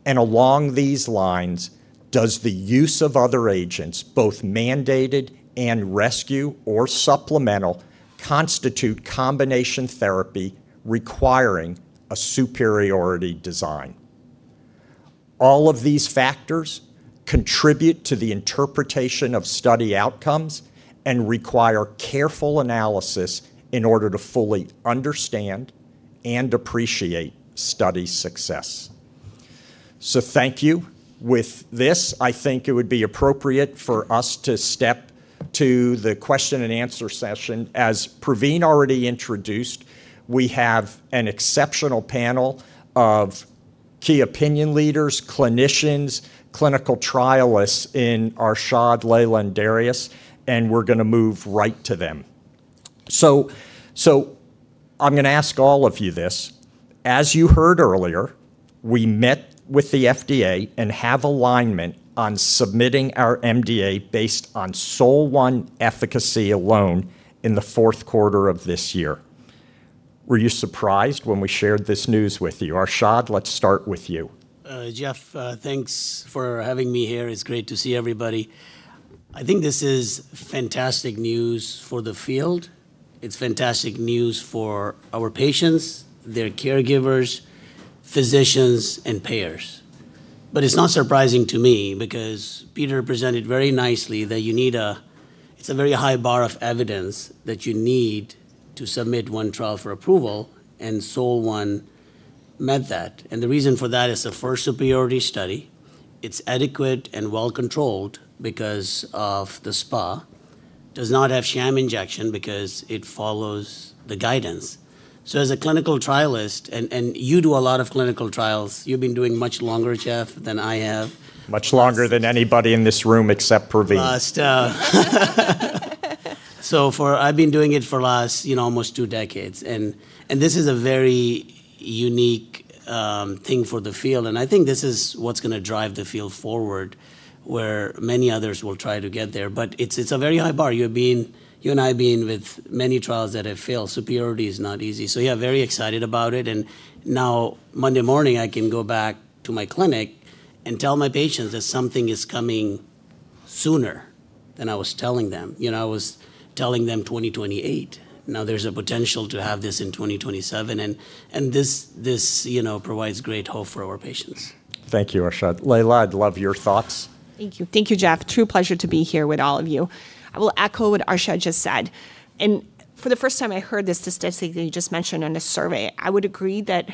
Along these lines, does the use of other agents, both mandated and rescue or supplemental, constitute combination therapy requiring a superiority design? All of these factors contribute to the interpretation of study outcomes and require careful analysis in order to fully understand and appreciate study success. Thank you. With this, I think it would be appropriate for us to step to the question and answer session. As Pravin already introduced, we have an exceptional panel of key opinion leaders, clinicians, clinical trialists in Arshad, Lejla, and Darius. We're going to move right to them. I'm going to ask all of you this. As you heard earlier, we met with the FDA and have alignment on submitting our NDA based on SOL-1 efficacy alone in the fourth quarter of this year. Were you surprised when we shared this news with you? Arshad, let's start with you. Jeff, thanks for having me here. It's great to see everybody. This is fantastic news for the field. It's fantastic news for our patients, their caregivers, physicians, and payers. It's not surprising to me because Peter presented very nicely that it's a very high bar of evidence that you need to submit one trial for approval, and SOL-1 met that. The reason for that is the 1st superiority study, it's adequate and well-controlled because of the SPA. Does not have sham injection because it follows the guidance. As a clinical trialist, you do a lot of clinical trials. You've been doing much longer, Jeff, than I have. Much longer than anybody in this room except Pravin. Must. I've been doing it for last almost two decades. This is a very unique thing for the field. I think this is what's going to drive the field forward, where many others will try to get there. It's a very high bar. You and I have been with many trials that have failed. Superiority is not easy. Yeah, very excited about it. Now Monday morning, I can go back to my clinic and tell my patients that something is coming sooner than I was telling them. I was telling them 2028. Now there's a potential to have this in 2027, and this provides great hope for our patients. Thank you, Arshad. Lejla, I'd love your thoughts. Thank you. Thank you, Jeff. True pleasure to be here with all of you. I will echo what Arshad just said. For the first time I heard the statistic that you just mentioned in the survey, I would agree that,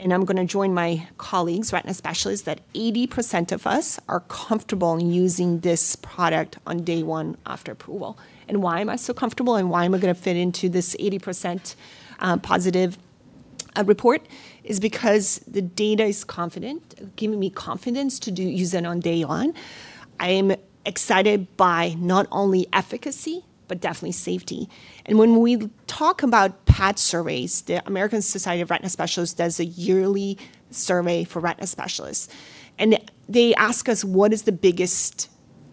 I'm going to join my colleagues, retina specialists, that 80% of us are comfortable in using this product on day one after approval. Why am I so comfortable, and why am I going to fit into this 80% positive report is because the data is giving me confidence to use it on day one. I'm excited by not only efficacy, but definitely safety. When we talk about PAT surveys, the American Society of Retina Specialists does a yearly survey for retina specialists, and they ask us what is the biggest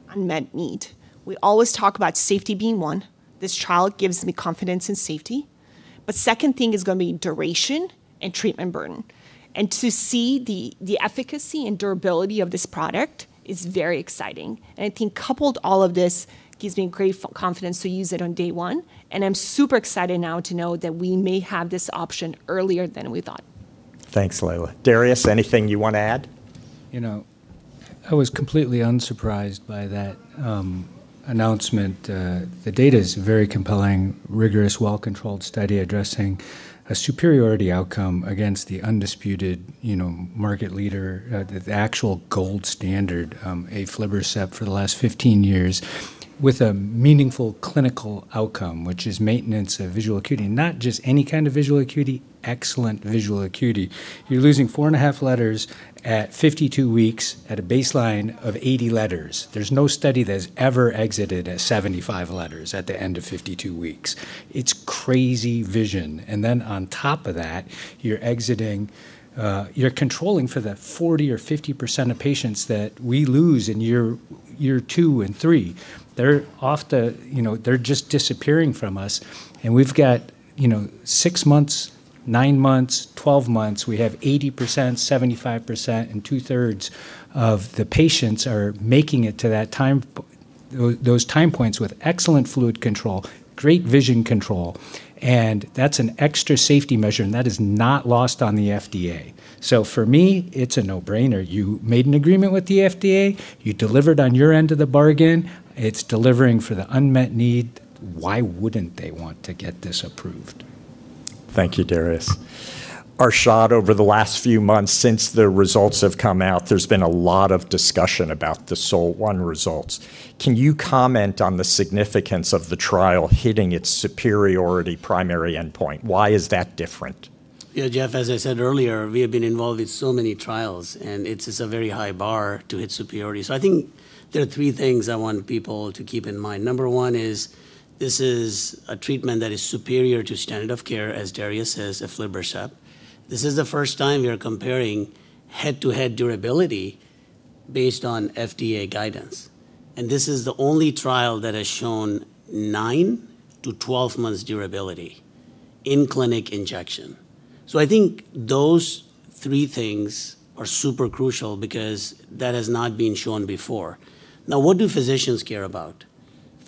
unmet need. We always talk about safety being one. This trial gives me confidence in safety. Second thing is going to be duration and treatment burden. To see the efficacy and durability of this product is very exciting. I think coupled all of this gives me great confidence to use it on day one, and I'm super excited now to know that we may have this option earlier than we thought. Thanks, Lejla. Darius, anything you want to add? I was completely unsurprised by that announcement. The data is very compelling, rigorous, well-controlled study addressing a superiority outcome against the undisputed market leader, the actual gold standard, aflibercept, for the last 15 years, with a meaningful clinical outcome, which is maintenance of visual acuity. Not just any kind of visual acuity, excellent visual acuity. You're losing four and a half letters at 52 weeks at a baseline of 80 letters. There's no study that has ever exited at 75 letters at the end of 52 weeks. It's crazy vision. Then on top of that, you're controlling for the 40% or 50% of patients that we lose in year two and three. They're just disappearing from us, and we've got six months, nine months, 12 months. We have 80%, 75%, and two-thirds of the patients are making it to those time points with excellent fluid control, great vision control, and that's an extra safety measure, and that is not lost on the FDA. For me, it's a no-brainer. You made an agreement with the FDA. You delivered on your end of the bargain. It's delivering for the unmet need. Why wouldn't they want to get this approved? Thank you, Darius. Arshad, over the last few months since the results have come out, there's been a lot of discussion about the SOL1 results. Can you comment on the significance of the trial hitting its superiority primary endpoint? Why is that different? Yeah, Jeff, as I said earlier, we have been involved in so many trials, and it's a very high bar to hit superiority. I think there are three things I want people to keep in mind. Number one is this is a treatment that is superior to standard of care, as Darius says, aflibercept. This is the first time we are comparing head-to-head durability based on FDA guidance. This is the only trial that has shown 9-12 months durability in-clinic injection. I think those three things are super crucial because that has not been shown before. What do physicians care about?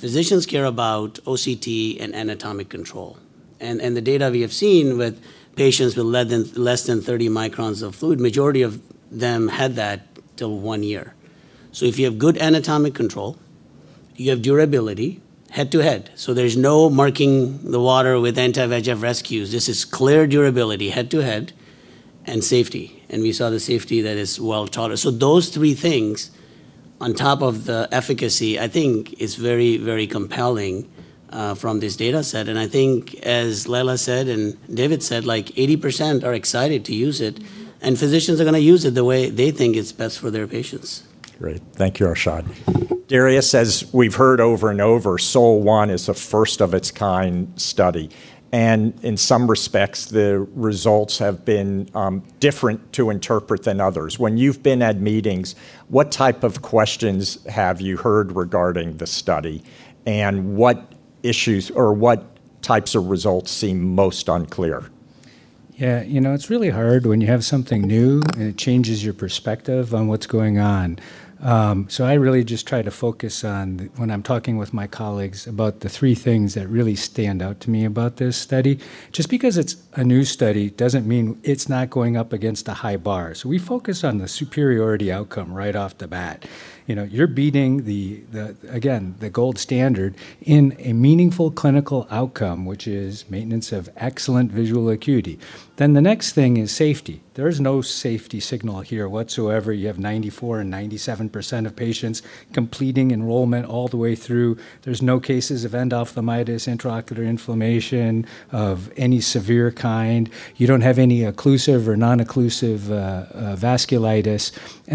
Physicians care about OCT and anatomic control. The data we have seen with patients with less than 30 microns of fluid, majority of them had that till one year. If you have good anatomic control, you have durability head-to-head, so there's no marking the water with anti-VEGF rescues. This is clear durability, head-to-head, and safety, and we saw the safety that is well-taught. Those three things on top of the efficacy, I think is very compelling from this data set. I think as Lejla said, and David said, 80% are excited to use it, and physicians are going to use it the way they think is best for their patients. Great. Thank you, Arshad. Darius, as we've heard over and over, SOL1 is a first-of-its-kind study, and in some respects, the results have been different to interpret than others. When you've been at meetings, what type of questions have you heard regarding the study, and what issues or what types of results seem most unclear? Yeah. It's really hard when you have something new and it changes your perspective on what's going on. I really just try to focus on when I'm talking with my colleagues about the three things that really stand out to me about this study. Just because it's a new study doesn't mean it's not going up against a high bar. We focus on the superiority outcome right off the bat. You're beating, again, the gold standard in a meaningful clinical outcome, which is maintenance of excellent visual acuity. The next thing is safety. There is no safety signal here whatsoever. You have 94% and 97% of patients completing enrollment all the way through. There's no cases of endophthalmitis, intraocular inflammation of any severe kind. You don't have any occlusive or non-occlusive vasculitis.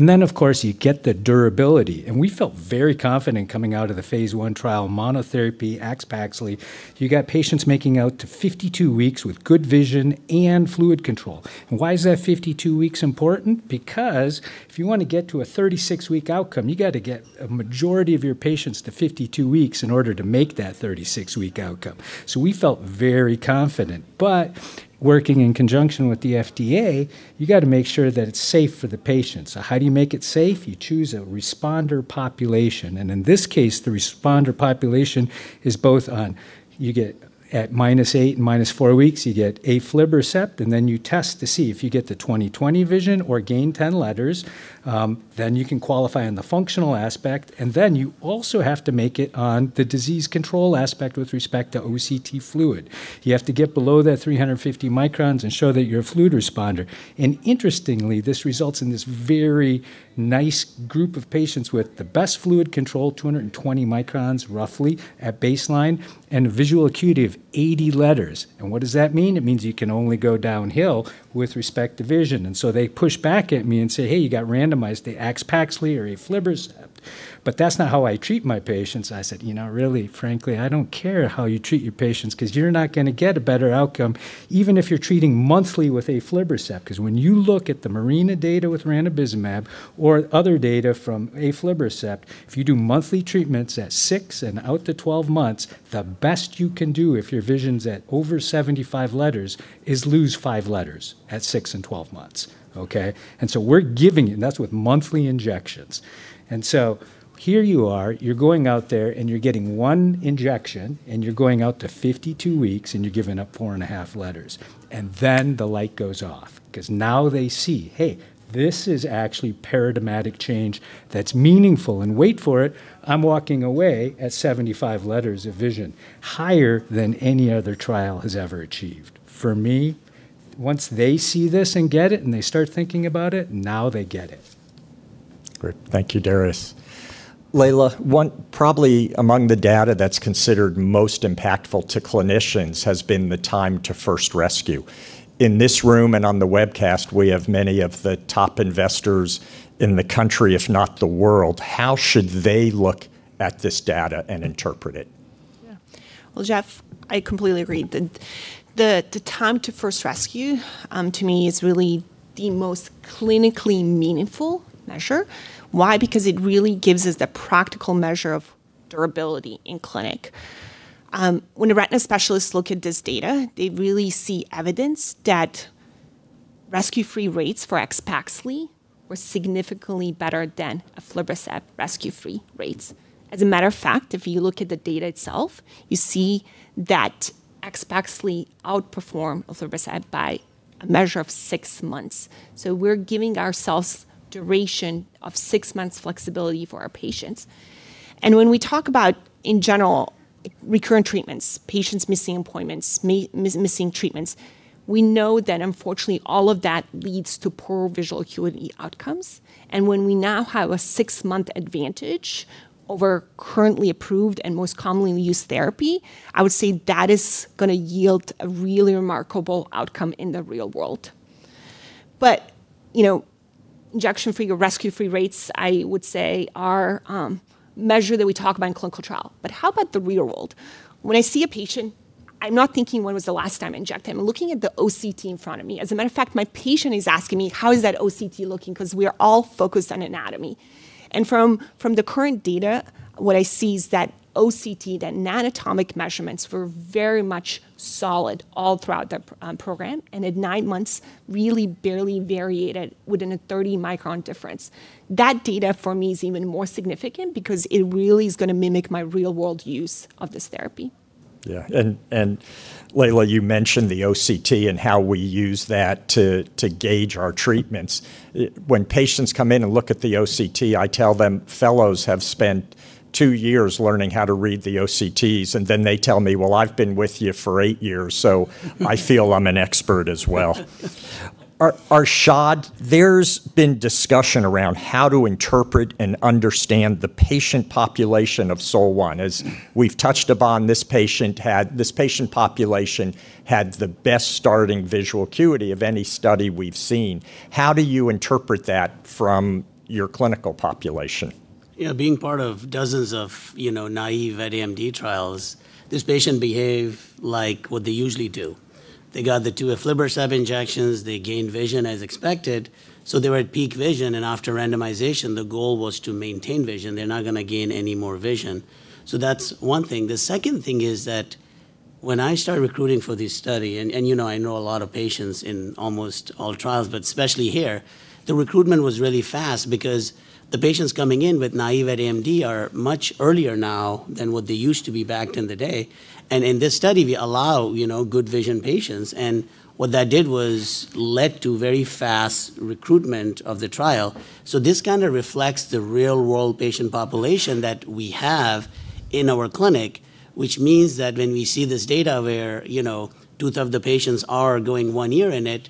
Then, of course, you get the durability. We felt very confident coming out of the phase I trial, monotherapy, AXPAXLI, you got patients making out to 52 weeks with good vision and fluid control. Why is that 52 weeks important? Because if you want to get to a 36-week outcome, you got to get a majority of your patients to 52 weeks in order to make that 36-week outcome. We felt very confident. Working in conjunction with the FDA, you got to make sure that it's safe for the patient. How do you make it safe? You choose a responder population, and in this case, the responder population is both on, you get at eight and four weeks, you get aflibercept, and then you test to see if you get the 20/20 vision or gain 10 letters, then you can qualify on the functional aspect. You also have to make it on the disease control aspect with respect to OCT fluid. You have to get below that 350 microns and show that you're a fluid responder. Interestingly, this results in this very nice group of patients with the best fluid control, 220 microns, roughly, at baseline, and a visual acuity of 80 letters. What does that mean? It means you can only go downhill with respect to vision. They push back at me and say, "Hey, you got randomized to AXPAXLI or aflibercept, but that's not how I treat my patients." I said, "Really, frankly, I don't care how you treat my patients because you're not going to get a better outcome Even if you're treating monthly with aflibercept, because when you look at the MARINA data with ranibizumab or other data from aflibercept, if you do monthly treatments at six and out to 12 months, the best you can do if your vision is at over 75 letters is lose five letters at six and 12 months. Okay. That's with monthly injections. Here you are, you're going out there and you're getting one injection, and you're going out to 52 weeks, and you're giving up four and a half letters. The light goes off because now they see, "Hey, this is actually paradigmatic change that's meaningful." Wait for it, I'm walking away at 75 letters of vision, higher than any other trial has ever achieved. For me, once they see this and get it, and they start thinking about it, now they get it. Great. Thank you, Darius. Lejla, probably among the data that's considered most impactful to clinicians has been the time to first rescue. In this room and on the webcast, we have many of the top investors in the country, if not the world. How should they look at this data and interpret it? Yeah. Well, Jeff, I completely agree. The time to first rescue, to me, is really the most clinically meaningful measure. Why? Because it really gives us the practical measure of durability in clinic. When the retina specialists look at this data, they really see evidence that rescue-free rates for AXPAXLI were significantly better than aflibercept rescue-free rates. As a matter of fact, if you look at the data itself, you see that AXPAXLI outperformed aflibercept by a measure of six months. We're giving ourselves duration of six months flexibility for our patients. When we talk about, in general, recurrent treatments, patients missing appointments, missing treatments, we know that unfortunately, all of that leads to poor visual acuity outcomes. When we now have a six-month advantage over currently approved and most commonly used therapy, I would say that is going to yield a really remarkable outcome in the real world. Injection-free or rescue-free rates, I would say, are measure that we talk about in clinical trial. How about the real world? When I see a patient, I'm not thinking when was the last time I injected him. I'm looking at the OCT in front of me. As a matter of fact, my patient is asking me, "How is that OCT looking?" Because we are all focused on anatomy. From the current data, what I see is that OCT, that anatomic measurements were very much solid all throughout the program, and at nine months, really barely variated within a 30-micron difference. That data for me is even more significant because it really is going to mimic my real-world use of this therapy. Yeah. Lejla, you mentioned the OCT and how we use that to gauge our treatments. When patients come in and look at the OCT, I tell them, "Fellows have spent two years learning how to read the OCTs." Then they tell me, "Well, I've been with you for eight years, so I feel I'm an expert as well." Arshad, there's been discussion around how to interpret and understand the patient population of SOL1. As we've touched upon, this patient population had the best starting visual acuity of any study we've seen. How do you interpret that from your clinical population? Being part of dozens of naive wet AMD trials, this patient behaved like what they usually do. They got the two aflibercept injections. They gained vision as expected, so they were at peak vision, and after randomization, the goal was to maintain vision. They're not going to gain any more vision. That's one thing. The second thing is that when I started recruiting for this study, I know a lot of patients in almost all trials, but especially here, the recruitment was really fast because the patients coming in with naive wet AMD are much earlier now than what they used to be back in the day. In this study, we allow good vision patients. What that did was led to very fast recruitment of the trial. This kind of reflects the real-world patient population that we have in our clinic, which means that when we see this data where two-thirds of the patients are going one year in it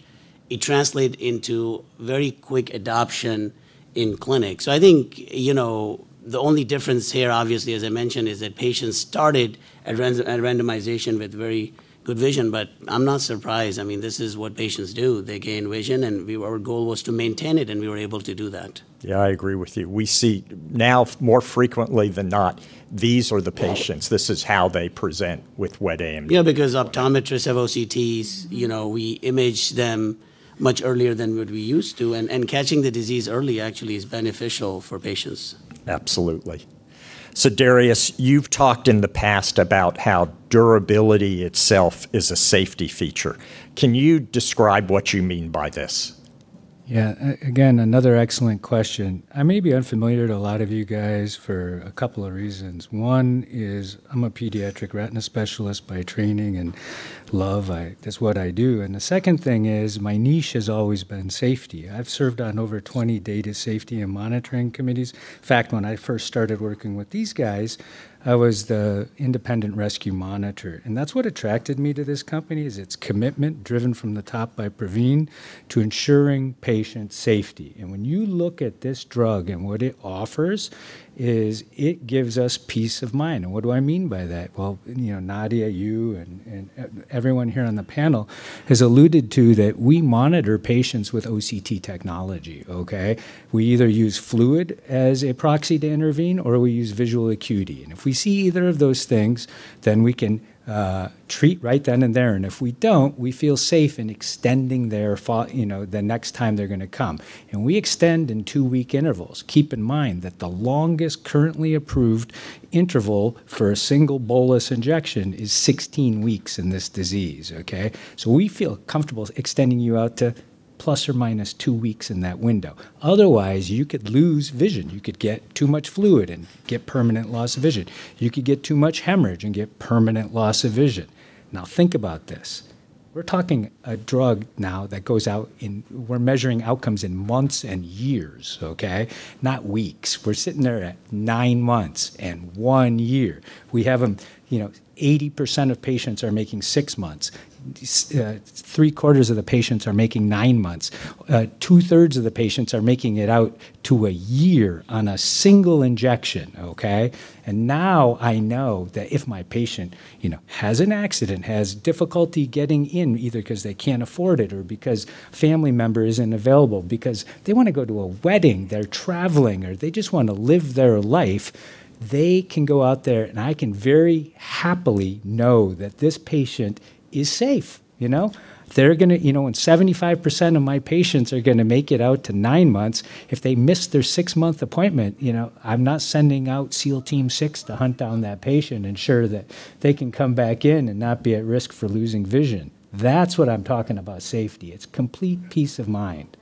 translates into very quick adoption in clinic. I think the only difference here, obviously, as I mentioned, is that patients started at randomization with very good vision, but I'm not surprised. This is what patients do. They gain vision, our goal was to maintain it, and we were able to do that. Yeah, I agree with you. We see now more frequently than not, these are the patients. This is how they present with wet AMD. Because optometrists have OCTs. We image them much earlier than what we used to, and catching the disease early actually is beneficial for patients. Absolutely. Darius, you've talked in the past about how durability itself is a safety feature. Can you describe what you mean by this? Again, another excellent question. I may be unfamiliar to a lot of you guys for a couple of reasons. One is I'm a pediatric retina specialist by training and love. That's what I do. The second thing is my niche has always been safety. I've served on over 20 data safety and monitoring committees. In fact, when I first started working with these guys, I was the independent rescue monitor, and that's what attracted me to this company, is its commitment, driven from the top by Pravin, to ensuring patient safety. When you look at this drug and what it offers, is it gives us peace of mind. What do I mean by that? Well, Nadia, you and everyone here on the panel has alluded to that we monitor patients with OCT technology, okay? We either use fluid as a proxy to intervene, or we use visual acuity. If we see either of those things, then we can treat right then and there, and if we don't, we feel safe in extending the next time they're going to come. We extend in two-week intervals. Keep in mind that the longest currently approved interval for a single bolus injection is 16 weeks in this disease, okay? We feel comfortable extending you out to ± two weeks in that window. Otherwise, you could lose vision. You could get too much fluid and get permanent loss of vision. You could get too much hemorrhage and get permanent loss of vision. Now, think about this. We're talking a drug now that goes out and we're measuring outcomes in months and years, okay? Not weeks. We're sitting there at nine months and one year. We have 80% of patients are making six months. Three quarters of the patients are making nine months. Two thirds of the patients are making it out to a year on a single injection. Okay? Now I know that if my patient has an accident, has difficulty getting in, either because they can't afford it or because a family member isn't available, because they want to go to a wedding, they're traveling, or they just want to live their life, they can go out there and I can very happily know that this patient is safe. When 75% of my patients are going to make it out to nine months, if they miss their six-month appointment, I'm not sending out SEAL Team Six to hunt down that patient, ensure that they can come back in and not be at risk for losing vision. That's what I'm talking about safety. It's complete peace of mind.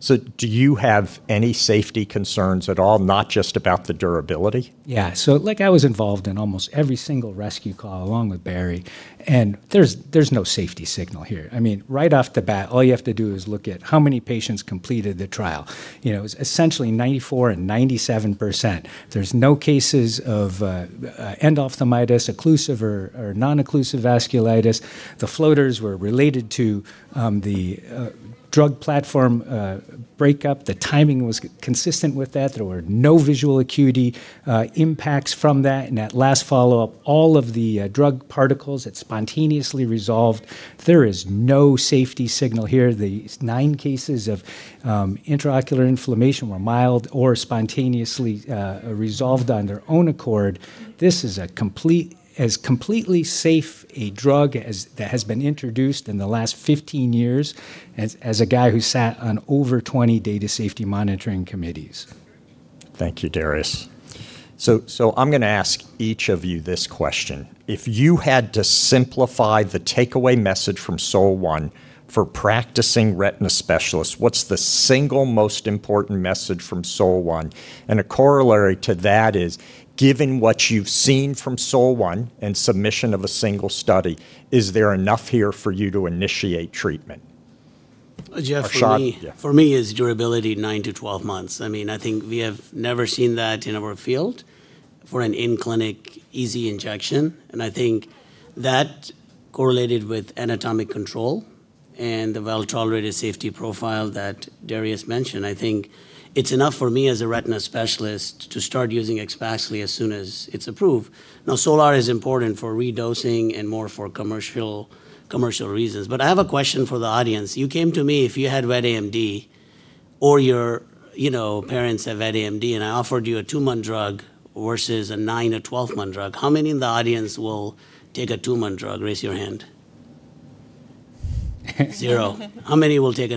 Do you have any safety concerns at all, not just about the durability? Yeah. I was involved in almost every single rescue call along with Barry, and there's no safety signal here. Right off the bat, all you have to do is look at how many patients completed the trial. It was essentially 94% and 97%. There's no cases of endophthalmitis, occlusive or non-occlusive vasculitis. The floaters were related to the drug platform breakup. The timing was consistent with that. There were no visual acuity impacts from that. In that last follow-up, all of the drug particles had spontaneously resolved. There is no safety signal here. The nine cases of intraocular inflammation were mild or spontaneously resolved on their own accord. This is as completely safe a drug that has been introduced in the last 15 years, as a guy who sat on over 20 data safety monitoring committees. Thank you, Darius. I'm going to ask each of you this question. If you had to simplify the takeaway message from SOL1 for practicing retina specialists, what's the single most important message from SOL1? A corollary to that is, given what you've seen from SOL1 and submission of a single study, is there enough here for you to initiate treatment? Arshad. Jeff, for me, it's durability 9-12 months. I think we have never seen that in our field for an in-clinic, easy injection. I think that correlated with anatomic control and the well-tolerated safety profile that Darius mentioned. I think it's enough for me as a retina specialist to start using AXPAXLI as soon as it's approved. SOLAR is important for redosing and more for commercial reasons. I have a question for the audience. You came to me if you had wet AMD, or your parents have wet AMD, and I offered you a two-month drug versus a nine or 12-month drug, how many in the audience will take a two-month drug? Raise your hand. Zero. How many will take a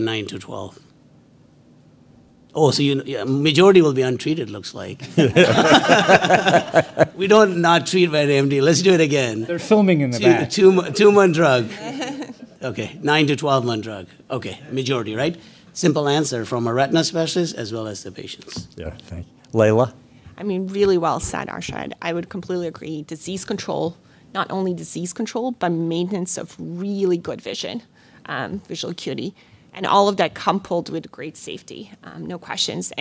9-12? Majority will be untreated, looks like. We don't not treat wet AMD. Let's do it again. They're filming in the back. Two-month drug. 9-12 month drug. Majority, right? Simple answer from a retina specialist as well as the patients. Yeah. Thank you. Lejla? Really well said, Arshad. I would completely agree. Disease control, not only disease control, but maintenance of really good vision, visual acuity, and all of that coupled with great safety. No questions.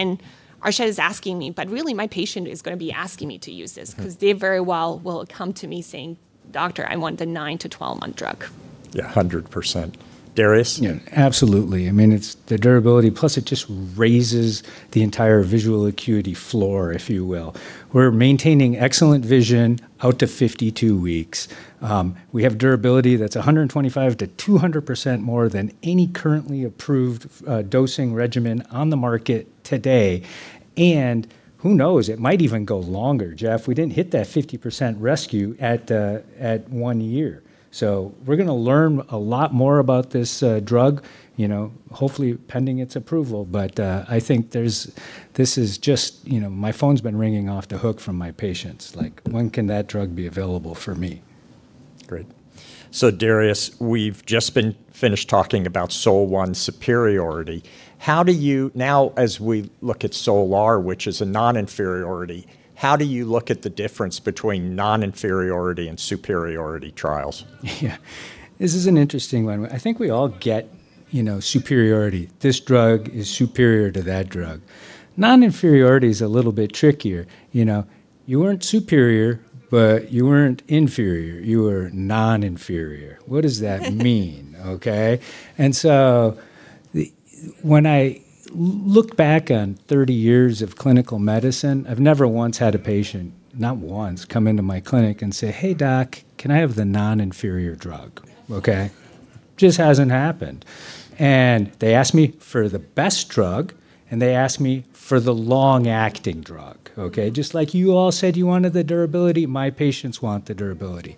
Arshad is asking me, but really my patient is going to be asking me to use this because they very well will come to me saying, "Doctor, I want the nine- to 12-month drug. Yeah, 100%. Darius? Yeah, absolutely. It's the durability, plus it just raises the entire visual acuity floor, if you will. We're maintaining excellent vision out to 52 weeks. We have durability that's 125%-200% more than any currently approved dosing regimen on the market today. Who knows, it might even go longer, Jeff. We didn't hit that 50% rescue at one year. We're going to learn a lot more about this drug, hopefully pending its approval. I think my phone's been ringing off the hook from my patients, like, "When can that drug be available for me? Great. Darius, we've just been finished talking about SOL1 superiority. As we look at SOLAR, which is a non-inferiority, how do you look at the difference between non-inferiority and superiority trials? This is an interesting one. I think we all get superiority. This drug is superior to that drug. Non-inferiority is a little bit trickier. You weren't superior, but you weren't inferior. You were non-inferior. What does that mean? When I look back on 30 years of clinical medicine, I've never once had a patient, not once, come into my clinic and say, "Hey Doc, can I have the non-inferior drug?" Just hasn't happened. They ask me for the best drug, and they ask me for the long-acting drug. Just like you all said you wanted the durability, my patients want the durability.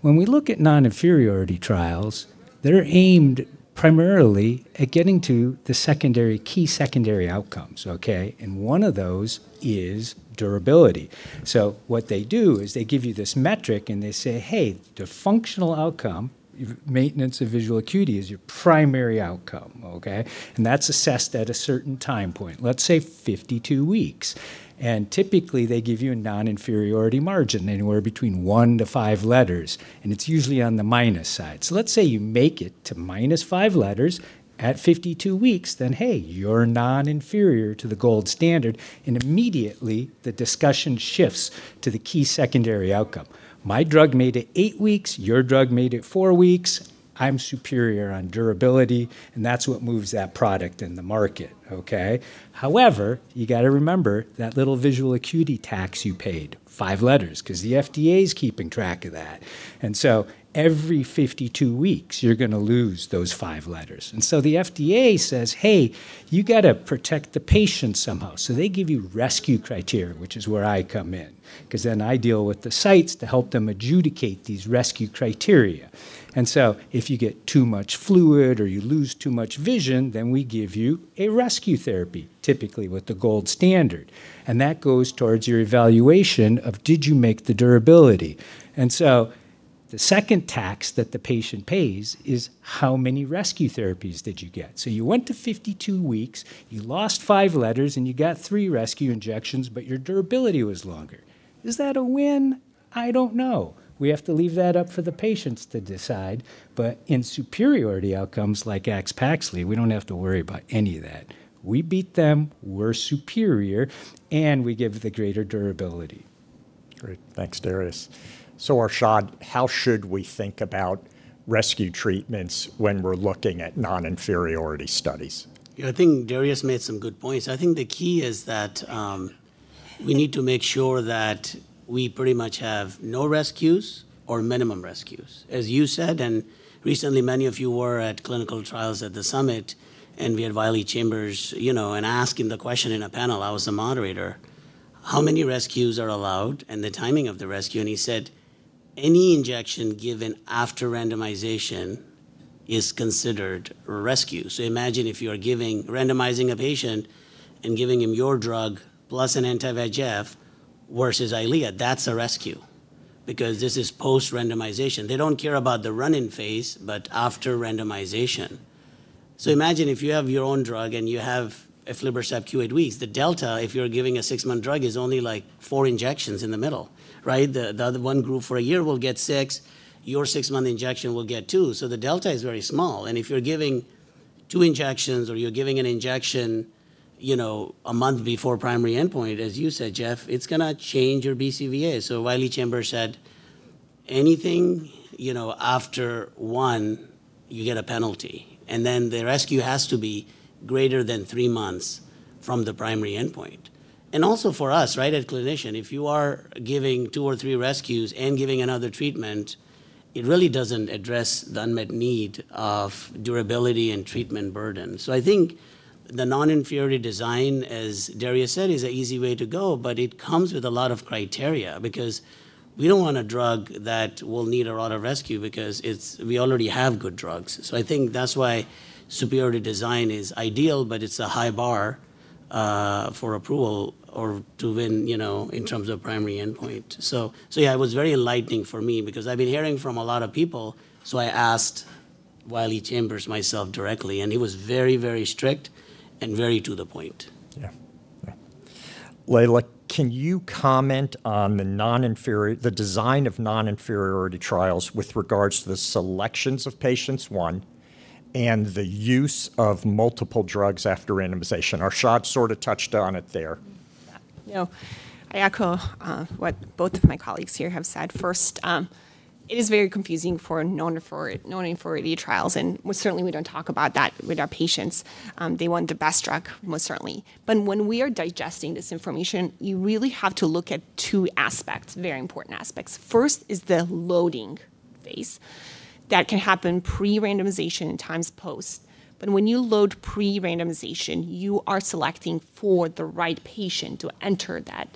When we look at non-inferiority trials, they're aimed primarily at getting to the key secondary outcomes. One of those is durability. What they do is they give you this metric and they say, "Hey, the functional outcome, maintenance of visual acuity is your primary outcome." That's assessed at a certain time point, let's say 52 weeks. Typically, they give you a non-inferiority margin anywhere between one to five letters, and it's usually on the minus side. Let's say you make it to minus five letters at 52 weeks, then hey, you're non-inferior to the gold standard. Immediately the discussion shifts to the key secondary outcome. My drug made it eight weeks. Your drug made it four weeks. I'm superior on durability, and that's what moves that product in the market. However, you got to remember that little visual acuity tax you paid, five letters, because the FDA's keeping track of that. Every 52 weeks you're going to lose those five letters. The FDA says, "Hey, you got to protect the patient somehow." They give you rescue criteria, which is where I come in, because then I deal with the sites to help them adjudicate these rescue criteria. If you get too much fluid or you lose too much vision, then we give you a rescue therapy, typically with the gold standard. That goes towards your evaluation of did you make the durability. The second tax that the patient pays is how many rescue therapies did you get. You went to 52 weeks, you lost five letters, and you got three rescue injections, but your durability was longer. Is that a win? I don't know. We have to leave that up for the patients to decide. In superiority outcomes like AXPAXLI, we don't have to worry about any of that. We beat them, we're superior, and we give the greater durability. Great. Thanks, Darius. Arshad, how should we think about rescue treatments when we're looking at non-inferiority studies? Yeah, I think Darius made some good points. I think the key is that we need to make sure that we pretty much have no rescues or minimum rescues. As you said, recently many of you were at clinical trials at the SUMMIT, we had Wiley Chambers, asking the question in a panel, I was the moderator, how many rescues are allowed and the timing of the rescue. He said any injection given after randomization is considered rescue. Imagine if you're randomizing a patient and giving him your drug plus an anti-VEGF versus EYLEA. That's a rescue because this is post-randomization. They don't care about the run-in phase, but after randomization. Imagine if you have your own drug and you have aflibercept q8 weeks, the delta, if you're giving a six-month drug, is only four injections in the middle. Right? The other one group for a year will get six. Your six-month injection will get two, so the delta is very small. If you're giving two injections or you're giving an injection a month before primary endpoint, as you said, Jeff, it's going to change your BCVA. Wiley Chambers said anything after one, you get a penalty, and then the rescue has to be greater than three months from the primary endpoint. Also for us as a clinician, if you are giving two or three rescues and giving another treatment, it really doesn't address the unmet need of durability and treatment burden. I think the non-inferiority design, as Darius said, is an easy way to go, but it comes with a lot of criteria because we don't want a drug that will need a lot of rescue because we already have good drugs. I think that's why superiority design is ideal, but it's a high bar for approval or to win in terms of primary endpoint. Yeah, it was very enlightening for me because I've been hearing from a lot of people, so I asked Wiley Chambers myself directly, and he was very, very strict and very to the point. Yeah. Yeah. Lejla, can you comment on the design of non-inferiority trials with regards to the selections of patients, one, and the use of multiple drugs after randomization? Arshad sort of touched on it there. Yeah. I echo what both of my colleagues here have said. First, it is very confusing for non-inferiority trials, and certainly we don't talk about that with our patients. They want the best drug, most certainly. When we are digesting this information, you really have to look at two aspects, very important aspects. First is the loading phase. That can happen pre-randomization and times post. When you load pre-randomization, you are selecting for the right patient to enter that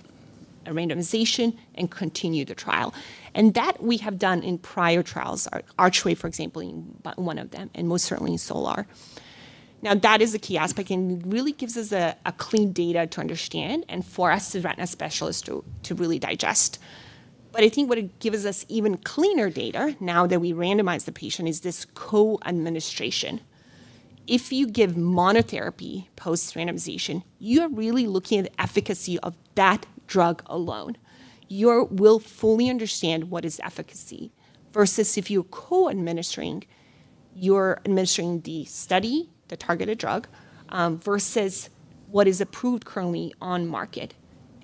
randomization and continue the trial. That we have done in prior trials. ARCHWAY, for example, one of them, and most certainly SOLAR. That is a key aspect and really gives us a clean data to understand and for us as retina specialists to really digest. I think what gives us even cleaner data now that we randomize the patient is this co-administration. If you give monotherapy post-randomization, you're really looking at the efficacy of that drug alone. You will fully understand what is efficacy versus if you're co-administering, you're administering the study, the targeted drug, versus what is approved currently on market.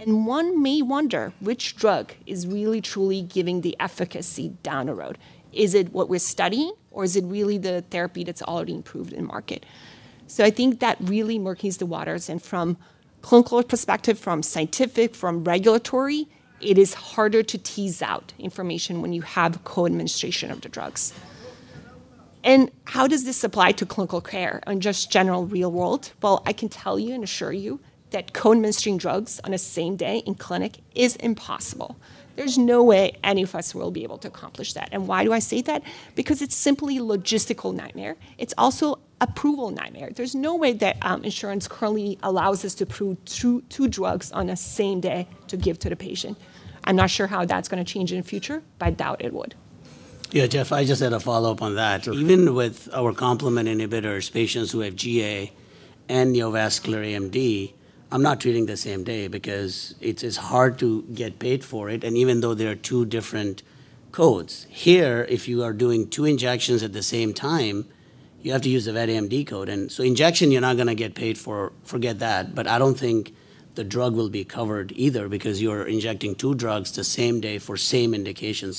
One may wonder which drug is really truly giving the efficacy down the road. Is it what we're studying or is it really the therapy that's already approved in market? I think that really murkies the waters, and from clinical perspective, from scientific, from regulatory, it is harder to tease out information when you have co-administration of the drugs. How does this apply to clinical care in just general real world? Well, I can tell you and assure you that co-administering drugs on the same day in clinic is impossible. There's no way any of us will be able to accomplish that. Why do I say that? Because it's simply logistical nightmare. It's also approval nightmare. There's no way that insurance currently allows us to approve two drugs on the same day to give to the patient. I'm not sure how that's going to change in future, but I doubt it would. Jeff, I just had a follow-up on that. Even with our complement inhibitors, patients who have GA and neovascular AMD, I'm not treating the same day because it is hard to get paid for it, even though there are two different codes. Here, if you are doing two injections at the same time, you have to use the wet AMD code. Injection, you're not going to get paid for. Forget that, but I don't think the drug will be covered either because you are injecting two drugs the same day for same indication.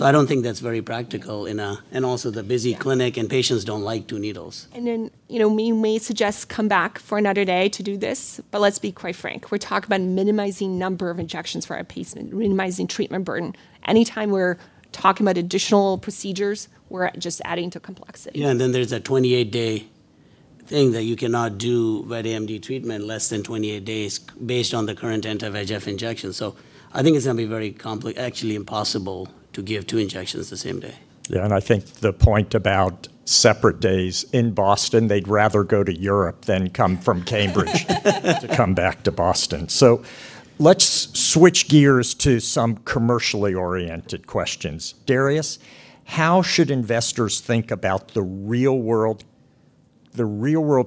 I don't think that's very practical in also the busy clinic. Patients don't like two needles. We may suggest come back for another day to do this, but let's be quite frank. We talk about minimizing number of injections for our patient, minimizing treatment burden. Any time we're talking about additional procedures, we're just adding to complexity. Yeah. Then there's a 28-day thing that you cannot do wet AMD treatment less than 28 days based on the current anti-VEGF injection. I think it's going to be very complex, actually impossible, to give two injections the same day. Yeah. I think the point about separate days in Boston, they'd rather go to Europe than come from Cambridge to come back to Boston. Let's switch gears to some commercially oriented questions. Darius, how should investors think about the real world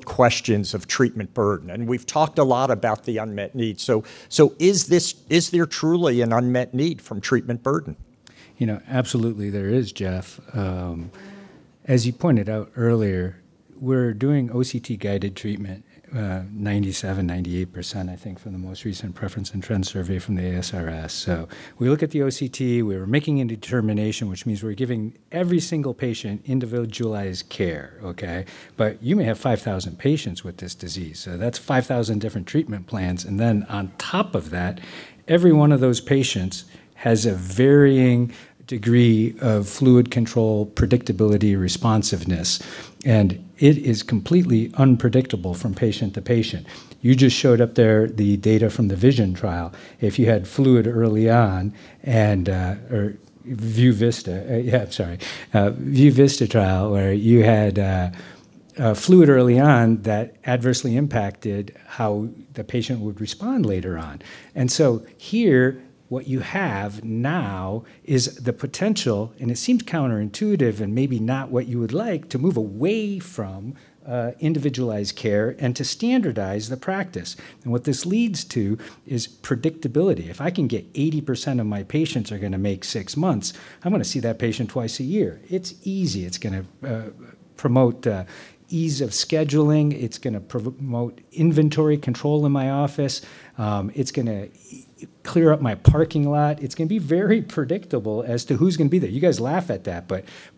questions of treatment burden? We've talked a lot about the unmet need. Is there truly an unmet need from treatment burden? Absolutely there is, Jeff. As you pointed out earlier, we're doing OCT-guided treatment, 97%, 98%, I think, from the most recent preference and trend survey from the ASRS. We look at the OCT. We are making a determination, which means we're giving every single patient individualized care. Okay. You may have 5,000 patients with this disease, that's 5,000 different treatment plans. On top of that, every one of those patients has a varying degree of fluid control, predictability, responsiveness, and it is completely unpredictable from patient to patient. You just showed up there the data from the VISION trial. If you had fluid early on or VIEW Vista. Yeah, sorry. VIEW Vista trial where you had fluid early on that adversely impacted how the patient would respond later on. Here, what you have now is the potential, and it seems counterintuitive and maybe not what you would like, to move away from individualized care and to standardize the practice. What this leads to is predictability. If I can get 80% of my patients are going to make six months, I'm going to see that patient twice a year. It's easy. It's going to promote ease of scheduling. It's going to promote inventory control in my office. It's going to clear up my parking lot. It's going to be very predictable as to who's going to be there. You guys laugh at that,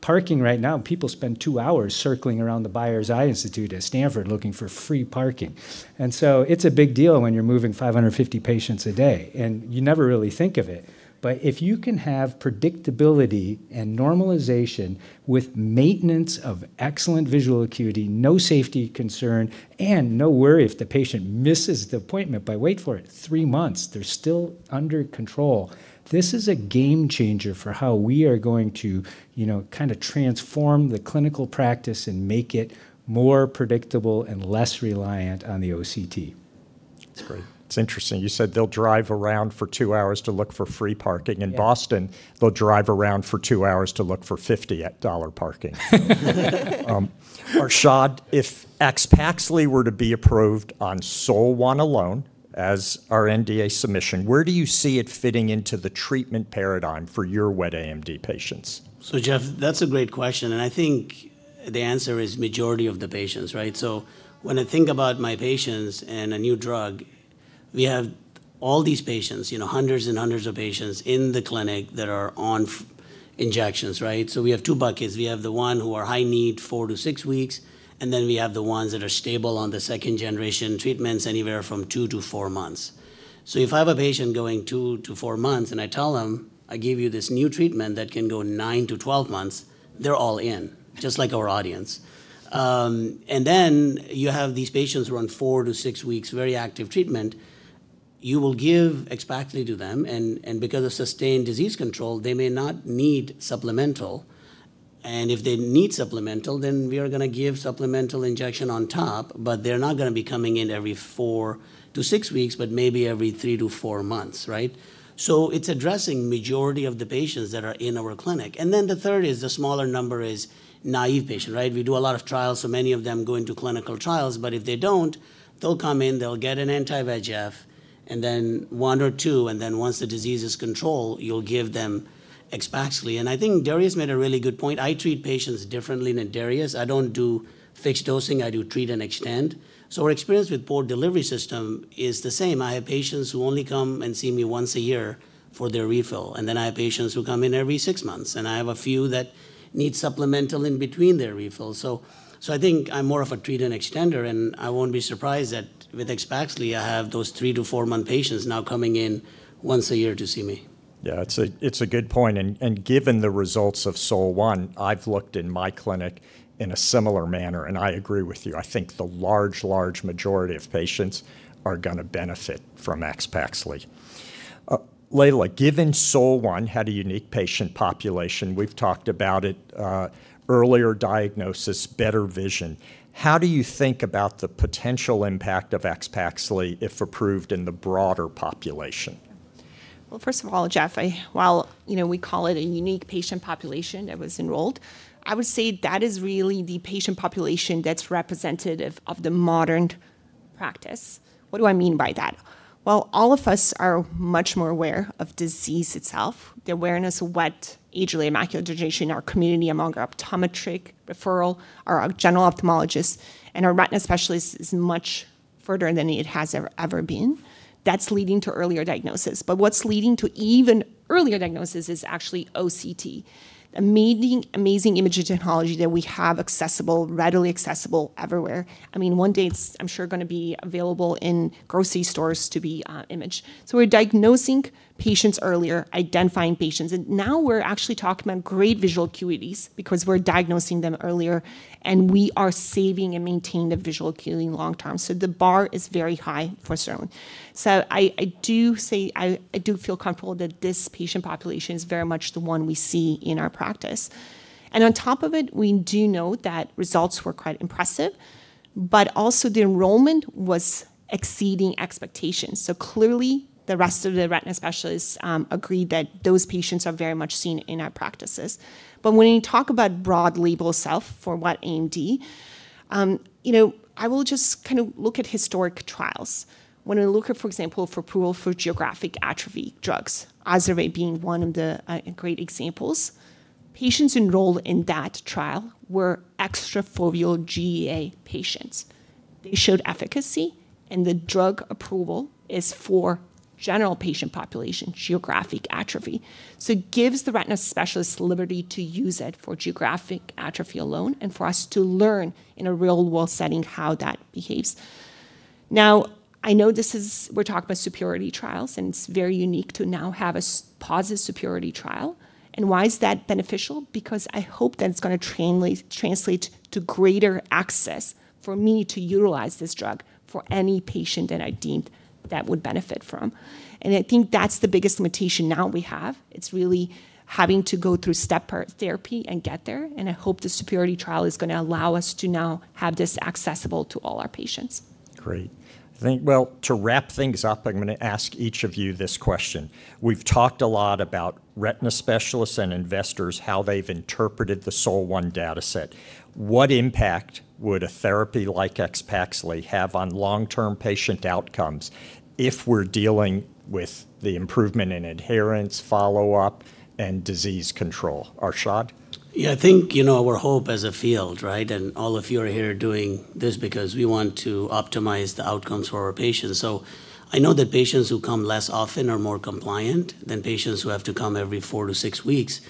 parking right now, people spend two hours circling around the Byers Eye Institute at Stanford looking for free parking. It's a big deal when you're moving 550 patients a day, and you never really think of it. If you can have predictability and normalization with maintenance of excellent visual acuity, no safety concern, and no worry if the patient misses the appointment by, wait for it, three months, they're still under control. This is a game changer for how we are going to transform the clinical practice and make it more predictable and less reliant on the OCT. That's great. It's interesting you said they'll drive around for two hours to look for free parking. In Boston, they'll drive around for two hours to look for $50 parking. Arshad, if AXPAXLI were to be approved on SOL-1 alone as our NDA submission, where do you see it fitting into the treatment paradigm for your wet AMD patients? Jeff, that's a great question, and I think the answer is majority of the patients, right? When I think about my patients and a new drug, we have all these patients, hundreds and hundreds of patients in the clinic that are on injections, right? We have two buckets. We have the one who are high need four to six weeks, and then we have the ones that are stable on the second generation treatments anywhere from two to four months. If I have a patient going two to four months and I tell them, "I give you this new treatment that can go 9-12 months," they're all in, just like our audience. Then you have these patients who are on four to six weeks, very active treatment. You will give AXPAXLI to them, because of sustained disease control, they may not need supplemental. If they need supplemental, we are going to give supplemental injection on top, but they're not going to be coming in every four to six weeks, but maybe every three to four months. Right? It's addressing majority of the patients that are in our clinic. The third is the smaller number is naive patient, right? We do a lot of trials, many of them go into clinical trials, but if they don't, they'll come in, they'll get an anti-VEGF, and then one or two, and then once the disease is controlled, you'll give them AXPAXLI. I think Darius made a really good point. I treat patients differently than Darius. I don't do fixed dosing. I do treat and extend. Our experience with Port Delivery System is the same. I have patients who only come and see me once a year for their refill, I have patients who come in every 6 months, I have a few that need supplemental in between their refills. I think I'm more of a treat and extender, I won't be surprised that with AXPAXLI, I have those three to four-month patients now coming in once a year to see me. Yeah, it's a good point. Given the results of SOL1, I've looked in my clinic in a similar manner, I agree with you. I think the large majority of patients are going to benefit from AXPAXLI. Lejla, given SOL1 had a unique patient population, we've talked about it, earlier diagnosis, better vision, how do you think about the potential impact of AXPAXLI if approved in the broader population? First of all, Jeff, while we call it a unique patient population that was enrolled, I would say that is really the patient population that's representative of the modern practice. What do I mean by that? While all of us are much more aware of disease itself, the awareness of what age-related macular degeneration in our community among our optometric referral, our general ophthalmologists, and our retina specialists is much further than it has ever been. That's leading to earlier diagnosis. What's leading to even earlier diagnosis is actually OCT, amazing image technology that we have readily accessible everywhere. One day it's, I'm sure, going to be available in grocery stores to be imaged. We're diagnosing patients earlier, identifying patients, now we're actually talking about great visual acuities because we're diagnosing them earlier, we are saving and maintaining the visual acuity long term. The bar is very high for certain. I do feel comfortable that this patient population is very much the one we see in our practice. On top of it, we do know that results were quite impressive, but also the enrollment was exceeding expectations. Clearly, the rest of the retina specialists agreed that those patients are very much seen in our practices. When you talk about broad label itself for wet AMD, I will just look at historic trials. When I look at, for example, for approval for geographic atrophy drugs, OZURDEX being one of the great examples, patients enrolled in that trial were extrafoveal GA patients. They showed efficacy, and the drug approval is for general patient population, geographic atrophy. It gives the retina specialist liberty to use it for geographic atrophy alone and for us to learn in a real-world setting how that behaves. I know we're talking about superiority trials, and it's very unique to now have a positive superiority trial. Why is that beneficial? I hope that it's going to translate to greater access for me to utilize this drug for any patient that I deemed that would benefit from. I think that's the biggest limitation now we have. It's really having to go through step therapy and get there, and I hope the superiority trial is going to allow us to now have this accessible to all our patients. Great. To wrap things up, I'm going to ask each of you this question. We've talked a lot about retina specialists and investors, how they've interpreted the SOL1 data set. What impact would a therapy like AXPAXLI have on long-term patient outcomes if we're dealing with the improvement in adherence, follow-up, and disease control? Arshad? I think our hope as a field, all of you are here doing this because we want to optimize the outcomes for our patients. I know that patients who come less often are more compliant than patients who have to come every four to six weeks,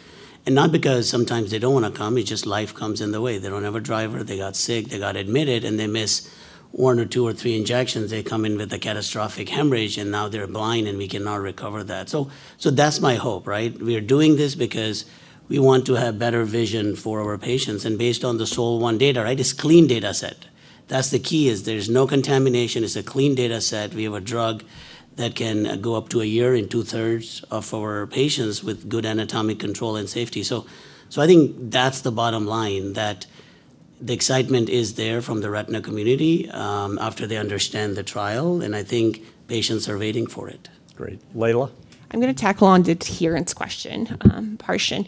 and not because sometimes they don't want to come. It's just life comes in the way. They don't have a driver, they got sick, they got admitted, and they miss one or two or three injections. They come in with a catastrophic hemorrhage, and now they're blind, and we cannot recover that. That's my hope. We are doing this because we want to have better vision for our patients, and based on the SOL1 data, this clean data set. That's the key, is there's no contamination. It's a clean data set. We have a drug that can go up to a year in two-thirds of our patients with good anatomic control and safety. I think that's the bottom line, that the excitement is there from the retina community after they understand the trial, and I think patients are waiting for it. Great. Lejla? I'm going to tackle on the adherence question portion.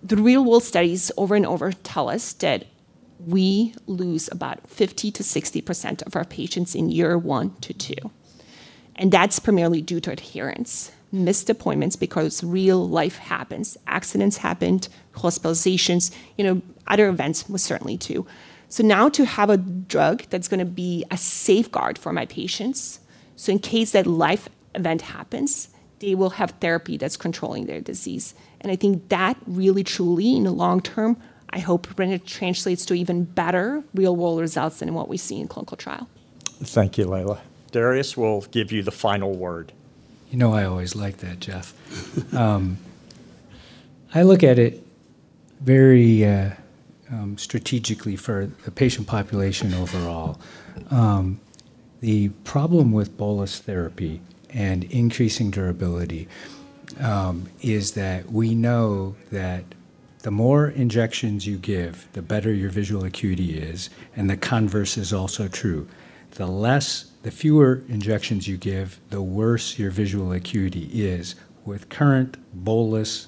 The real-world studies over and over tell us that we lose about 50%-60% of our patients in year one to two, and that's primarily due to adherence. Missed appointments because real life happens. Accidents happened, hospitalizations, other events most certainly, too. Now to have a drug that's going to be a safeguard for my patients, so in case that life event happens, they will have therapy that's controlling their disease. I think that really, truly, in the long term, I hope when it translates to even better real-world results than what we see in clinical trial. Thank you, Lejla. Darius, we'll give you the final word. You know I always like that, Jeff. I look at it very strategically for the patient population overall. The problem with bolus therapy and increasing durability is that we know that the more injections you give, the better your visual acuity is, the converse is also true. The fewer injections you give, the worse your visual acuity is with current bolus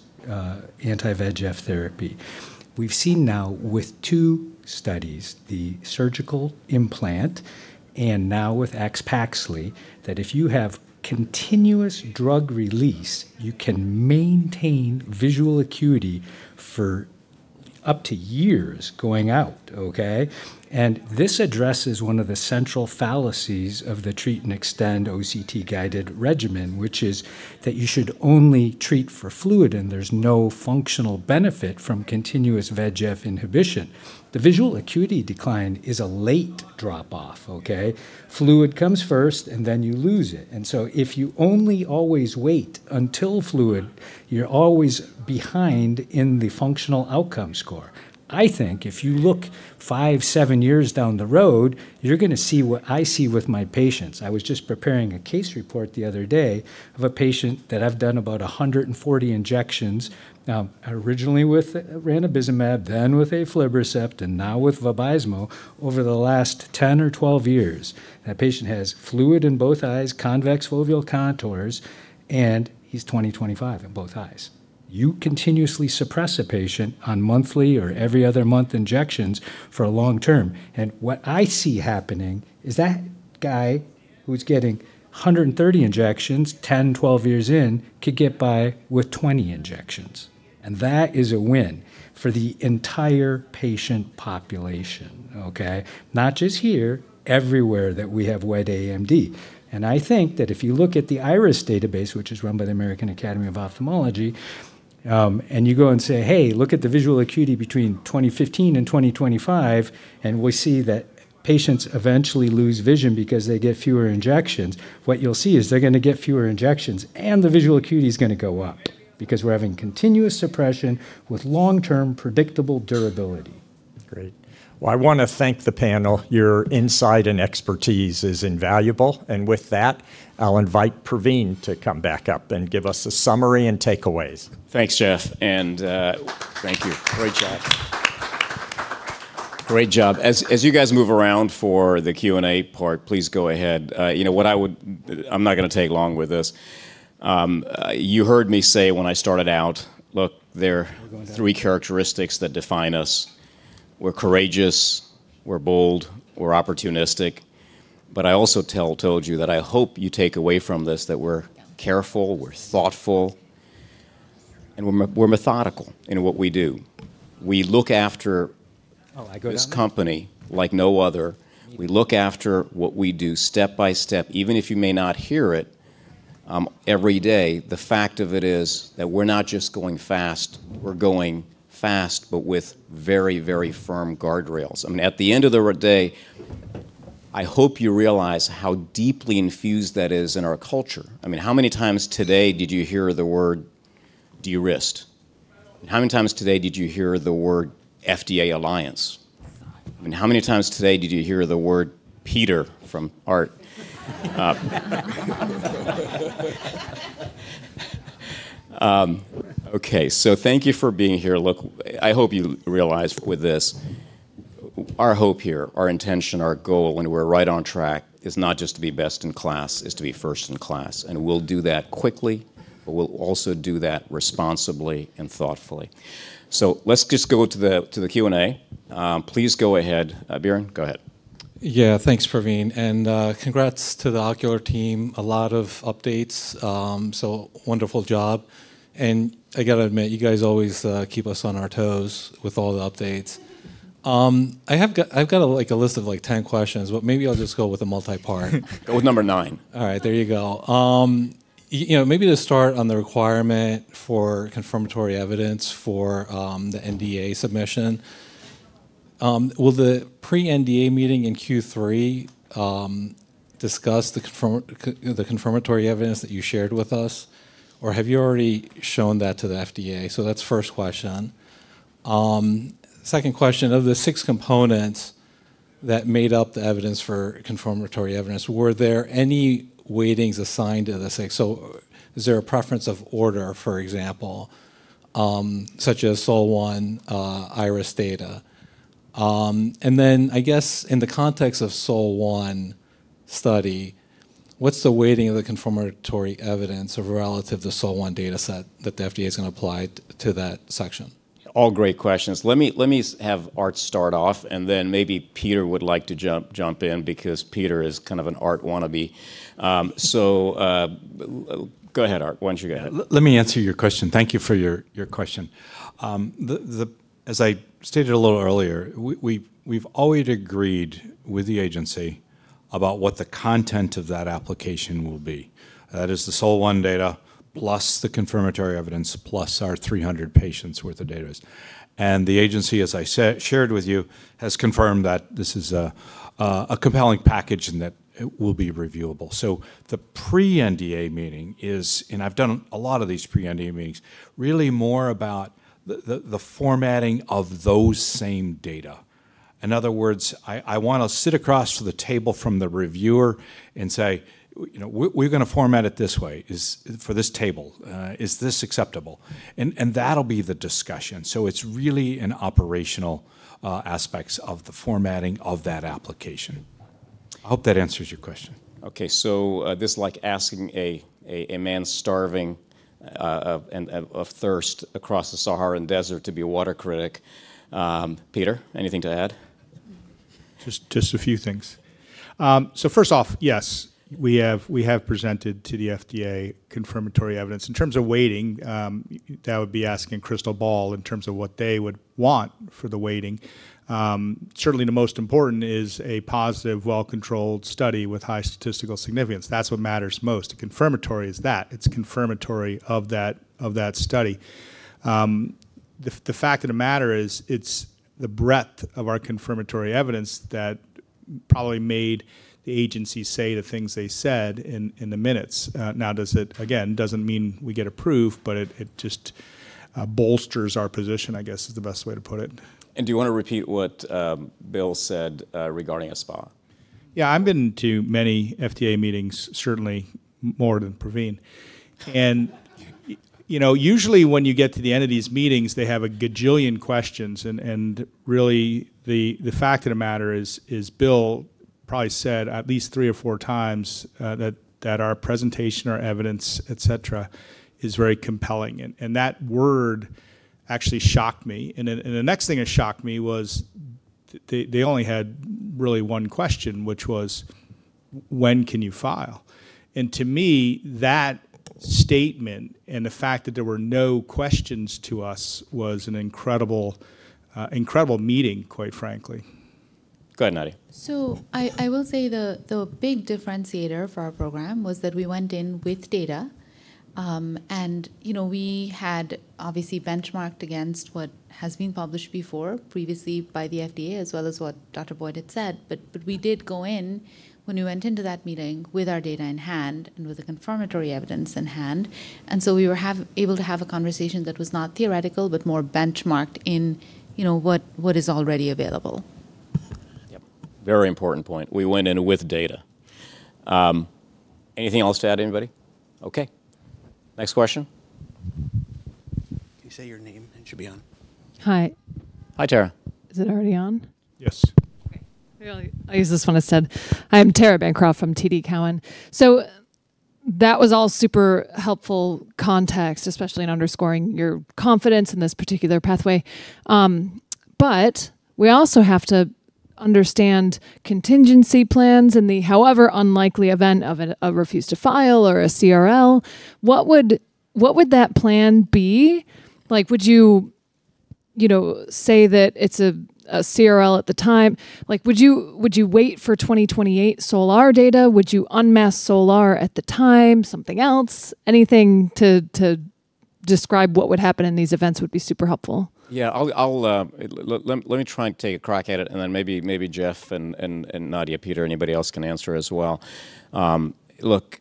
anti-VEGF therapy. We've seen now with two studies, the surgical implant and now with AXPAXLI, that if you have continuous drug release, you can maintain visual acuity for Up to years going out. This addresses one of the central fallacies of the treat and extend OCT-guided regimen, which is that you should only treat for fluid, there's no functional benefit from continuous VEGF inhibition. The visual acuity decline is a late drop-off. Fluid comes first, then you lose it. If you only always wait until fluid, you're always behind in the functional outcome score. I think if you look five, seven years down the road, you're going to see what I see with my patients. I was just preparing a case report the other day of a patient that I've done about 140 injections now, originally with ranibizumab, then with aflibercept, and now with Vabysmo over the last 10 or 12 years. That patient has fluid in both eyes, convex foveal contours, and he's 20/25 in both eyes. You continuously suppress a patient on monthly or every other month injections for a long term. What I see happening is that guy who's getting 130 injections, 10, 12 years in, could get by with 20 injections, that is a win for the entire patient population. Not just here, everywhere that we have wet AMD. I think that if you look at the IRIS database, which is run by the American Academy of Ophthalmology, and you go and say, "Hey, look at the visual acuity between 2015 and 2025," we see that patients eventually lose vision because they get fewer injections. What you'll see is they're going to get fewer injections, the visual acuity is going to go up because we're having continuous suppression with long-term predictable durability. Great. Well, I want to thank the panel. Your insight and expertise is invaluable. With that, I'll invite Pravin to come back up and give us a summary and takeaways. Thanks, Jeff, and thank you. Great job. Great job. As you guys move around for the Q&A part, please go ahead. I'm not going to take long with this. You heard me say when I started out, look, there are three characteristics that define us. We're courageous, we're bold, we're opportunistic. I also told you that I hope you take away from this that we're careful, we're thoughtful, and we're methodical in what we do. We look after this company like no other. We look after what we do step by step, even if you may not hear it every day. The fact of it is that we're not just going fast, we're going fast, but with very, very firm guardrails. At the end of the day, I hope you realize how deeply infused that is in our culture. How many times today did you hear the word de-risked? How many times today did you hear the word FDA alliance? How many times today did you hear the word Peter from Art? Okay. Thank you for being here. Look, I hope you realize with this, our hope here, our intention, our goal, and we're right on track, is not just to be best in class, is to be first in class. We'll do that quickly, but we'll also do that responsibly and thoughtfully. Let's just go to the Q&A. Please go ahead. Biren, go ahead. Yeah. Thanks, Pravin, and congrats to the Ocular team. A lot of updates, so wonderful job. I've got to admit, you guys always keep us on our toes with all the updates. I've got a list of 10 questions, maybe I'll just go with a multi-part. Go with number nine. All right. There you go. Maybe to start on the requirement for confirmatory evidence for the NDA submission. Will the pre-NDA meeting in Q3 discuss the confirmatory evidence that you shared with us, or have you already shown that to the FDA? That's the first question. Second question, of the six components that made up the evidence for confirmatory evidence, were there any weightings assigned to the six? Is there a preference of order, for example, such as SOL1 IRIS data? Then I guess in the context of SOL1 study, what's the weighting of the confirmatory evidence relative to SOL1 data set that the FDA is going to apply to that section? All great questions. Let me have Art start off, then maybe Peter would like to jump in because Peter is kind of an Art wannabe. Go ahead, Art. Why don't you go ahead? Let me answer your question. Thank you for your question. As I stated a little earlier, we've always agreed with the agency about what the content of that application will be. That is the SOL1 data plus the confirmatory evidence, plus our 300 patients' worth of data. The agency, as I shared with you, has confirmed that this is a compelling package and that it will be reviewable. The pre-NDA meeting is, and I've done a lot of these pre-NDA meetings, really more about the formatting of those same data. In other words, I want to sit across the table from the reviewer and say, "We're going to format it this way for this table. Is this acceptable?" That'll be the discussion. It's really in operational aspects of the formatting of that application. I hope that answers your question. Okay. This is like asking a man starving of thirst across the Saharan Desert to be a water critic. Peter, anything to add? Just a few things. First off, yes, we have presented to the FDA confirmatory evidence. In terms of weighting, that would be asking crystal ball in terms of what they would want for the weighting. Certainly, the most important is a positive, well-controlled study with high statistical significance. That's what matters most. A confirmatory is that. It's confirmatory of that study. The fact of the matter is it's the breadth of our confirmatory evidence that probably made the agency say the things they said in the minutes. Again, doesn't mean we get approved, but it just bolsters our position, I guess, is the best way to put it. Do you want to repeat what Bill said regarding a SPA? Yeah, I've been to many FDA meetings, certainly more than Pravin. Usually when you get to the end of these meetings, they have a gajillion questions, really the fact of the matter is Bill probably said at least three or four times that our presentation, our evidence, et cetera, is very compelling. That word actually shocked me. The next thing that shocked me was they only had really one question, which was, "When can you file?" To me, that statement and the fact that there were no questions to us was an incredible meeting, quite frankly. Go ahead, Nadia. I will say the big differentiator for our program was that we went in with data. We had obviously benchmarked against what has been published before, previously by the FDA, as well as what Dr. Boyd had said. We did go in, when we went into that meeting, with our data in hand and with the confirmatory evidence in hand. We were able to have a conversation that was not theoretical, but more benchmarked in what is already available. Yep. Very important point. We went in with data. Anything else to add, anybody? Okay. Next question. Hi. Hi, Tara. Is it already on? Yes. Okay. I'll use this one instead. I'm Tara Bancroft from TD Cowen. That was all super helpful context, especially in underscoring your confidence in this particular pathway. We also have to understand contingency plans in the however unlikely event of a refuse to file or a CRL. What would that plan be? Would you say that it's a CRL at the time? Would you wait for 2028 SOLAR data? Would you unmask SOLAR at the time? Something else? Anything to describe what would happen in these events would be super helpful. Let me try and take a crack at it, then maybe Jeff and Nadia, Peter, anybody else can answer as well.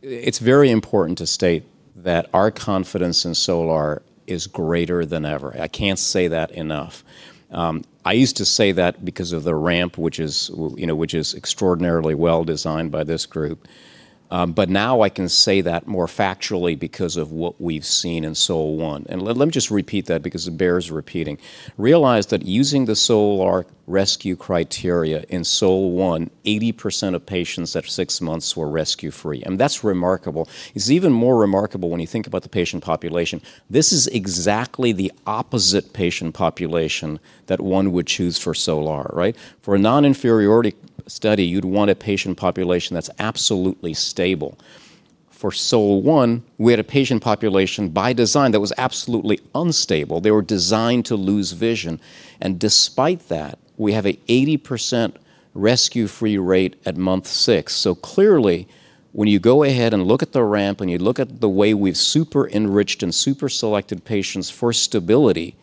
It's very important to state that our confidence in SOLAR is greater than ever. I can't say that enough. I used to say that because of the ramp, which is extraordinarily well designed by this group. Now I can say that more factually because of what we've seen in SOL1. Let me just repeat that because it bears repeating. Realize that using the SOLAR rescue criteria in SOL1, 80% of patients at six months were rescue-free, and that's remarkable. It's even more remarkable when you think about the patient population. This is exactly the opposite patient population that one would choose for SOLAR, right? For a non-inferiority study, you'd want a patient population that's absolutely stable. For SOL1, we had a patient population by design that was absolutely unstable. They were designed to lose vision. Despite that, we have an 80% rescue-free rate at month six. Clearly, when you go ahead and look at the ramp and you look at the way we've super enriched and super selected patients for stability,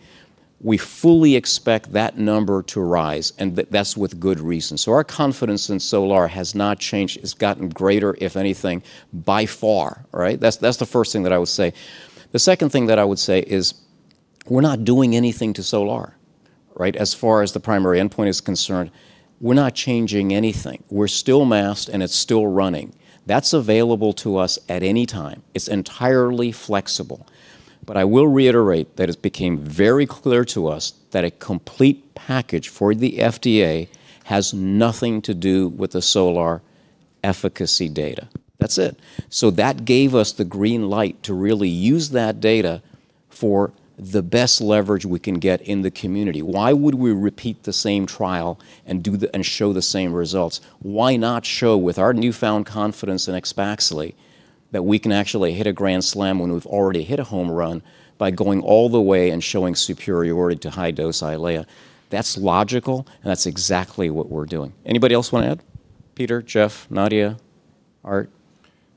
we fully expect that number to rise, that's with good reason. Our confidence in SOLAR has not changed. It's gotten greater, if anything, by far. Right? That's the first thing that I would say. The second thing that I would say is we're not doing anything to SOLAR. Right? As far as the primary endpoint is concerned, we're not changing anything. We're still masked, it's still running. That's available to us at any time. It's entirely flexible. I will reiterate that it became very clear to us that a complete package for the FDA has nothing to do with the SOLAR efficacy data. That's it. That gave us the green light to really use that data for the best leverage we can get in the community. Why would we repeat the same trial and show the same results? Why not show with our newfound confidence in AXPAXLI that we can actually hit a grand slam when we've already hit a home run by going all the way and showing superiority to high-dose EYLEA? That's logical, that's exactly what we're doing. Anybody else want to add? Peter, Jeff, Nadia, Art?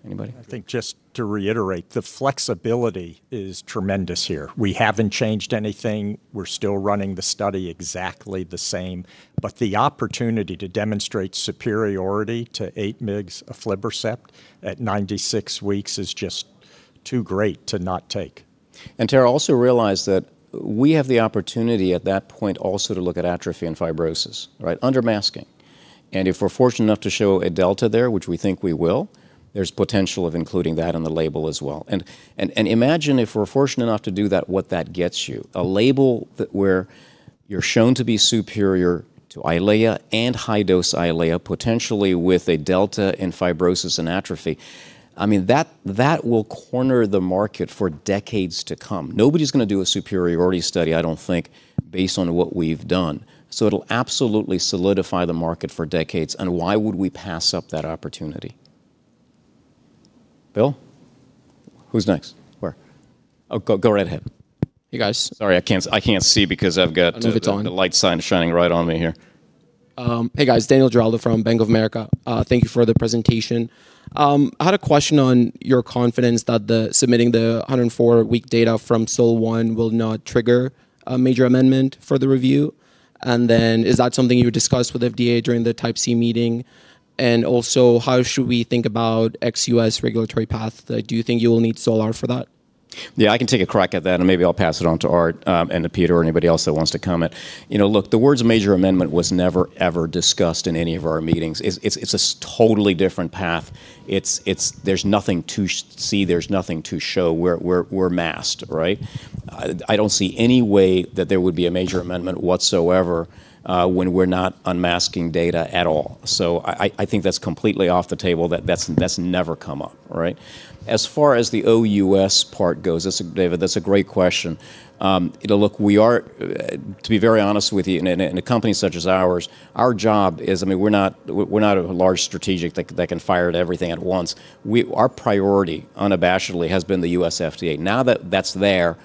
Anybody? I think just to reiterate, the flexibility is tremendous here. We haven't changed anything. We're still running the study exactly the same. The opportunity to demonstrate superiority to 8 mgs of aflibercept at 96 weeks is just too great to not take. Tara, also realize that we have the opportunity at that point also to look at atrophy and fibrosis, right? Under masking. If we're fortunate enough to show a delta there, which we think we will, there's potential of including that on the label as well. Imagine if we're fortunate enough to do that, what that gets you. A label where you're shown to be superior to EYLEA and high-dose EYLEA, potentially with a delta in fibrosis and atrophy. That will corner the market for decades to come. Nobody's going to do a superiority study, I don't think, based on what we've done. It'll absolutely solidify the market for decades. Why would we pass up that opportunity? Bill? Who's next? Where? Oh, go right ahead. Hey, guys. Sorry, I can't see because I've got- I leave it on the light shining right on me here. Hey, guys. Daniel Giraldo from Bank of America. Thank you for the presentation. I had a question on your confidence that submitting the 104-week data from SOL1 will not trigger a major amendment for the review. Is that something you discussed with FDA during the type C meeting? How should we think about ex-U.S. regulatory path? Do you think you will need SOLAR for that? Yeah, I can take a crack at that, and maybe I'll pass it on to Art, and to Peter, or anybody else that wants to comment. Look, the words major amendment was never ever discussed in any of our meetings. It's a totally different path. There's nothing to see. There's nothing to show. We're masked. I don't see any way that there would be a major amendment whatsoever, when we're not unmasking data at all. I think that's completely off the table, that's never come up. As far as the OUS part goes, David, that's a great question. Look, to be very honest with you, in a company such as ours, our job is, we're not a large strategic that can fire at everything at once. Our priority, unabashedly, has been the U.S. FDA. Now that that's there,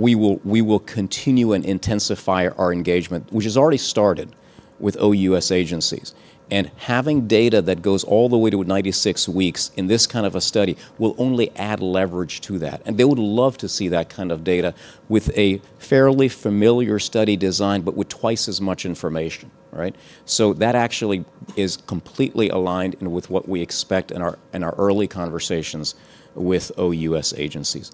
we will continue and intensify our engagement, which has already started with OUS agencies. Having data that goes all the way to 96 weeks in this kind of a study will only add leverage to that, and they would love to see that kind of data with a fairly familiar study design, but with twice as much information. That actually is completely aligned with what we expect in our early conversations with OUS agencies.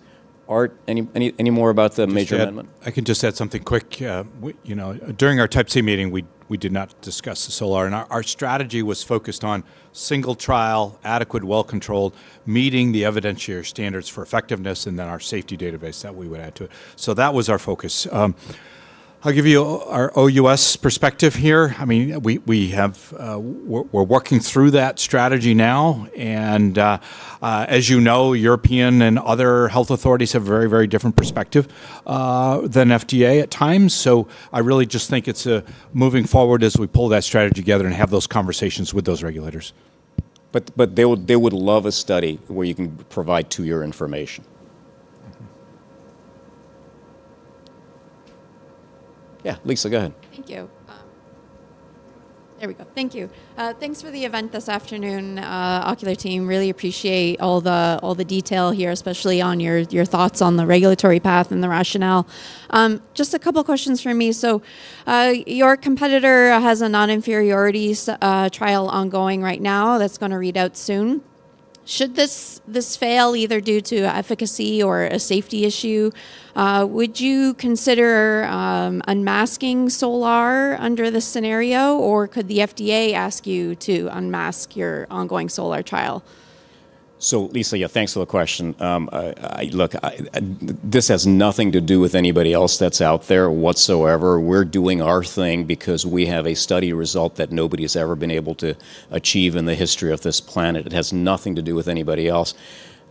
Art, any more about the major amendment? I can just add something quick. During our Type C meeting, we did not discuss the SOLAR. Our strategy was focused on single trial, adequate, well-controlled, meeting the evidentiary standards for effectiveness, and then our safety database that we would add to it. That was our focus. I'll give you our OUS perspective here. We're working through that strategy now. As you know, European and other health authorities have a very, very different perspective than FDA at times. I really just think it's moving forward as we pull that strategy together and have those conversations with those regulators. They would love a study where you can provide two-year information. Yeah, Lisa, go ahead. Thank you. There we go. Thank you. Thanks for the event this afternoon, Ocular team. Really appreciate all the detail here, especially on your thoughts on the regulatory path and the rationale. Just a couple of questions from me. Your competitor has a non-inferiority trial ongoing right now, that's going to read out soon. Should this fail, either due to efficacy or a safety issue, would you consider unmasking SOLAR under this scenario, or could the FDA ask you to unmask your ongoing SOLAR trial? Lisa, yeah, thanks for the question. Look, this has nothing to do with anybody else that's out there whatsoever. We're doing our thing because we have a study result that nobody's ever been able to achieve in the history of this planet. It has nothing to do with anybody else.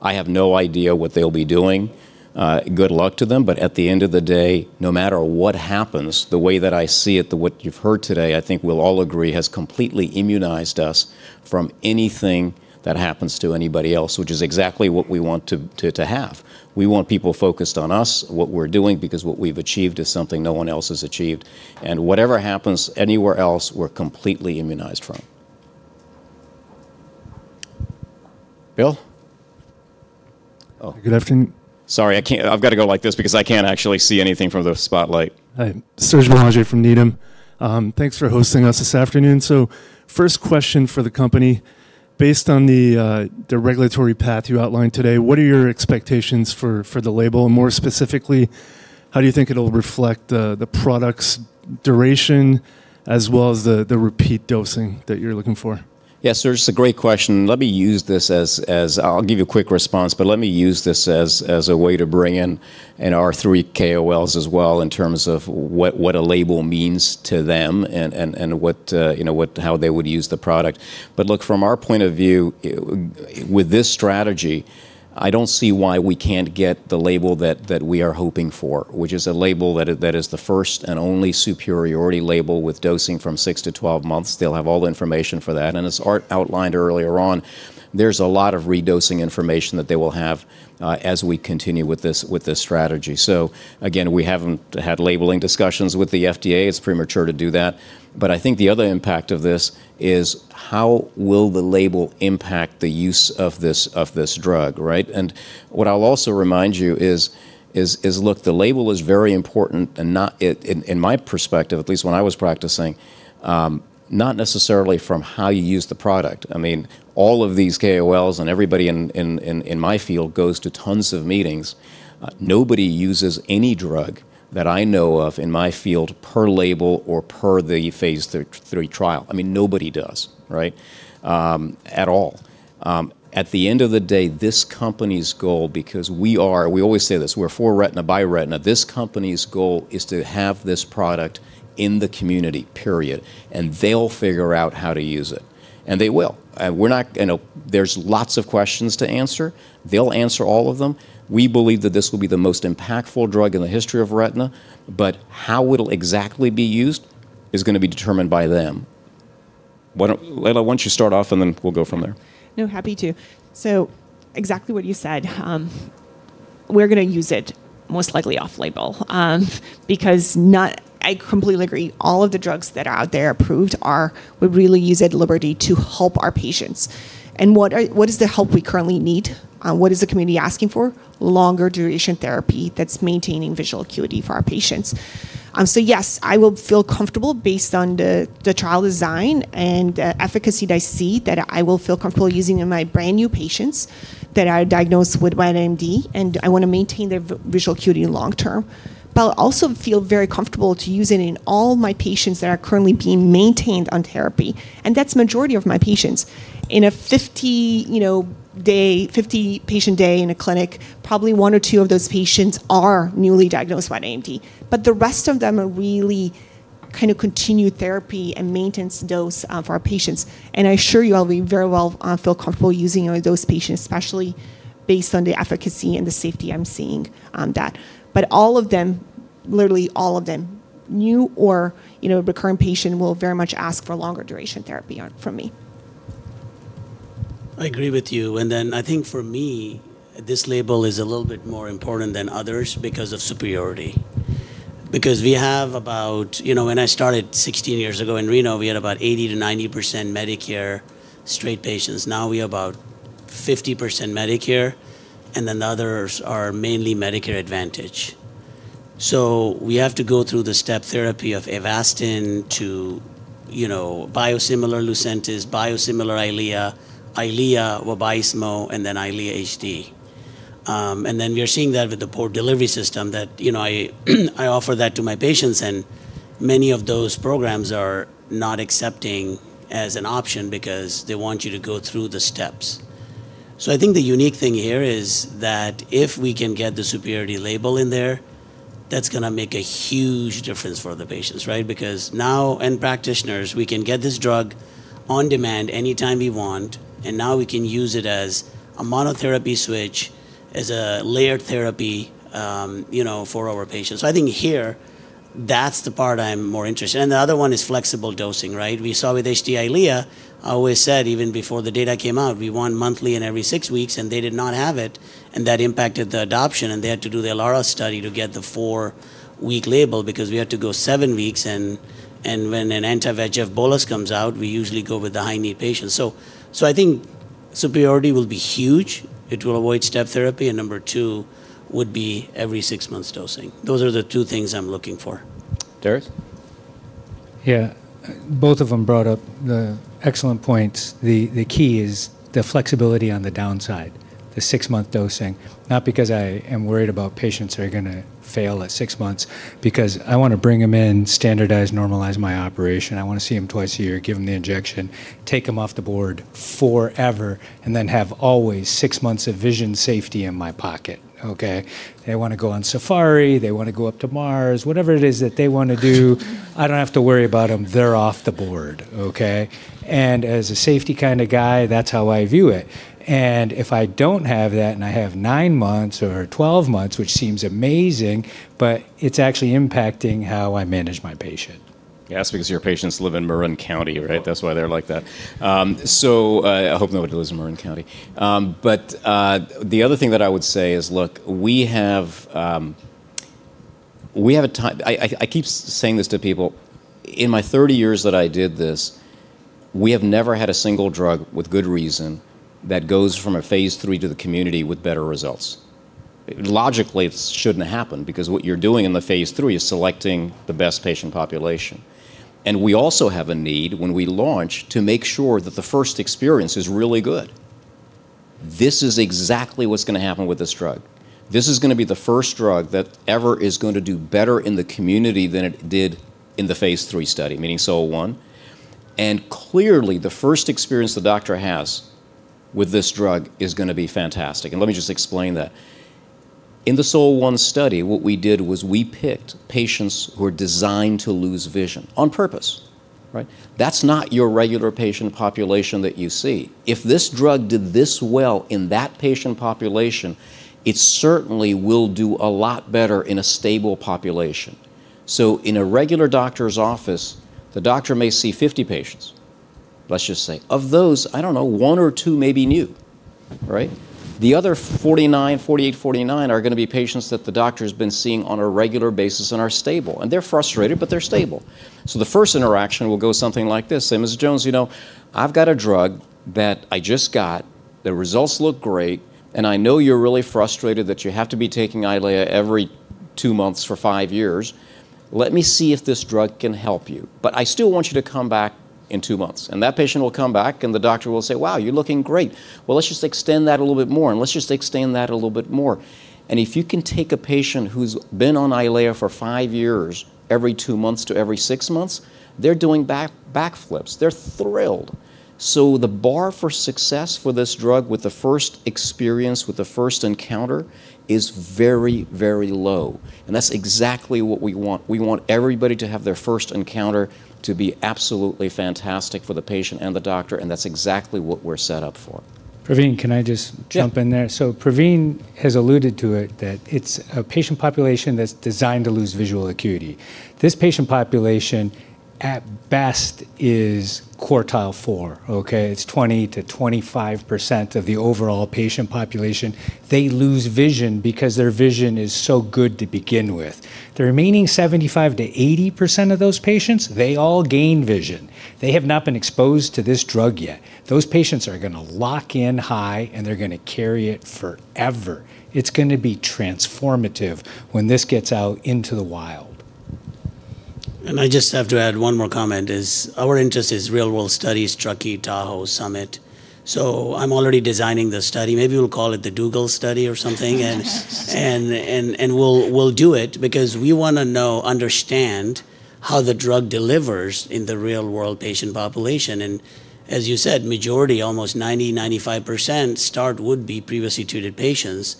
I have no idea what they'll be doing. Good luck to them. At the end of the day, no matter what happens, the way that I see it, what you've heard today, I think we'll all agree, has completely immunized us from anything that happens to anybody else, which is exactly what we want to have. We want people focused on us, what we're doing, because what we've achieved is something no one else has achieved. Whatever happens anywhere else, we're completely immunized from. Bill? Good afternoon. Sorry, I've got to go like this because I can't actually see anything from the spotlight. Hi. Serge Belanger from Needham. Thanks for hosting us this afternoon. First question for the company. Based on the regulatory path you outlined today, what are your expectations for the label? More specifically, how do you think it'll reflect the product's duration as well as the repeat dosing that you're looking for? Yeah, Serge, it's a great question. I'll give you a quick response, let me use this as a way to bring in our three KOLs as well in terms of what a label means to them and how they would use the product. Look, from our point of view, with this strategy, I don't see why we can't get the label that we are hoping for, which is a label that is the first and only superiority label with dosing from six to 12 months. They'll have all the information for that. As Art outlined earlier on, there's a lot of redosing information that they will have as we continue with this strategy. Again, we haven't had labeling discussions with the FDA. It's premature to do that. I think the other impact of this is how will the label impact the use of this drug? What I'll also remind you is, look, the label is very important and, in my perspective, at least when I was practicing, not necessarily from how you use the product. All of these KOLs and everybody in my field goes to tons of meetings. Nobody uses any drug that I know of in my field per label or per the phase III trial. Nobody does. At all. At the end of the day, this company's goal, because we always say this, we're for retina by retina. This company's goal is to have this product in the community, period. They'll figure out how to use it. They will. There's lots of questions to answer. They'll answer all of them. We believe that this will be the most impactful drug in the history of retina, but how it'll exactly be used is going to be determined by them. Why don't, Lejla, why don't you start off and then we'll go from there? No, happy to. Exactly what you said. We're going to use it most likely off-label, because I completely agree, all of the drugs that are out there approved are, we really use at liberty to help our patients. What is the help we currently need? What is the community asking for? Longer duration therapy that's maintaining visual acuity for our patients. Yes, I will feel comfortable based on the trial design and the efficacy that I see that I will feel comfortable using in my brand-new patients that are diagnosed with wet AMD, and I want to maintain their visual acuity long term. I'll also feel very comfortable to use it in all my patients that are currently being maintained on therapy, and that's the majority of my patients. In a 50-patient day in a clinic, probably one or two of those patients are newly diagnosed wet AMD, but the rest of them are really kind of continued therapy and maintenance dose of our patients. I assure you I'll be very well feel comfortable using it with those patients, especially based on the efficacy and the safety I'm seeing on that. All of them, literally all of them, new or recurring patient, will very much ask for longer duration therapy from me. I agree with you. I think for me, this label is a little bit more important than others because of superiority. We have about— When I started 16 years ago in Reno, we had about 80%-90% Medicare straight patients. Now we have about 50% Medicare, others are mainly Medicare Advantage. We have to go through the step therapy of Avastin to biosimilar LUCENTIS, biosimilar Eylea, Vabysmo, and EYLEA HD. We are seeing that with the Port Delivery System that I offer that to my patients, and many of those programs are not accepting as an option because they want you to go through the steps. I think the unique thing here is that if we can get the superiority label in there, that's going to make a huge difference for the patients, right. Now and practitioners, we can get this drug on demand anytime we want, now we can use it as a monotherapy switch, as a layered therapy for our patients. I think here, that's the part I'm more interested in. The other one is flexible dosing, right. We saw with EYLEA HD, I always said even before the data came out, we want monthly and every six weeks, and they did not have it, and that impacted the adoption, and they had to do the ELARA study to get the four-week label because we had to go seven weeks, and when an anti-VEGF bolus comes out, we usually go with the high-need patients. I think superiority will be huge. It will avoid step therapy. Number two would be every six months dosing. Those are the two things I'm looking for. Darius? Yeah. Both of them brought up the excellent points. The key is the flexibility on the downside, the six-month dosing. Not because I am worried about patients who are going to fail at six months, because I want to bring them in, standardize, normalize my operation. I want to see them twice a year, give them the injection, take them off the board forever, and have always six months of vision safety in my pocket. Okay. They want to go on safari. They want to go up to Mars. Whatever it is that they want to do, I don't have to worry about them. They're off the board. Okay. As a safety kind of guy, that's how I view it. If I don't have that, and I have nine months or 12 months, which seems amazing, but it's actually impacting how I manage my patient. Yeah, that's because your patients live in Marin County, right. That's why they're like that. I hope nobody lives in Marin County. The other thing that I would say is, look, I keep saying this to people. In my 30 years that I did this, we have never had a single drug with good reason that goes from a phase III to the community with better results. Logically, it shouldn't happen because what you're doing in the phase III is selecting the best patient population. We also have a need when we launch to make sure that the first experience is really good. This is exactly what's going to happen with this drug. This is going to be the first drug that ever is going to do better in the community than it did in the phase III study, meaning SOL1. Clearly, the first experience the doctor has with this drug is going to be fantastic. Let me just explain that. In the SOL1 study, what we did was we picked patients who were designed to lose vision on purpose. That's not your regular patient population that you see. If this drug did this well in that patient population, it certainly will do a lot better in a stable population. In a regular doctor's office, the doctor may see 50 patients, let's just say. Of those, I don't know, one or two may be new. The other 48, 49 are going to be patients that the doctor's been seeing on a regular basis and are stable. They're frustrated, but they're stable. The first interaction will go something like this. "Say, Mr. Jones, I've got a drug that I just got. The results look great, and I know you're really frustrated that you have to be taking Eylea every two months for five years. Let me see if this drug can help you. But I still want you to come back in two months." That patient will come back, and the doctor will say, "Wow, you're looking great. Well, let's just extend that a little bit more, and let's just extend that a little bit more." If you can take a patient who's been on Eylea for five years every two months to every six months, they're doing back flips. They're thrilled. The bar for success for this drug with the first experience, with the first encounter is very, very low. That's exactly what we want. We want everybody to have their first encounter to be absolutely fantastic for the patient and the doctor, and that's exactly what we're set up for. Pravin, can I just jump in there? Sure. Pravin has alluded to it, that it's a patient population that's designed to lose visual acuity. This patient population, at best, is quartile four. It's 20%-25% of the overall patient population. They lose vision because their vision is so good to begin with. The remaining 75%-80% of those patients, they all gain vision. They have not been exposed to this drug yet. Those patients are going to lock in high, and they're going to carry it forever. It's going to be transformative when this gets out into the wild. I just have to add one more comment is, our interest is real-world studies, TRUCKEE, TAHOE, SUMMIT. I'm already designing the study. Maybe we'll call it the Dugel study or something. We'll do it because we want to know, understand how the drug delivers in the real-world patient population. As you said, majority, almost 90%, 95% start would-be previously treated patients.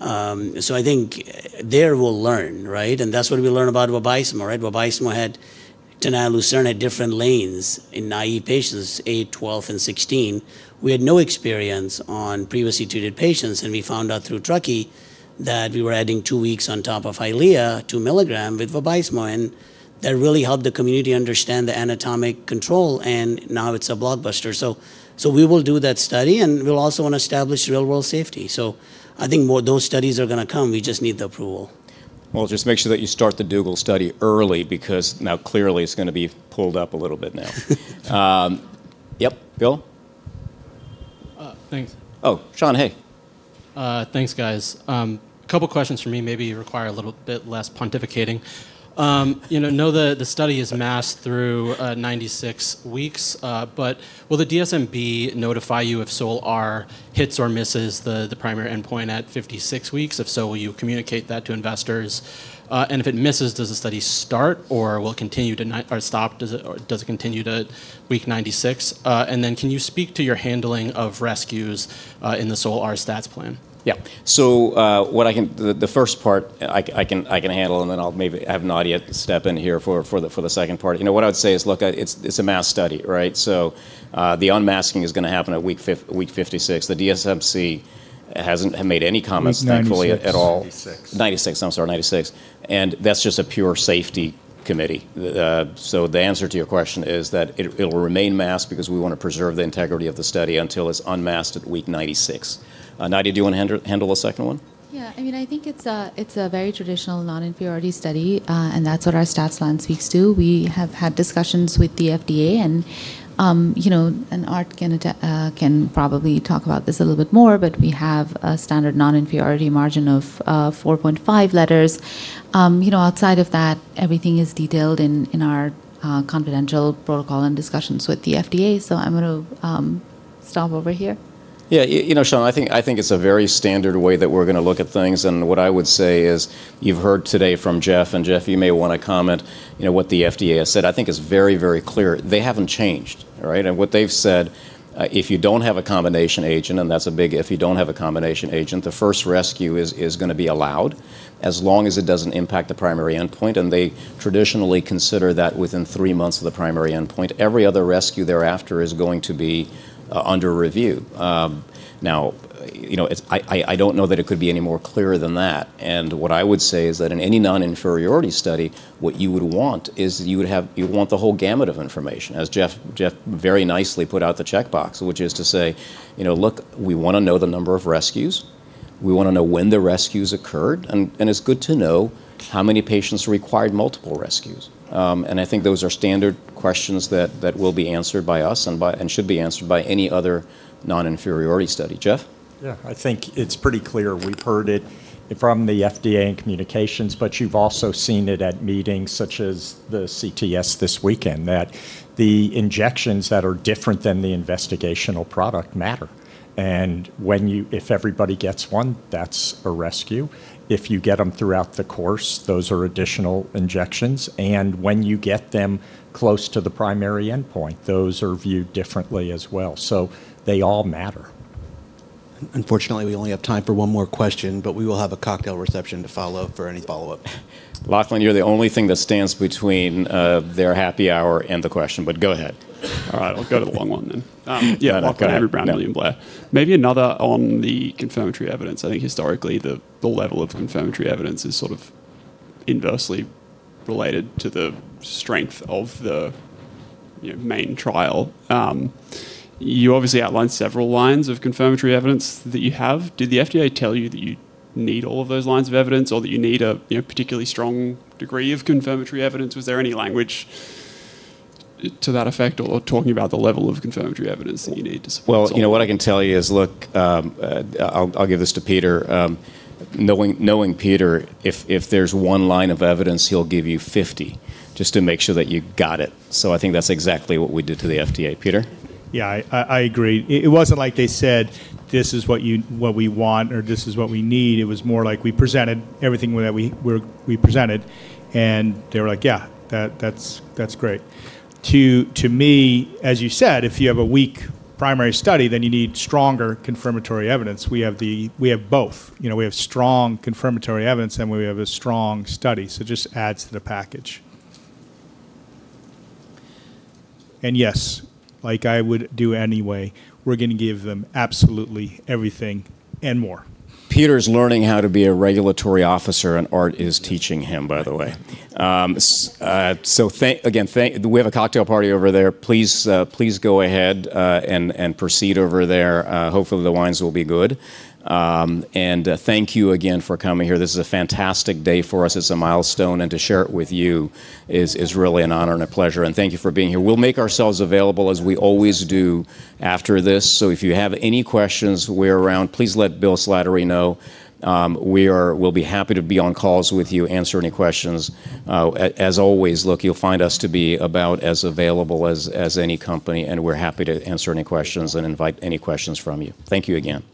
I think there we'll learn, right? That's what we learned about Vabysmo, right? Vabysmo had TENAYA, LUCERNE at different lanes in naive patients, eight, 12, and 16. We had no experience on previously treated patients, and we found out through TRUCKEE that we were adding two weeks on top of Eylea, two milligram with Vabysmo, and that really helped the community understand the anatomic control, and now it's a blockbuster. We will do that study, and we'll also want to establish real-world safety. I think more of those studies are going to come. We just need the approval. Just make sure that you start the Dugel study early because now clearly it's going to be pulled up a little bit now. Yep. Bill? Thanks. Oh, Sean. Hey. Thanks, guys. Couple questions from me, maybe require a little bit less pontificating. I know the study is masked through 96 weeks. Will the DSMB notify you if SOLAR hits or misses the primary endpoint at 56 weeks? If so, will you communicate that to investors? If it misses, does the study start or will it continue or stop? Does it continue to week 96? Can you speak to your handling of rescues in the SOLAR stats plan? Yeah. The first part I can handle, I'll maybe have Nadia step in here for the second part. What I would say is, look, it's a masked study, right? The unmasking is going to happen at week 56. The DSMC hasn't made any comments, thankfully, at all. Week 96. 96. I'm sorry, 96. That's just a pure safety committee. The answer to your question is that it'll remain masked because we want to preserve the integrity of the study until it's unmasked at week 96. Nadia, do you want to handle the second one? Yeah. I think it's a very traditional non-inferiority study, that's what our stats plan speaks to. We have had discussions with the FDA, Art can probably talk about this a little bit more, we have a standard non-inferiority margin of 4.5 letters. Outside of that, everything is detailed in our confidential protocol and discussions with the FDA. I'm going to stop over here. Yeah. Sean, I think it's a very standard way that we're going to look at things, what I would say is you've heard today from Jeff, you may want to comment. What the FDA has said, I think is very, very clear. They haven't changed. All right? What they've said, if you don't have a combination agent, and that's a big if you don't have a combination agent, the first rescue is going to be allowed as long as it doesn't impact the primary endpoint, they traditionally consider that within three months of the primary endpoint. Every other rescue thereafter is going to be under review. I don't know that it could be any more clearer than that. What I would say is that in any non-inferiority study, what you would want is you would want the whole gamut of information, as Jeff very nicely put out the checkbox, which is to say, "Look, we want to know the number of rescues. We want to know when the rescues occurred." It's good to know how many patients required multiple rescues. I think those are standard questions that will be answered by us and should be answered by any other non-inferiority study. Jeff? Yeah. I think it's pretty clear. We've heard it from the FDA in communications, you've also seen it at meetings such as the CTS this weekend, that the injections that are different than the investigational product matter. If everybody gets one, that's a rescue. If you get them throughout the course, those are additional injections. When you get them close to the primary endpoint, those are viewed differently as well. They all matter. Unfortunately, we only have time for one more question. We will have a cocktail reception to follow for any follow-up. Lachlan, you're the only thing that stands between their happy hour and the question. Go ahead. All right. I'll go to the long one. No, no. Go ahead. Yeah. Lachlan Hanbury-Brown, William Blair. Maybe another on the confirmatory evidence. I think historically, the level of confirmatory evidence is sort of inversely related to the strength of the main trial. You obviously outlined several lines of confirmatory evidence that you have. Did the FDA tell you that you need all of those lines of evidence or that you need a particularly strong degree of confirmatory evidence? Was there any language to that effect or talking about the level of confirmatory evidence that you need so? Well, what I can tell you is, look, I'll give this to Peter. Knowing Peter, if there's one line of evidence, he'll give you 50 just to make sure that you got it. I think that's exactly what we did to the FDA. Peter? Yeah, I agree. It wasn't like they said, "This is what we want," or, "This is what we need." It was more like we presented everything that we presented, and they were like, "Yeah. That's great." To me, as you said, if you have a weak primary study, then you need stronger confirmatory evidence. We have both. We have strong confirmatory evidence, and we have a strong study. It just adds to the package. Yes, like I would do anyway, we're going to give them absolutely everything and more. Peter's learning how to be a regulatory officer, and Art is teaching him, by the way. Again, we have a cocktail party over there. Please go ahead, and proceed over there. Hopefully, the wines will be good. Thank you again for coming here. This is a fantastic day for us. It's a milestone, and to share it with you is really an honor and a pleasure. Thank you for being here. We'll make ourselves available as we always do after this. If you have any questions, we're around. Please let Bill Slattery know. We'll be happy to be on calls with you, answer any questions. As always, look, you'll find us to be about as available as any company, and we're happy to answer any questions and invite any questions from you. Thank you again.